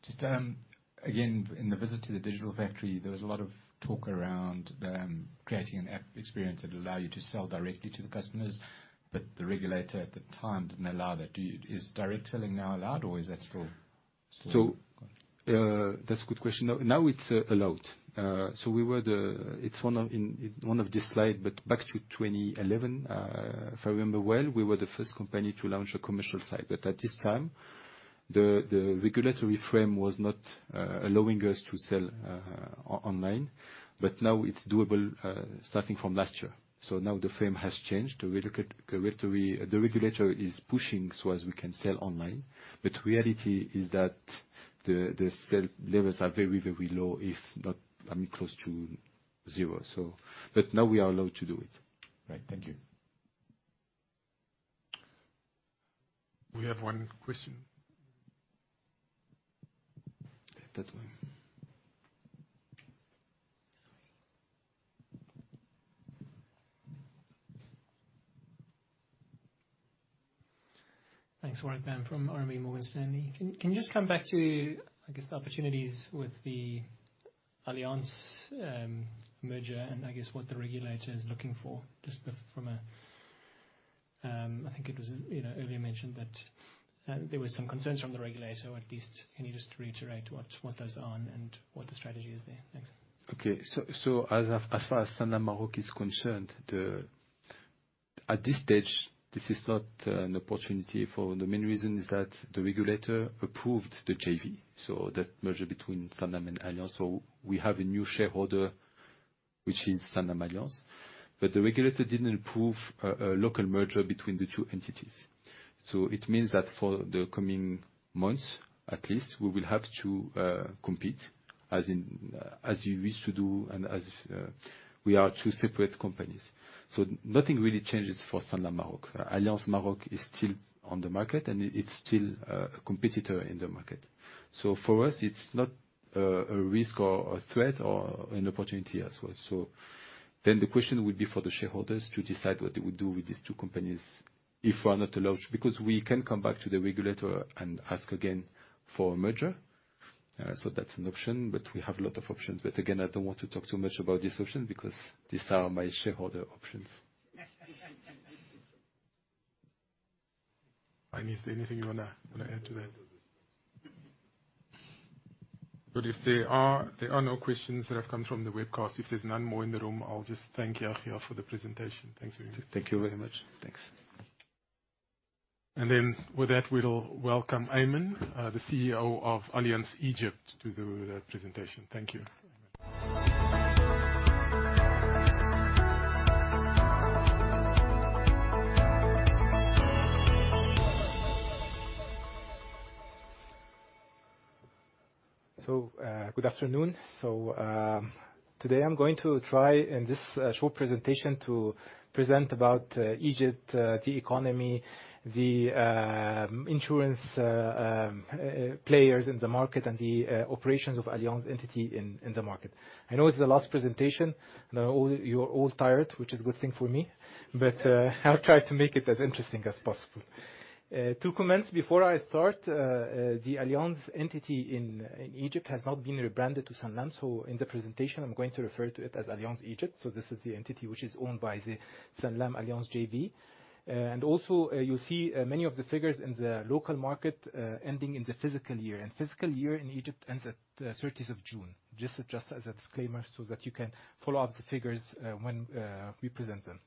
Just, again, in the visit to the digital factory, there was a lot of talk around creating an app experience that allow you to sell directly to the customers, but the regulator at the time didn't allow that. Do you? Is direct selling now allowed, or is that still? So, that's a good question. Now, now it's allowed. So we were the—it's one of the slides, but back to 2011, if I remember well, we were the first company to launch a commercial site. But at this time, the regulatory frame was not allowing us to sell online. But now it's doable, starting from last year. So now the frame has changed. The regulatory, the regulator is pushing so as we can sell online. But reality is that the sales levels are very, very low, if not, I mean, close to nothing... zero. But now we are allowed to do it. Right. Thank you. We have one question. That one. Thanks, Warwick Bam from RMB Morgan Stanley. Can you just come back to, I guess, the opportunities with the Allianz merger, and I guess what the regulator is looking for, just from a... I think it was, you know, earlier mentioned that there were some concerns from the regulator, or at least can you just reiterate what those are and what the strategy is there? Thanks. Okay. So, as far as Sanlam Maroc is concerned, at this stage, this is not an opportunity for the main reason is that the regulator approved the JV, so that merger between Sanlam and Allianz. So we have a new shareholder, which is Sanlam Allianz. But the regulator didn't approve a local merger between the two entities. So it means that for the coming months, at least, we will have to compete as you wish to do and as we are two separate companies. So nothing really changes for Sanlam Maroc. Allianz Maroc is still on the market, and it's still a competitor in the market. So for us, it's not a risk or a threat or an opportunity as well. So then the question would be for the shareholders to decide what they would do with these two companies if we are not allowed, because we can come back to the regulator and ask again for a merger. So that's an option, but we have a lot of options. But again, I don't want to talk too much about this option because these are my shareholder options. Is there anything you wanna add to that? But if there are no questions that have come from the webcast. If there's none more in the room, I'll just thank you, Yahia, for the presentation. Thanks very much. Thank you very much. Thanks. And then with that, we'll welcome Ayman, the CEO of Allianz Egypt, to do the presentation. Thank you. So, good afternoon. Today I'm going to try in this short presentation to present about Egypt, the economy, the insurance players in the market, and the operations of Allianz entity in the market. I know it's the last presentation, and all... You're all tired, which is a good thing for me, but I'll try to make it as interesting as possible. To commence, before I start, the Allianz entity in Egypt has now been rebranded to Sanlam. So in the presentation, I'm going to refer to it as Allianz Egypt. So this is the entity which is owned by the Sanlam Allianz JV. And also, you'll see many of the figures in the local market ending in the fiscal year, and fiscal year in Egypt ends at 30th of June. Just as a disclaimer, so that you can follow up the figures when we present them.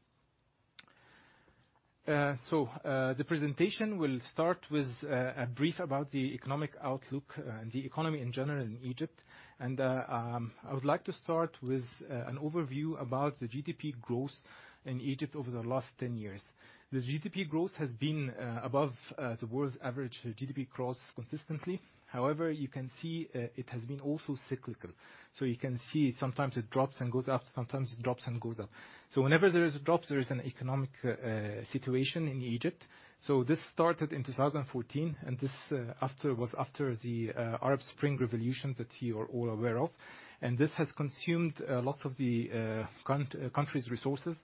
So, the presentation will start with a brief about the economic outlook and the economy in general in Egypt. I would like to start with an overview about the GDP growth in Egypt over the last 10 years. The GDP growth has been above the world's average GDP growth consistently. However, you can see it has been also cyclical. So you can see sometimes it drops and goes up, sometimes it drops and goes up. So whenever there is a drop, there is an economic situation in Egypt. So this started in 2014, and this was after the Arab Spring revolution that you are all aware of. This has consumed lots of the country's resources.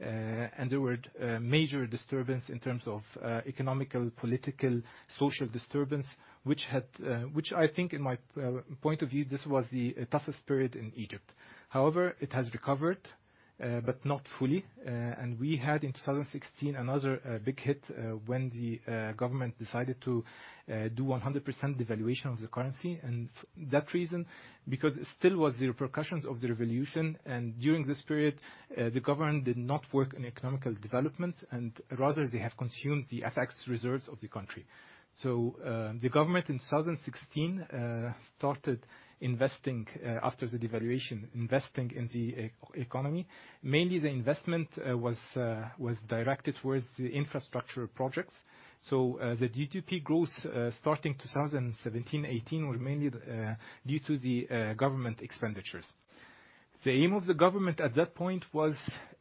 There were major disturbance in terms of economic, political, social disturbance, which I think in my point of view, this was the toughest period in Egypt. However, it has recovered, but not fully. We had in 2016, another big hit, when the government decided to do 100% devaluation of the currency. That reason, because it still was the repercussions of the revolution, and during this period, the government did not work on economic development, and rather, they have consumed the effects reserves of the country. So, the government in 2016 started investing, after the devaluation, investing in the economy. Mainly the investment was directed towards the infrastructure projects. So, the GDP growth starting 2017, 2018, were mainly due to the government expenditures. The aim of the government at that point was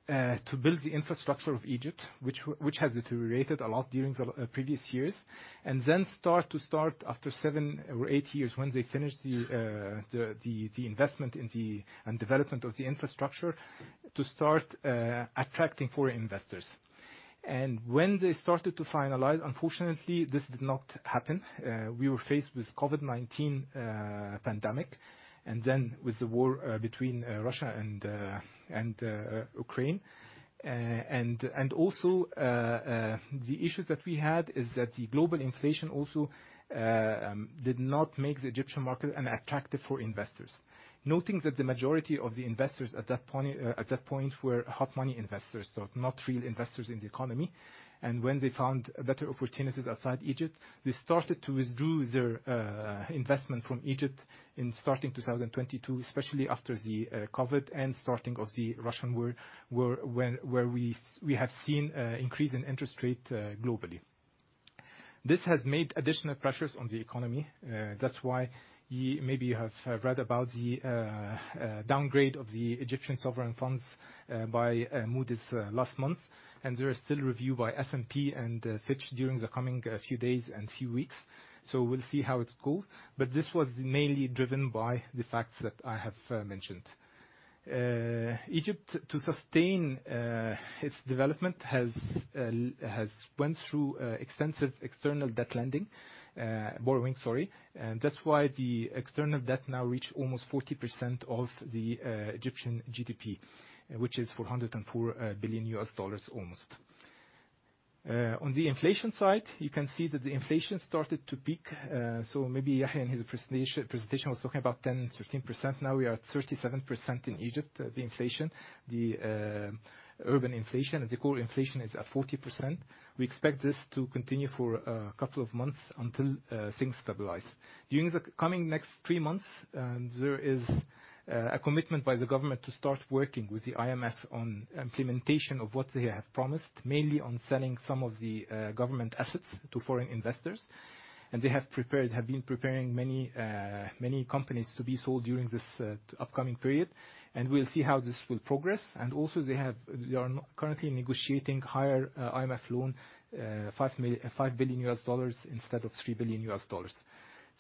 to build the infrastructure of Egypt, which had deteriorated a lot during the previous years, and then start after seven or eight years, when they finished the investment and development of the infrastructure, to start attracting foreign investors. When they started to finalize, unfortunately, this did not happen. We were faced with COVID-19 pandemic, and then with the war between Russia and Ukraine. And also, the issues that we had is that the global inflation also did not make the Egyptian market an attractive for investors. Noting that the majority of the investors at that point were hot money investors, so not real investors in the economy. And when they found better opportunities outside Egypt, they started to withdraw their investment from Egypt starting 2022, especially after the COVID and starting of the Russian war, where we have seen an increase in interest rate globally. This has made additional pressures on the economy, that's why maybe you have read about the downgrade of the Egyptian sovereign funds by Moody's last month, and there is still review by S&P and Fitch during the coming few days and few weeks. So we'll see how it goes, but this was mainly driven by the facts that I have mentioned. Egypt, to sustain its development, has went through extensive external debt lending, borrowing, sorry. And that's why the external debt now reach almost 40% of the Egyptian GDP, which is $404 billion, almost. On the inflation side, you can see that the inflation started to peak. So maybe Yahia, in his presentation, was talking about 10%-13%. Now we are at 37% in Egypt, the inflation. The urban inflation, the core inflation is at 40%. We expect this to continue for a couple of months until things stabilize. During the coming next 3 months, there is a commitment by the government to start working with the IMF on implementation of what they have promised, mainly on selling some of the government assets to foreign investors. And they have been preparing many companies to be sold during this upcoming period, and we'll see how this will progress. And also, they are currently negotiating higher IMF loan, $5 billion instead of $3 billion.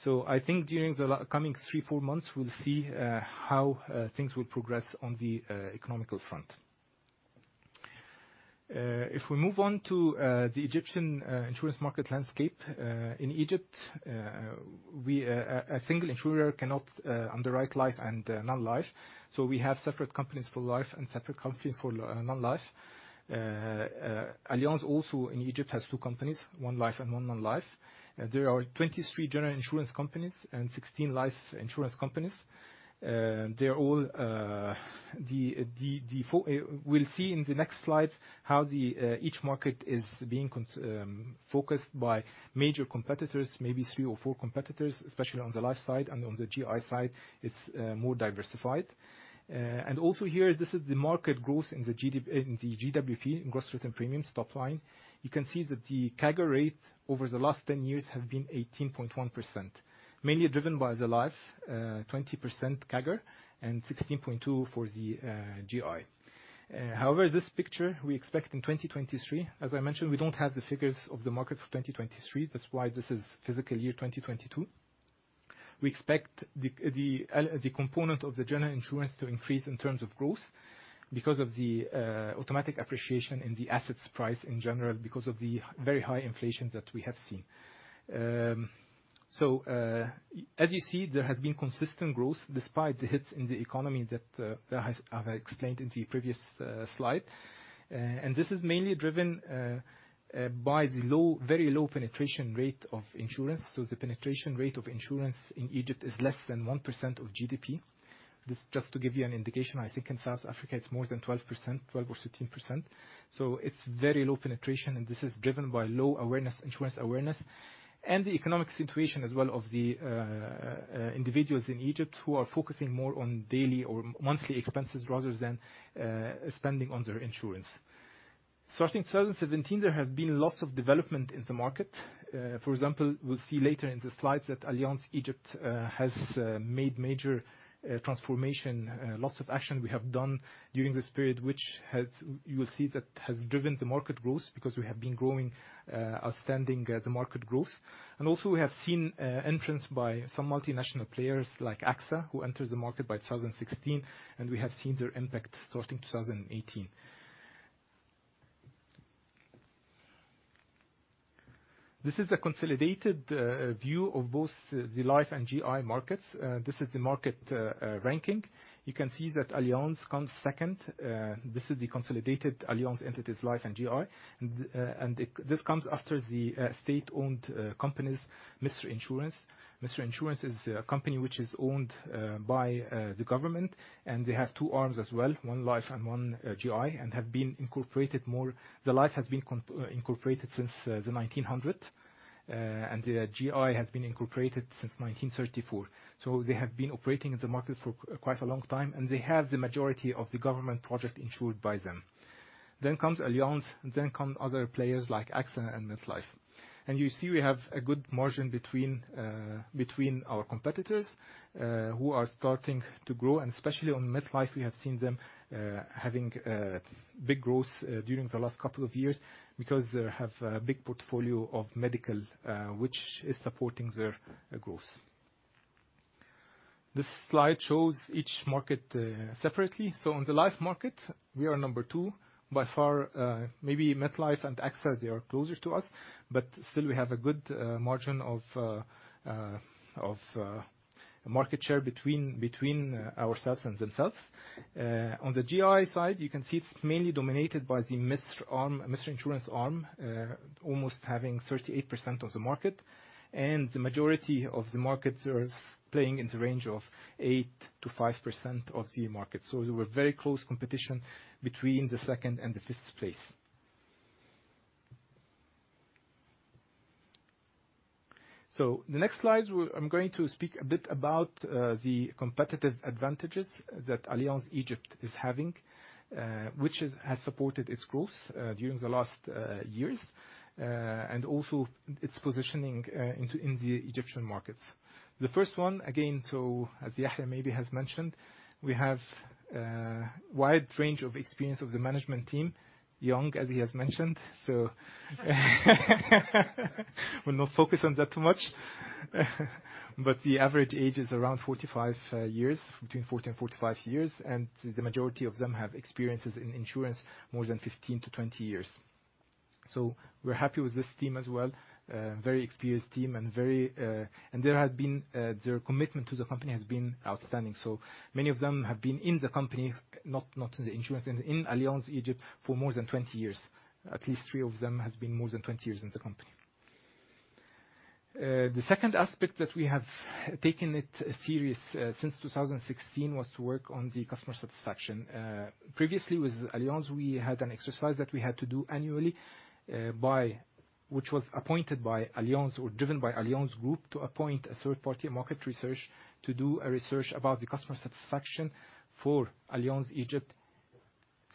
So I think during the coming three, four months, we'll see how things will progress on the economic front. If we move on to the Egyptian insurance market landscape, in Egypt, a single insurer cannot underwrite life and non-life. So we have separate companies for life and separate companies for non-life. Allianz also in Egypt has two companies, one life and one non-life. There are 23 general insurance companies and 16 life insurance companies. They're all the four... We'll see in the next slide how each market is being focused by major competitors, maybe three or four competitors, especially on the life side and on the GI side, it's more diversified. And also here, this is the market growth in the GWP, in gross written premiums, top line. You can see that the CAGR rate over the last 10 years has been 18.1%, mainly driven by the life, 20% CAGR and 16.2 for the GI. However, this picture we expect in 2023, as I mentioned, we don't have the figures of the market for 2023. That's why this is fiscal year 2022. We expect the component of the general insurance to increase in terms of growth because of the automatic appreciation in the assets price in general, because of the very high inflation that we have seen. So, as you see, there has been consistent growth despite the hits in the economy that has... I've explained in the previous slide. And this is mainly driven by the low, very low penetration rate of insurance. So the penetration rate of insurance in Egypt is less than 1% of GDP. This just to give you an indication. I think in South Africa, it's more than 12%, 12% or 13%. So it's very low penetration, and this is driven by low awareness, insurance awareness and the economic situation as well, of the individuals in Egypt who are focusing more on daily or monthly expenses rather than spending on their insurance. Starting in 2017, there have been lots of development in the market. For example, we'll see later in the slides that Allianz Egypt has made major transformation, lots of action we have done during this period, which has you will see that has driven the market growth, because we have been growing outstanding the market growth. And also we have seen entrance by some multinational players like AXA, who entered the market by 2016, and we have seen their impact starting 2018. This is a consolidated view of both the life and GI markets. This is the market ranking. You can see that Allianz comes second. This is the consolidated Allianz entities, Life and GI. This comes after the state-owned companies, Misr Insurance. Misr Insurance is a company which is owned by the government, and they have two arms as well, one life and one GI, and have been incorporated more. The Life has been incorporated since 1900, and the GI has been incorporated since 1934. So they have been operating in the market for quite a long time, and they have the majority of the government project insured by them. Then comes Allianz, and then come other players like AXA and MetLife. And you see, we have a good margin between our competitors who are starting to grow, and especially on MetLife, we have seen them having big growth during the last couple of years because they have a big portfolio of medical which is supporting their growth. This slide shows each market separately. So in the life market, we are number two. By far, maybe MetLife and AXA, they are closer to us, but still we have a good margin of market share between ourselves and themselves. On the GI side, you can see it's mainly dominated by the Misr arm, Misr Insurance arm, almost having 38% of the market, and the majority of the markets are playing in the range of 8%-5% of the market. So they were very close competition between the second and the fifth place. So the next slide, I'm going to speak a bit about the competitive advantages that Allianz Egypt is having, which has supported its growth during the last years, and also its positioning into the Egyptian markets. The first one, again, so as Yahia maybe has mentioned, we have a wide range of experience of the management team, young, as he has mentioned. So, we'll not focus on that too much. But the average age is around 45 years, between 40 and 45 years, and the majority of them have experiences in insurance more than 15-20 years. So we're happy with this team as well. Very experienced team and very... And there have been, their commitment to the company has been outstanding. So many of them have been in the company, not in the insurance, in Allianz Egypt for more than 20 years. At least 3 of them has been more than 20 years in the company. The second aspect that we have taken it serious, since 2016, was to work on the customer satisfaction. Previously with Allianz, we had an exercise that we had to do annually, by... which was appointed by Allianz or driven by Allianz Group, to appoint a third-party market research, to do a research about the customer satisfaction for Allianz Egypt,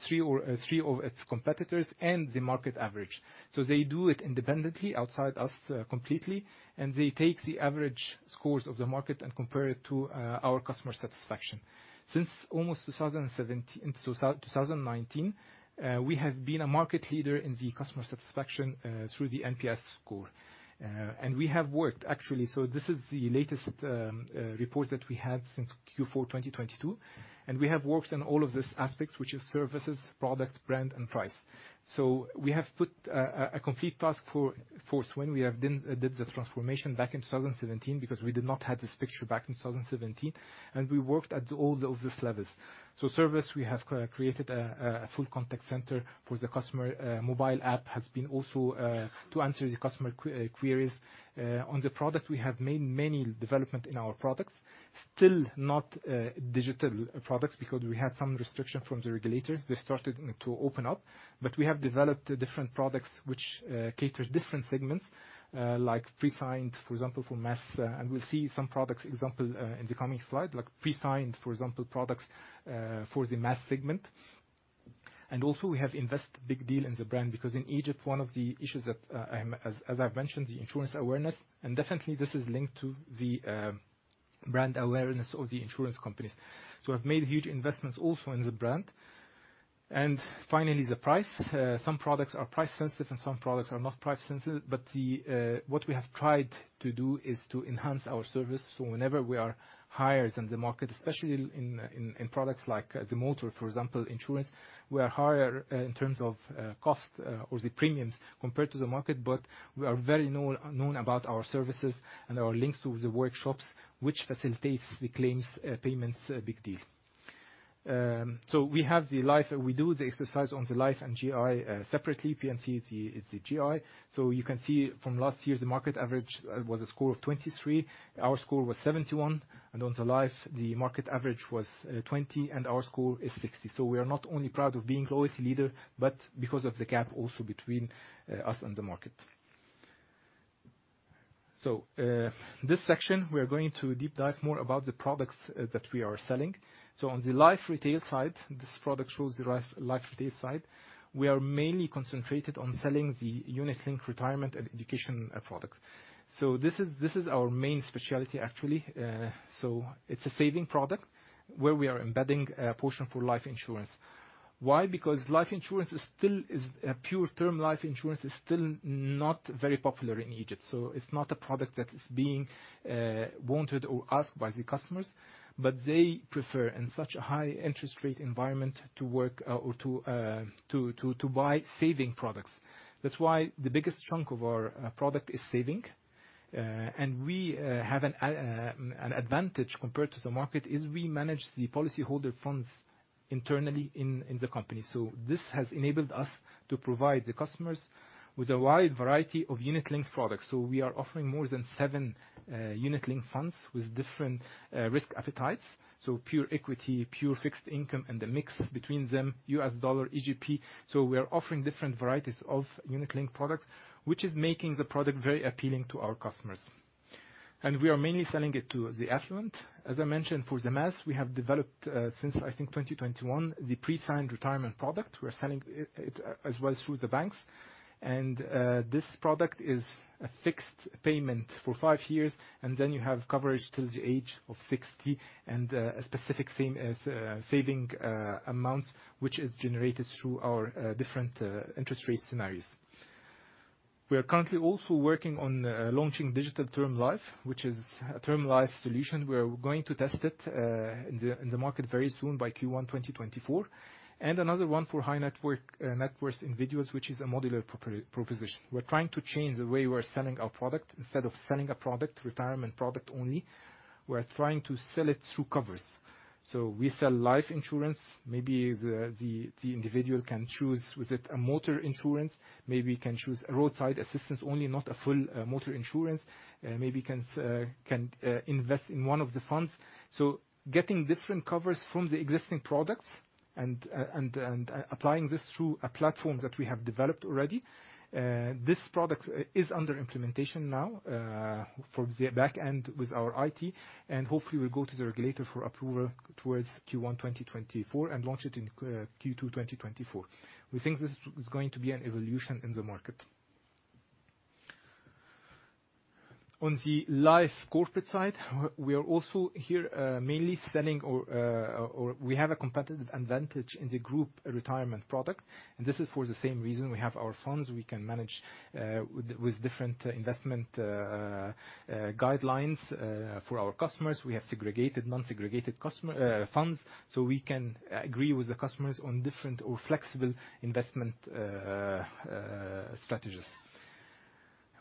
three of its competitors and the market average. They do it independently, outside us, completely, and they take the average scores of the market and compare it to our customer satisfaction. Since almost 2017, so 2019, we have been a market leader in the customer satisfaction through the NPS score. And we have worked, actually, so this is the latest report that we had since Q4 2022, and we have worked on all of these aspects, which is services, product, brand, and price. So we have put a complete task force when we have been doing the transformation back in 2017, because we did not have this picture back in 2017, and we worked at all of these levels. So service, we have created a full contact center for the customer. Mobile app has been also to answer the customer queries. On the product, we have made many developments in our products. Still not digital products, because we had some restriction from the regulator. They started to open up, but we have developed different products which cater different segments, like pre-signed, for example, for mass. And we'll see some products example in the coming slide, like pre-signed, for example, products for the mass segment. And also, we have invested big deal in the brand, because in Egypt, one of the issues that, as I've mentioned, the insurance awareness, and definitely this is linked to the brand awareness of the insurance companies. So we've made huge investments also in the brand. And finally, the price. Some products are price sensitive and some products are not price sensitive, but the what we have tried to do is to enhance our service. So whenever we are higher than the market, especially in products like the motor, for example, insurance, we are higher in terms of cost or the premiums compared to the market, but we are very known about our services and our links to the workshops, which facilitates the claims payments, a big deal. So we have the life... We do the exercise on the life and GI separately. NPS, it's the, it's the GI. So you can see from last year, the market average was a score of 23. Our score was 71, and on the life, the market average was 20, and our score is 60. So we are not only proud of being always leader, but because of the gap also between us and the market. So this section, we are going to deep dive more about the products that we are selling. So on the life retail side, this product shows the life, life retail side. We are mainly concentrated on selling the unit link retirement and education products. So this is, this is our main specialty, actually. So it's a saving product where we are embedding a portion for life insurance. Why? Because life insurance is still a pure term life insurance is still not very popular in Egypt, so it's not a product that is being wanted or asked by the customers, but they prefer, in such a high interest rate environment, to buy saving products. That's why the biggest chunk of our product is saving. And we have an advantage compared to the market, is we manage the policyholder funds internally in the company. So this has enabled us to provide the customers with a wide variety of unit linked products. So we are offering more than 7 unit linked funds with different risk appetites. So pure equity, pure fixed income, and the mix between them, US dollar, EGP. So we are offering different varieties of unit-linked products, which is making the product very appealing to our customers. And we are mainly selling it to the affluent. As I mentioned, for the mass, we have developed, since I think 2021, the prescribed retirement product. We are selling it as well through the banks. And this product is a fixed payment for five years, and then you have coverage till the age of 60, and a specific same saving amounts, which is generated through our different interest rate scenarios. We are currently also working on launching digital term life, which is a term life solution. We are going to test it in the market very soon by Q1 2024, and another one for high net worth individuals, which is a modular proposition. We're trying to change the way we're selling our product. Instead of selling a product, retirement product only, we're trying to sell it through covers. So we sell life insurance. Maybe the individual can choose, with it a motor insurance, maybe can choose a roadside assistance, only, not a full motor insurance. Maybe can invest in one of the funds. So getting different covers from the existing products. And applying this through a platform that we have developed already. This product is under implementation now, for the back end with our IT, and hopefully, we'll go to the regulator for approval towards Q1 2024 and launch it in Q2 2024. We think this is going to be an evolution in the market. On the life corporate side, we are also here mainly selling or we have a competitive advantage in the group retirement product, and this is for the same reason we have our funds. We can manage with different investment guidelines for our customers. We have segregated, non-segregated customer funds, so we can agree with the customers on different or flexible investment strategies.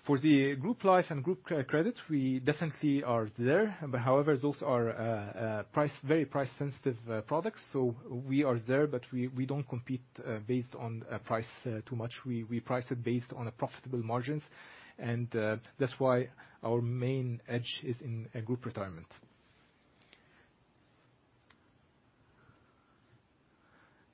For the group life and group credit, we definitely are there, but however, those are very price-sensitive products. So we are there, but we don't compete based on price too much. We price it based on a profitable margins, and that's why our main edge is in group retirement.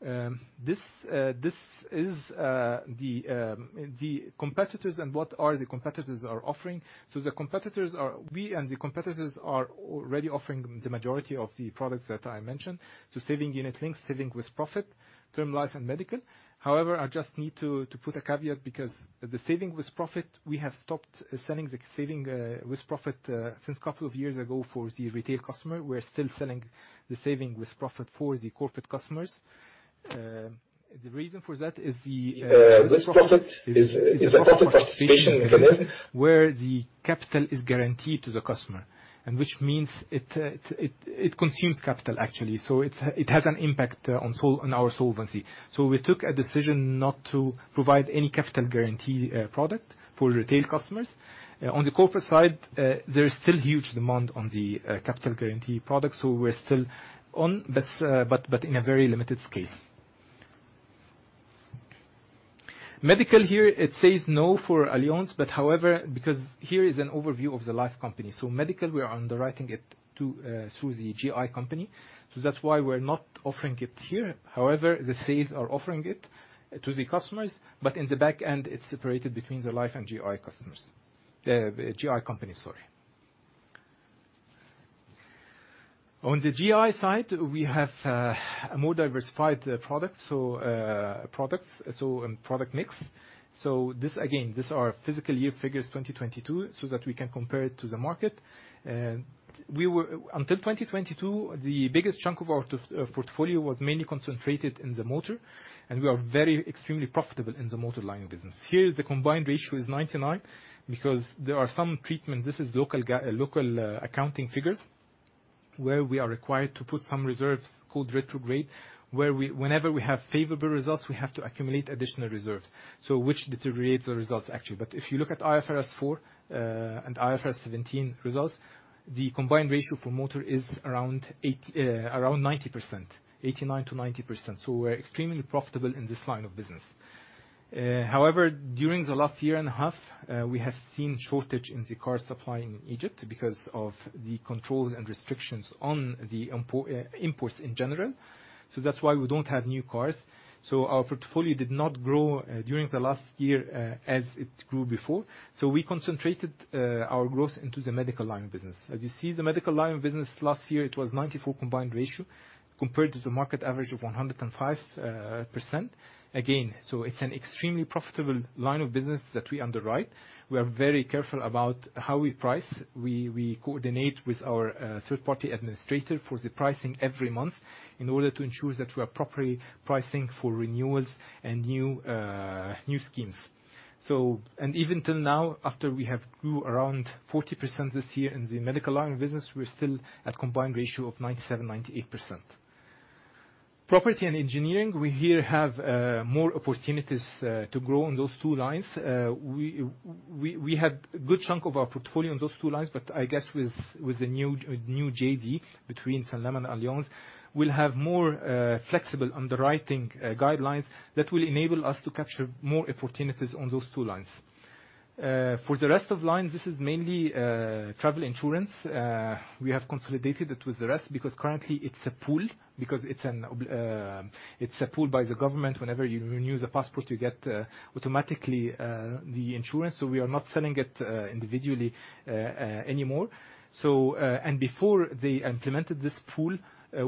This is the competitors and what the competitors are offering. So the competitors are. We and the competitors are already offering the majority of the products that I mentioned, so savings unit-linked, savings with profit, term life and medical. However, I just need to put a caveat because the savings with profit, we have stopped selling the savings with profit since a couple of years ago for the retail customer. We're still selling the savings with profit for the corporate customers. The reason for that is this product is a product participation fund, where the capital is guaranteed to the customer, and which means it consumes capital, actually. So it has an impact on our solvency. So we took a decision not to provide any capital guarantee product for retail customers. On the corporate side, there is still huge demand on the capital guarantee product, so we're still on, but in a very limited scale. Medical here, it says no for Allianz, but however, because here is an overview of the life company. So medical, we are underwriting it through the GI company. So that's why we're not offering it here. However, the sales are offering it to the customers, but in the back end, it's separated between the life and GI customers. The GI company, sorry. On the GI side, we have a more diversified product mix. So this, again, these are fiscal year figures, 2022, so that we can compare it to the market. And we were—until 2022, the biggest chunk of our port... Portfolio was mainly concentrated in the motor, and we are very extremely profitable in the motor line of business. Here, the combined ratio is 99% because there are some treatment. This is local accounting figures, where we are required to put some reserves, called retrograde, whenever we have favorable results, we have to accumulate additional reserves, so which deteriorates the results, actually. But if you look at IFRS 4 and IFRS 17 results, the combined ratio for motor is around eighty, around 90%, 89%-90%. So we're extremely profitable in this line of business. However, during the last year and a half, we have seen shortage in the car supply in Egypt because of the controls and restrictions on the imports in general. So that's why we don't have new cars. So our portfolio did not grow during the last year as it grew before. So we concentrated our growth into the medical line of business. As you see, the medical line of business last year, it was 94 combined ratio compared to the market average of 105%. Again, so it's an extremely profitable line of business that we underwrite. We are very careful about how we price. We, we coordinate with our third-party administrator for the pricing every month in order to ensure that we are properly pricing for renewals and new new schemes. So, and even till now, after we have grew around 40% this year in the medical line business, we're still at combined ratio of 97%-98%. Property and engineering, we here have more opportunities to grow on those two lines. We had a good chunk of our portfolio on those two lines, but I guess with the new JV between Sanlam and Allianz, we'll have more flexible underwriting guidelines that will enable us to capture more opportunities on those two lines. For the rest of lines, this is mainly travel insurance. We have consolidated it with the rest because currently it's a pool by the government. Whenever you renew the passport, you get automatically the insurance, so we are not selling it individually anymore. Before they implemented this pool,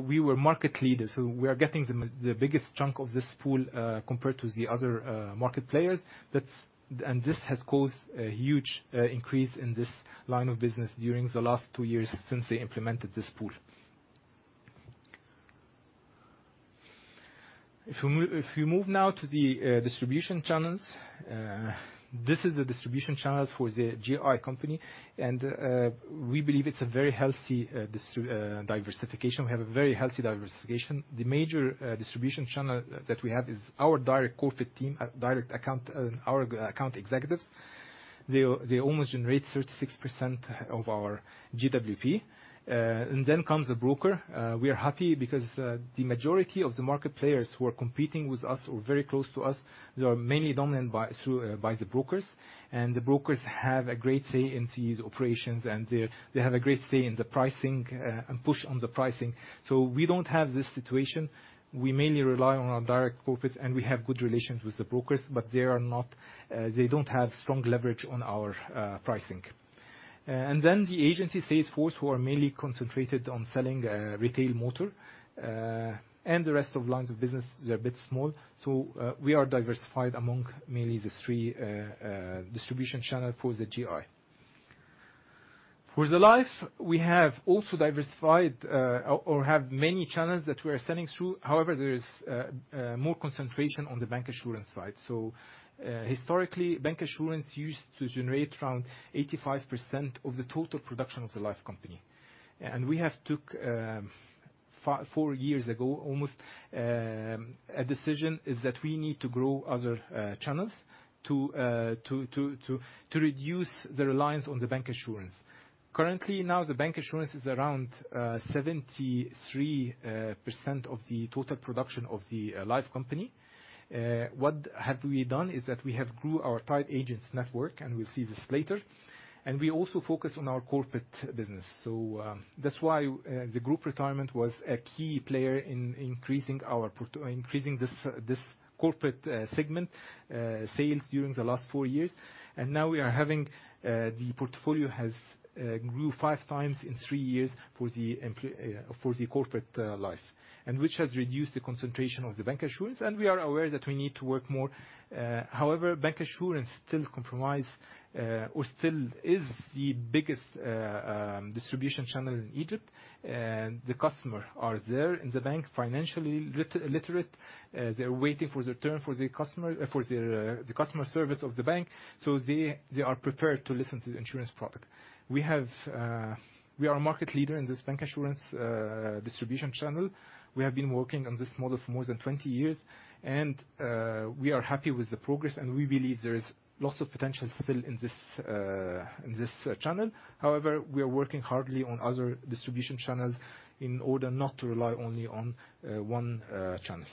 we were market leaders, so we are getting the biggest chunk of this pool compared to the other market players. And this has caused a huge increase in this line of business during the last two years since they implemented this pool. If we move now to the distribution channels, this is the distribution channels for the GI company, and we believe it's a very healthy diversification. We have a very healthy diversification. The major distribution channel that we have is our direct corporate team, direct account, our account executives. They almost generate 36% of our GWP. And then comes the broker. We are happy because the majority of the market players who are competing with us or very close to us, they are mainly dominant by, through, by the brokers. And the brokers have a great say in these operations, and they, they have a great say in the pricing, and push on the pricing. So we don't have this situation. We mainly rely on our direct profits, and we have good relations with the brokers, but they are not... They don't have strong leverage on our pricing. And then the agency sales force, who are mainly concentrated on selling retail motor and the rest of lines of business, they're a bit small. So we are diversified among mainly the three distribution channel for the GI. For the Life, we have also diversified, or have many channels that we are sending through. However, there is more concentration on the bank insurance side. So, historically, bank insurance used to generate around 85% of the total production of the Life company. And we have took 4 years ago, almost, a decision, is that we need to grow other channels to reduce the reliance on the bank insurance. Currently, now, the bank insurance is around 73% of the total production of the Life company. What have we done, is that we have grew our tied agents network, and we'll see this later. And we also focus on our corporate business. So, that's why the group retirement was a key player in increasing this corporate segment sales during the last 4 years. Now we are having the portfolio has grew five times in three years for the corporate life, and which has reduced the concentration of the bank insurance, and we are aware that we need to work more. However, bank insurance still comprises or still is the biggest distribution channel in Egypt, and the customers are there in the bank, financially illiterate. They're waiting for their turn for the customer service of the bank, so they are prepared to listen to the insurance product. We are a market leader in this bank insurance distribution channel. We have been working on this model for more than 20 years, and we are happy with the progress, and we believe there is lots of potential still in this channel. However, we are working hardly on other distribution channels in order not to rely only on one channel.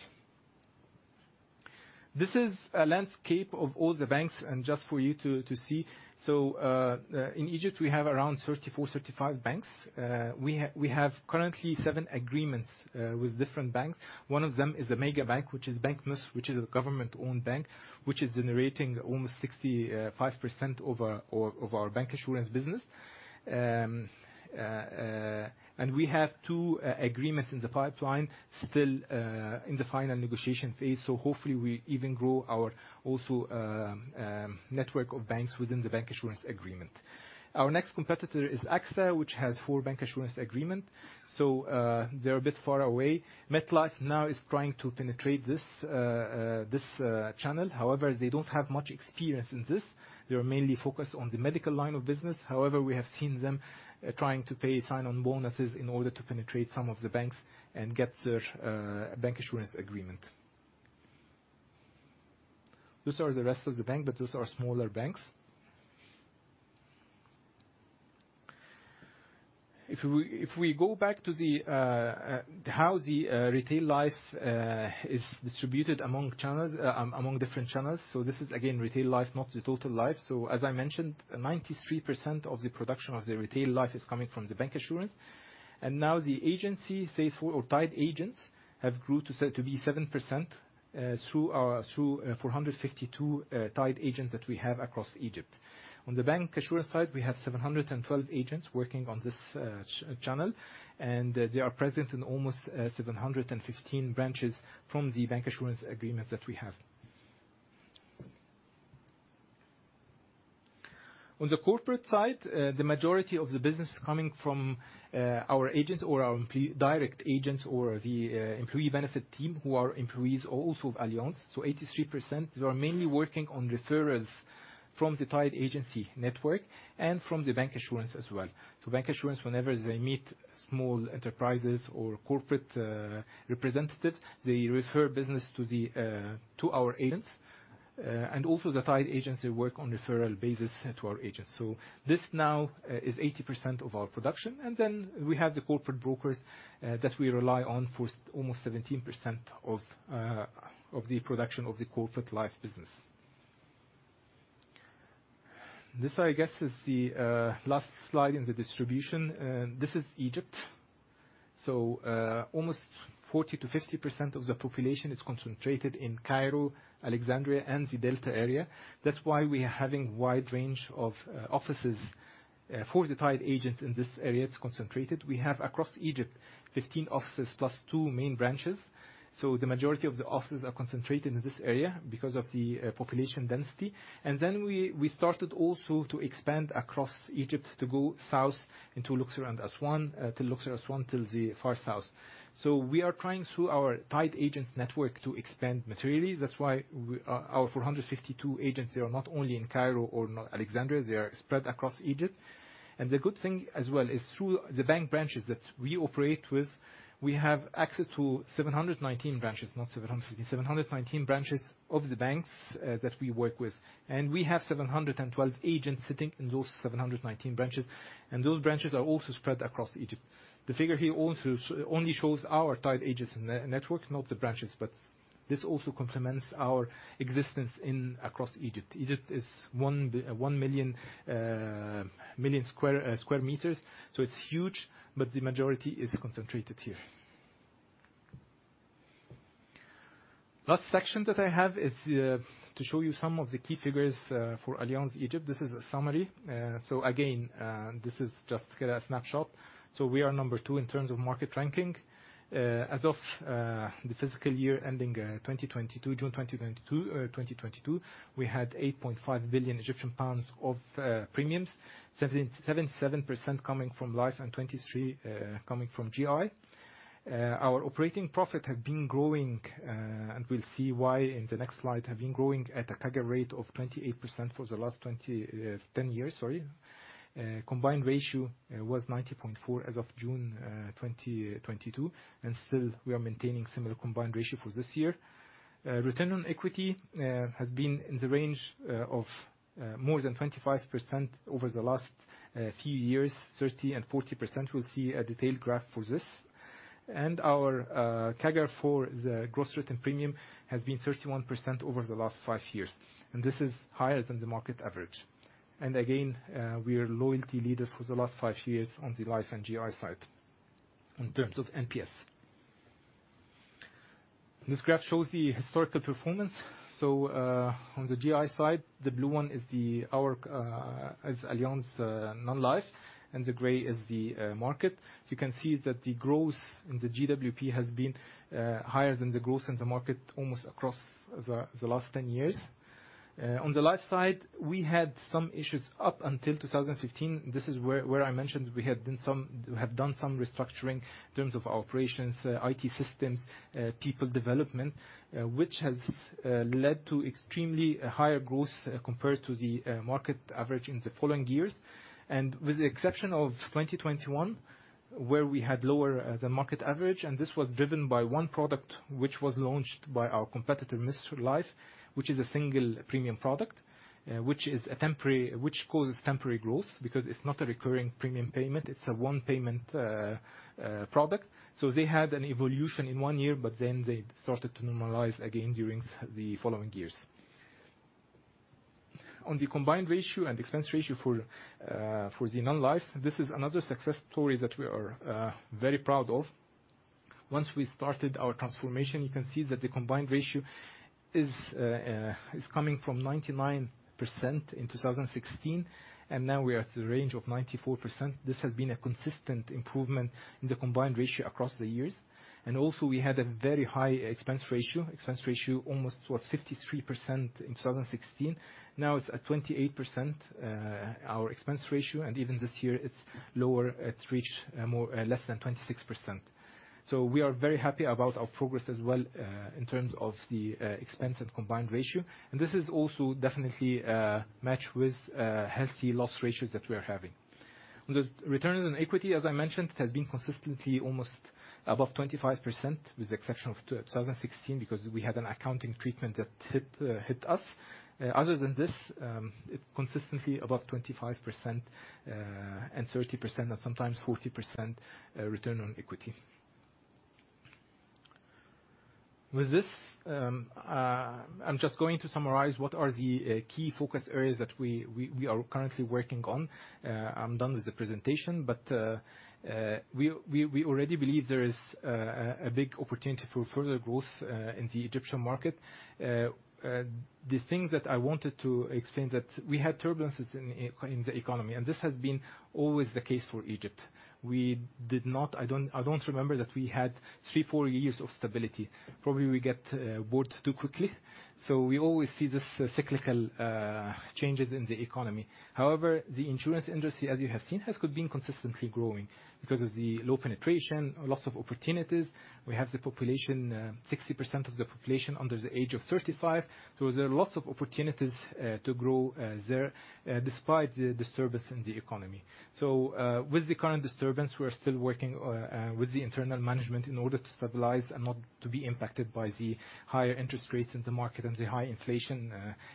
This is a landscape of all the banks, and just for you to see. So, in Egypt, we have around 34-35 banks. We have currently 7 agreements with different banks. One of them is the mega bank, which is Banque Misr, which is a government-owned bank, which is generating almost 65% of our bank insurance business. And we have 2 agreements in the pipeline, still, in the final negotiation phase, so hopefully, we even grow our also, network of banks within the bank insurance agreement. Our next competitor is AXA, which has 4 bank insurance agreements, so, they're a bit far away. MetLife now is trying to penetrate this channel. However, they don't have much experience in this. They are mainly focused on the medical line of business. However, we have seen them trying to pay sign-on bonuses in order to penetrate some of the banks and get their bank insurance agreement. These are the rest of the banks, but those are smaller banks. If we go back to how the retail life is distributed among channels, among different channels. So this is, again, retail Life, not the total Life. So as I mentioned, 93% of the production of the retail Life is coming from the bank insurance. And now the agency sales or tied agents have grew to to be 7%, through 452 tied agents that we have across Egypt. On the bank insurance side, we have 712 agents working on this channel, and they are present in almost 715 branches from the bank insurance agreement that we have. On the corporate side, the majority of the business is coming from our Direct agents or the employee benefit team, who are employees also of Allianz. So 83%, they are mainly working on referrals from the tied agency network and from the bank insurance as well. So bank insurance, whenever they meet small enterprises or corporate representatives, they refer business to the to our agents. And also the tied agents, they work on referral basis to our agents. So this now is 80% of our production, and then we have the corporate brokers that we rely on for almost 17% of of the production of the corporate life business. This, I guess, is the last slide in the distribution, and this is Egypt. So almost 40%-50% of the population is concentrated in Cairo, Alexandria, and the Delta area. That's why we are having wide range of offices for the tied agent in this area, it's concentrated. We have across Egypt, 15 offices plus two main branches, so the majority of the offices are concentrated in this area because of the population density. And then we started also to expand across Egypt to go south into Luxor and Aswan to Luxor, Aswan, till the far south. So we are trying through our tied agent network to expand materially. That's why our 452 agents, they are not only in Cairo or Alexandria, they are spread across Egypt. And the good thing as well is through the bank branches that we operate with, we have access to 719 branches, not 750. 719 branches of the banks that we work with, and we have 712 agents sitting in those 719 branches, and those branches are also spread across Egypt. The figure here also only shows our tied agents network, not the branches, but this also complements our existence in across Egypt. Egypt is 1 million square meters, so it's huge, but the majority is concentrated here. Last section that I have is to show you some of the key figures for Allianz Egypt. This is a summary. So again, this is just to get a snapshot. So we are number two in terms of market ranking. As of the fiscal year ending 2022, June 2022, 2022, we had 8.5 billion Egyptian pounds of premiums, 77% coming from Life and 23% coming from GI. Our operating profit have been growing, and we'll see why in the next slide, have been growing at a CAGR rate of 28% for the last twenty, 10 years, sorry. Combined ratio was 90.4 as of June 2022, and still, we are maintaining similar combined ratio for this year. Return on equity has been in the range of more than 25% over the last few years, 30% and 40%. We'll see a detailed graph for this. And our CAGR for the gross written premium has been 31% over the last five years, and this is higher than the market average. And again, we are loyalty leaders for the last five years on the Life and GI side in terms of NPS. This graph shows the historical performance. So, on the GI side, the blue one is our Allianz Non-Life, and the gray is the market. So you can see that the growth in the GWP has been higher than the growth in the market almost across the last 10 years. On the Life side, we had some issues up until 2015. This is where I mentioned we have done some restructuring in terms of operations, IT systems, people development, which has led to extremely higher growth compared to the market average in the following years. And with the exception of 2021, where we had lower than the market average, and this was driven by one product, which was launched by our competitor, Misr Life, which is a single premium product, which causes temporary growth because it's not a recurring premium payment, it's a one payment product. So they had an evolution in one year, but then they started to normalize again during the following years. On the combined ratio and expense ratio for the Non-Life, this is another success story that we are very proud of. Once we started our transformation, you can see that the combined ratio is, is coming from 99% in 2016, and now we are at the range of 94%. This has been a consistent improvement in the combined ratio across the years. And also, we had a very high expense ratio. Expense ratio almost was 53% in 2016. Now it's at 28%, our expense ratio, and even this year, it's lower. It's reached, more, less than 26%. So we are very happy about our progress as well, in terms of the, expense and combined ratio, and this is also definitely, match with, healthy loss ratios that we are having. The return on equity, as I mentioned, has been consistently almost above 25%, with the exception of 2016, because we had an accounting treatment that hit, hit us. Other than this, it consistently above 25%, and 30%, and sometimes 40%, return on equity. With this, I'm just going to summarize what are the key focus areas that we are currently working on. I'm done with the presentation, but we already believe there is a big opportunity for further growth in the Egyptian market. The things that I wanted to explain that we had turbulences in the economy, and this has been always the case for Egypt. We did not... I don't, I don't remember that we had three or four years of stability. Probably, we get bored too quickly, so we always see this cyclical changes in the economy. However, the insurance industry, as you have seen, has been consistently growing because of the low penetration, lots of opportunities. We have the population, 60% of the population under the age of 35, so there are lots of opportunities to grow there despite the disturbance in the economy. So, with the current disturbance, we are still working with the internal management in order to stabilize and not to be impacted by the higher interest rates in the market and the high inflation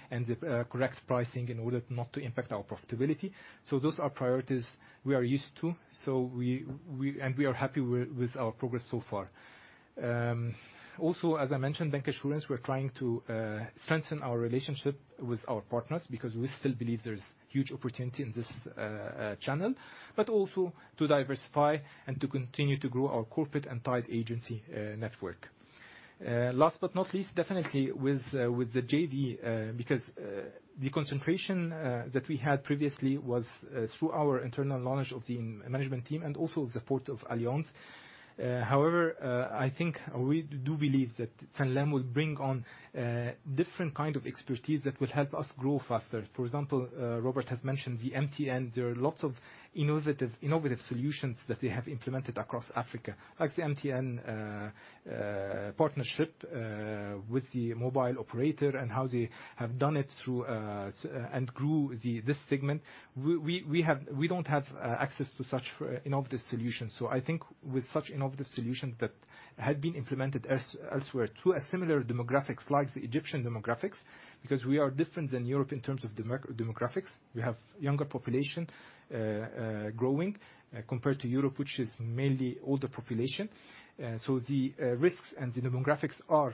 and the correct pricing in order not to impact our profitability. So those are priorities we are used to, so we and we are happy with our progress so far. Also, as I mentioned, bank insurance, we're trying to strengthen our relationship with our partners because we still believe there's huge opportunity in this channel, but also to diversify and to continue to grow our corporate and tied agency network. Last but not least, definitely with the JV, because the concentration that we had previously was through our internal knowledge of the management team and also the support of Allianz. However, I think we do believe that Sanlam will bring on different kind of expertise that will help us grow faster. For example, Robert has mentioned the MTN. There are lots of innovative solutions that they have implemented across Africa, like the MTN partnership with the mobile operator and how they have done it through and grew this segment. We have—we don't have access to such innovative solutions, so I think with such innovative solutions that have been implemented elsewhere to a similar demographics like the Egyptian demographics, because we are different than Europe in terms of demographics. We have younger population, growing, compared to Europe, which is mainly older population. So the risks and the demographics are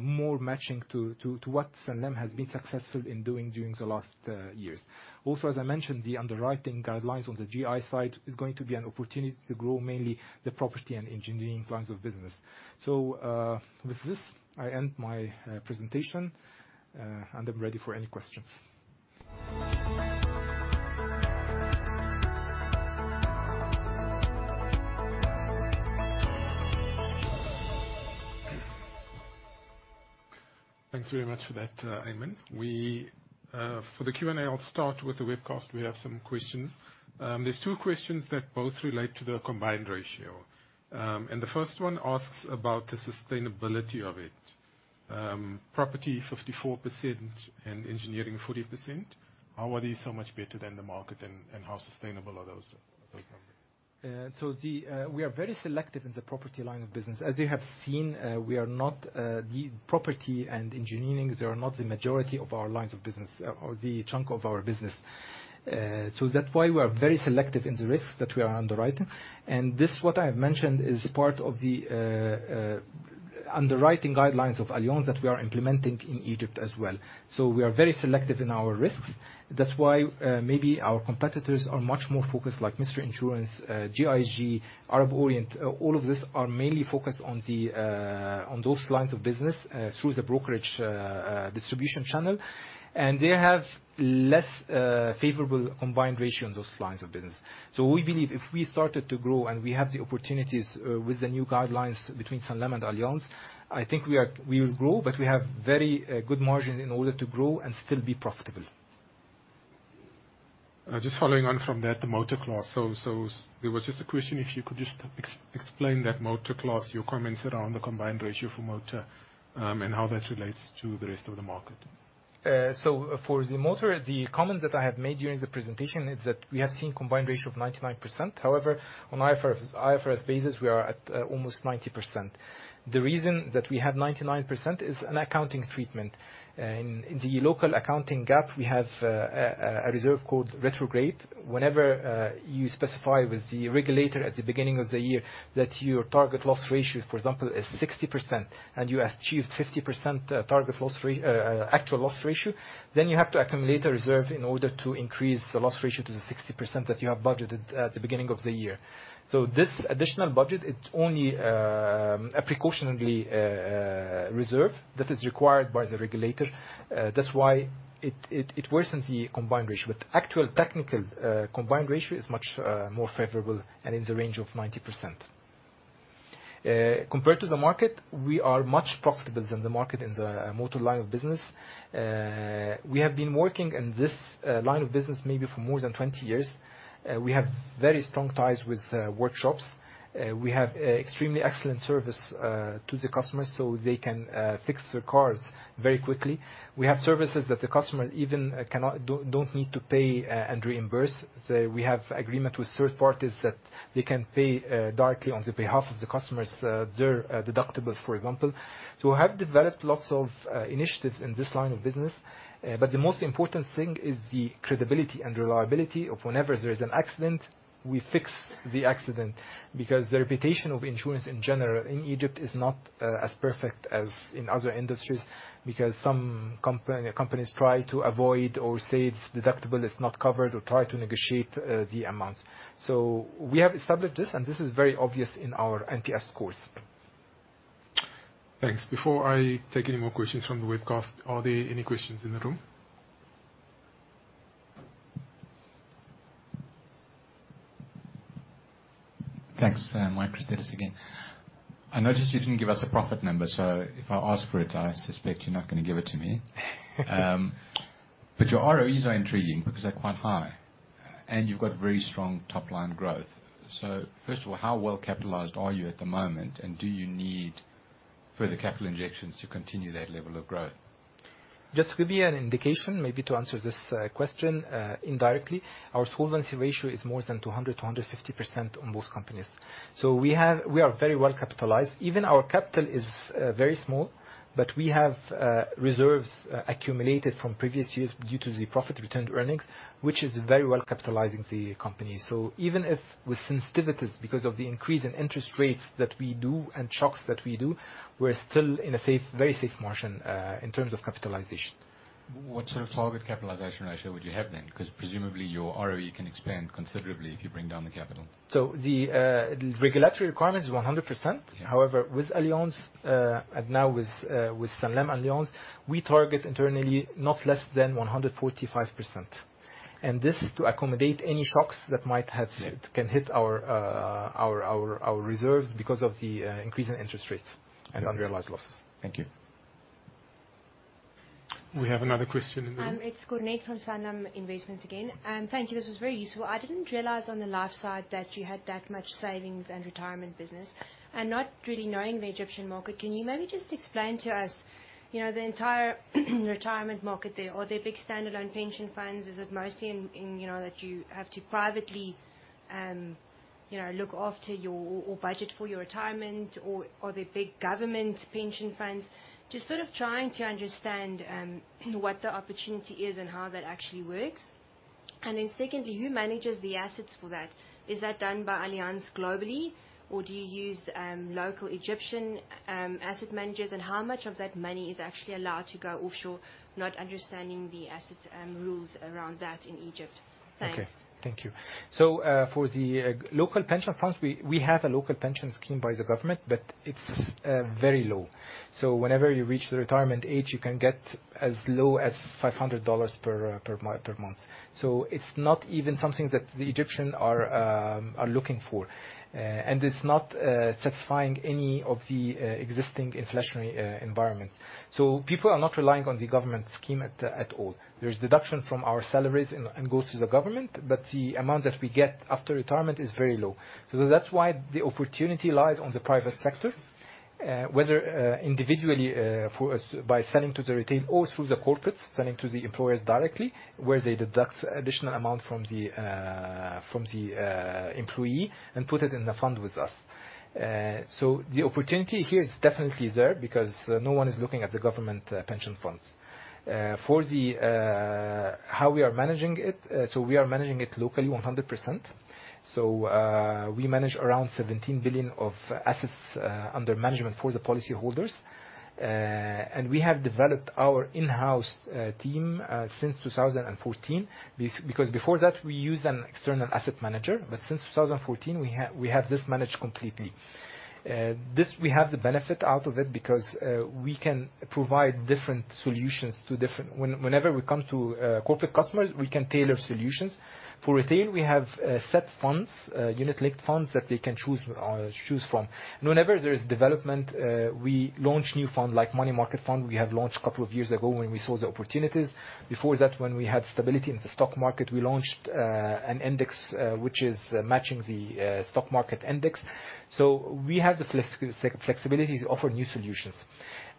more matching to what Sanlam has been successful in doing during the last years. Also, as I mentioned, the underwriting guidelines on the GI side is going to be an opportunity to grow mainly the property and engineering lines of business. So, with this, I end my presentation, and I'm ready for any questions. Thanks very much for that, Ayman. For the Q&A, I'll start with the webcast. We have some questions. There's 2 questions that both relate to the combined ratio. The first one asks about the sustainability of it. Property 54% and engineering 40%. How are these so much better than the market, and, and how sustainable are those, those numbers? So the, we are very selective in the property line of business. As you have seen, we are not, the property and engineering, they are not the majority of our lines of business or the chunk of our business. So that's why we are very selective in the risks that we are underwriting. And this, what I mentioned, is part of the, underwriting guidelines of Allianz that we are implementing in Egypt as well. So we are very selective in our risks. That's why, maybe our competitors are much more focused, like Misr Insurance, GIG, Arab Orient. All of this are mainly focused on the, on those lines of business, through the brokerage, distribution channel, and they have less, favorable combined ratio on those lines of business. So we believe if we started to grow, and we have the opportunities with the new guidelines between Sanlam and Allianz, I think we will grow, but we have very good margin in order to grow and still be profitable. Just following on from that, the motor clause. So there was just a question, if you could just explain that motor clause, your comments around the combined ratio for motor, and how that relates to the rest of the market. So for the motor, the comments that I have made during the presentation is that we have seen combined ratio of 99%. However, on IFRS basis, we are at almost 90%. The reason that we have 99% is an accounting treatment. In the local accounting GAAP, we have a reserve called retrograde. Whenever you specify with the regulator at the beginning of the year that your target loss ratio, for example, is 60% and you achieved 50%, actual loss ratio, then you have to accumulate a reserve in order to increase the loss ratio to the 60% that you have budgeted at the beginning of the year. So this additional budget, it's only a precautionary reserve that is required by the regulator. That's why it worsens the combined ratio. But actual technical combined ratio is much more favorable and in the range of 90%. Compared to the market, we are much profitable than the market in the motor line of business. We have been working in this line of business maybe for more than 20 years. We have very strong ties with workshops. We have extremely excellent service to the customers, so they can fix their cars very quickly. We have services that the customer even cannot... don't need to pay and reimburse. So we have agreement with third parties that they can pay directly on the behalf of the customers their deductibles, for example. So we have developed lots of initiatives in this line of business. But the most important thing is the credibility and reliability of whenever there is an accident, we fix the accident, because the reputation of insurance in general in Egypt is not as perfect as in other industries, because some companies try to avoid or say it's deductible, it's not covered, or try to negotiate the amounts. So we have established this, and this is very obvious in our NPS scores. Thanks. Before I take any more questions from the webcast, are there any questions in the room? Thanks. Michael Christelis again. I noticed you didn't give us a profit number, so if I ask for it, I suspect you're not going to give it to me. But your ROEs are intriguing because they're quite high, and you've got very strong top-line growth. So first of all, how well capitalized are you at the moment, and do you need further capital injections to continue that level of growth? Just to give you an indication, maybe to answer this question indirectly, our solvency ratio is more than 200, 250% on most companies. So we are very well capitalized. Even our capital is very small, but we have reserves accumulated from previous years due to the profit returned earnings, which is very well capitalizing the company. So even if with sensitivities, because of the increase in interest rates that we do and shocks that we do, we're still in a safe, very safe margin in terms of capitalization. What sort of target capitalization ratio would you have then? Because presumably your ROE can expand considerably if you bring down the capital. So the regulatory requirement is 100%. Yeah. However, with Allianz, and now with, with Sanlam and Allianz, we target internally not less than 145%. This is to accommodate any shocks that might have- Yeah. Can hit our reserves because of the increase in interest rates and unrealized losses. Thank you. We have another question in the room. It's Cornette from Sanlam Investments again. Thank you. This was very useful. I didn't realize on the life side that you had that much savings and retirement business. And not really knowing the Egyptian market, can you maybe just explain to us, you know, the entire retirement market there? Are there big stand-alone pension funds? Is it mostly in, you know, that you have to privately, you know, look after your or budget for your retirement, or the big government pension funds? Just sort of trying to understand, what the opportunity is and how that actually works. And then secondly, who manages the assets for that? Is that done by Allianz globally, or do you use local Egyptian asset managers? And how much of that money is actually allowed to go offshore? Not understanding the assets and rules around that in Egypt. Thanks. Okay. Thank you. So, for the local pension funds, we have a local pensions scheme by the government, but it's very low. So whenever you reach the retirement age, you can get as low as $500 per month. So it's not even something that the Egyptians are looking for, and it's not satisfying any of the existing inflationary environment. So people are not relying on the government scheme at all. There's deduction from our salaries and goes to the government, but the amount that we get after retirement is very low. So that's why the opportunity lies on the private sector.... Whether individually for us by selling to the retail or through the corporates, selling to the employers directly, where they deduct additional amount from the employee and put it in a fund with us. So the opportunity here is definitely there, because no one is looking at the government pension funds. For how we are managing it, so we are managing it locally 100%. So we manage around 17 billion of assets under management for the policyholders. And we have developed our in-house team since 2014. Because before that, we used an external asset manager, but since 2014, we have this managed completely. We have the benefit out of it, because we can provide different solutions to different-- Whenever we come to corporate customers, we can tailor solutions. For retail, we have set funds, unit-linked funds that they can choose from. Whenever there is development, we launch new fund, like money market fund we have launched a couple of years ago when we saw the opportunities. Before that, when we had stability in the stock market, we launched an index which is matching the stock market index. So we have the flexibilities to offer new solutions.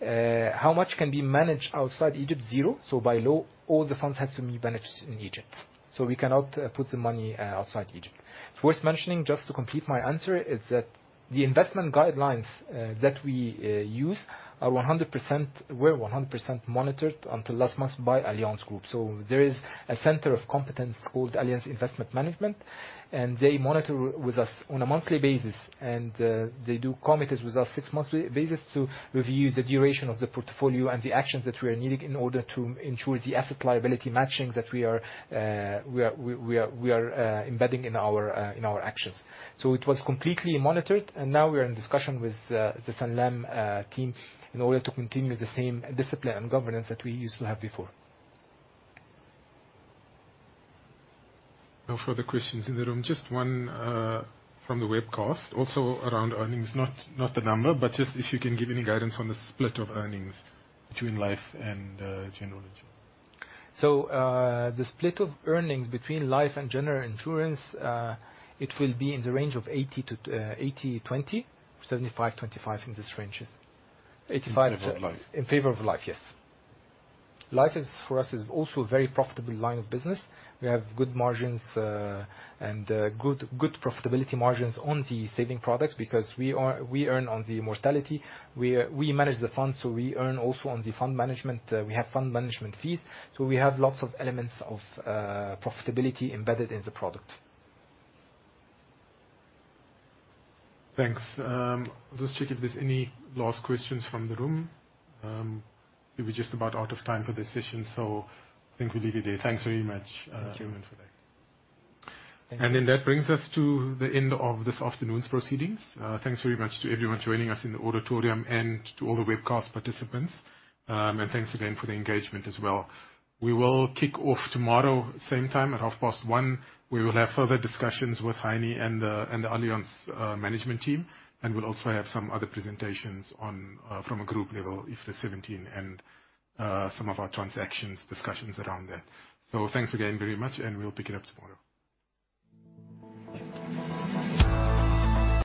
How much can be managed outside Egypt? 0. So by law, all the funds has to be managed in Egypt, so we cannot put the money outside Egypt. Worth mentioning, just to complete my answer, is that the investment guidelines that we use are 100%—were 100% monitored until last month by Allianz Group. So there is a center of competence called Allianz Investment Management, and they monitor with us on a monthly basis, and they do committees with us six-monthly basis to review the duration of the portfolio and the actions that we are needing in order to ensure the asset liability matching that we are embedding in our actions. So it was completely monitored, and now we are in discussion with the Sanlam team, in order to continue the same discipline and governance that we used to have before. No further questions in the room. Just one, from the webcast, also around earnings, not, not the number, but just if you can give any guidance on the split of earnings between life and general insurance? So, the split of earnings between life and general insurance, it will be in the range of 80 to 80/20, 75/25, in this ranges. 85- In favor of life. In favor of life, yes. Life is, for us, also a very profitable line of business. We have good margins and good profitability margins on the savings products, because we earn on the mortality. We manage the funds, so we earn also on the fund management. We have fund management fees, so we have lots of elements of profitability embedded in the product. Thanks. I'll just check if there's any last questions from the room. We'll be just about out of time for this session, so I think we'll leave it there. Thanks very much, Herman, for that. Thank you. That brings us to the end of this afternoon's proceedings. Thanks very much to everyone joining us in the auditorium and to all the webcast participants. Thanks again for the engagement as well. We will kick off tomorrow, same time, at 1:30 P.M. We will have further discussions with Heinie and the, and the Allianz management team, and we'll also have some other presentations on from a group level, IFRS 17, and some of our transactions, discussions around that. So thanks again very much, and we'll pick it up tomorrow.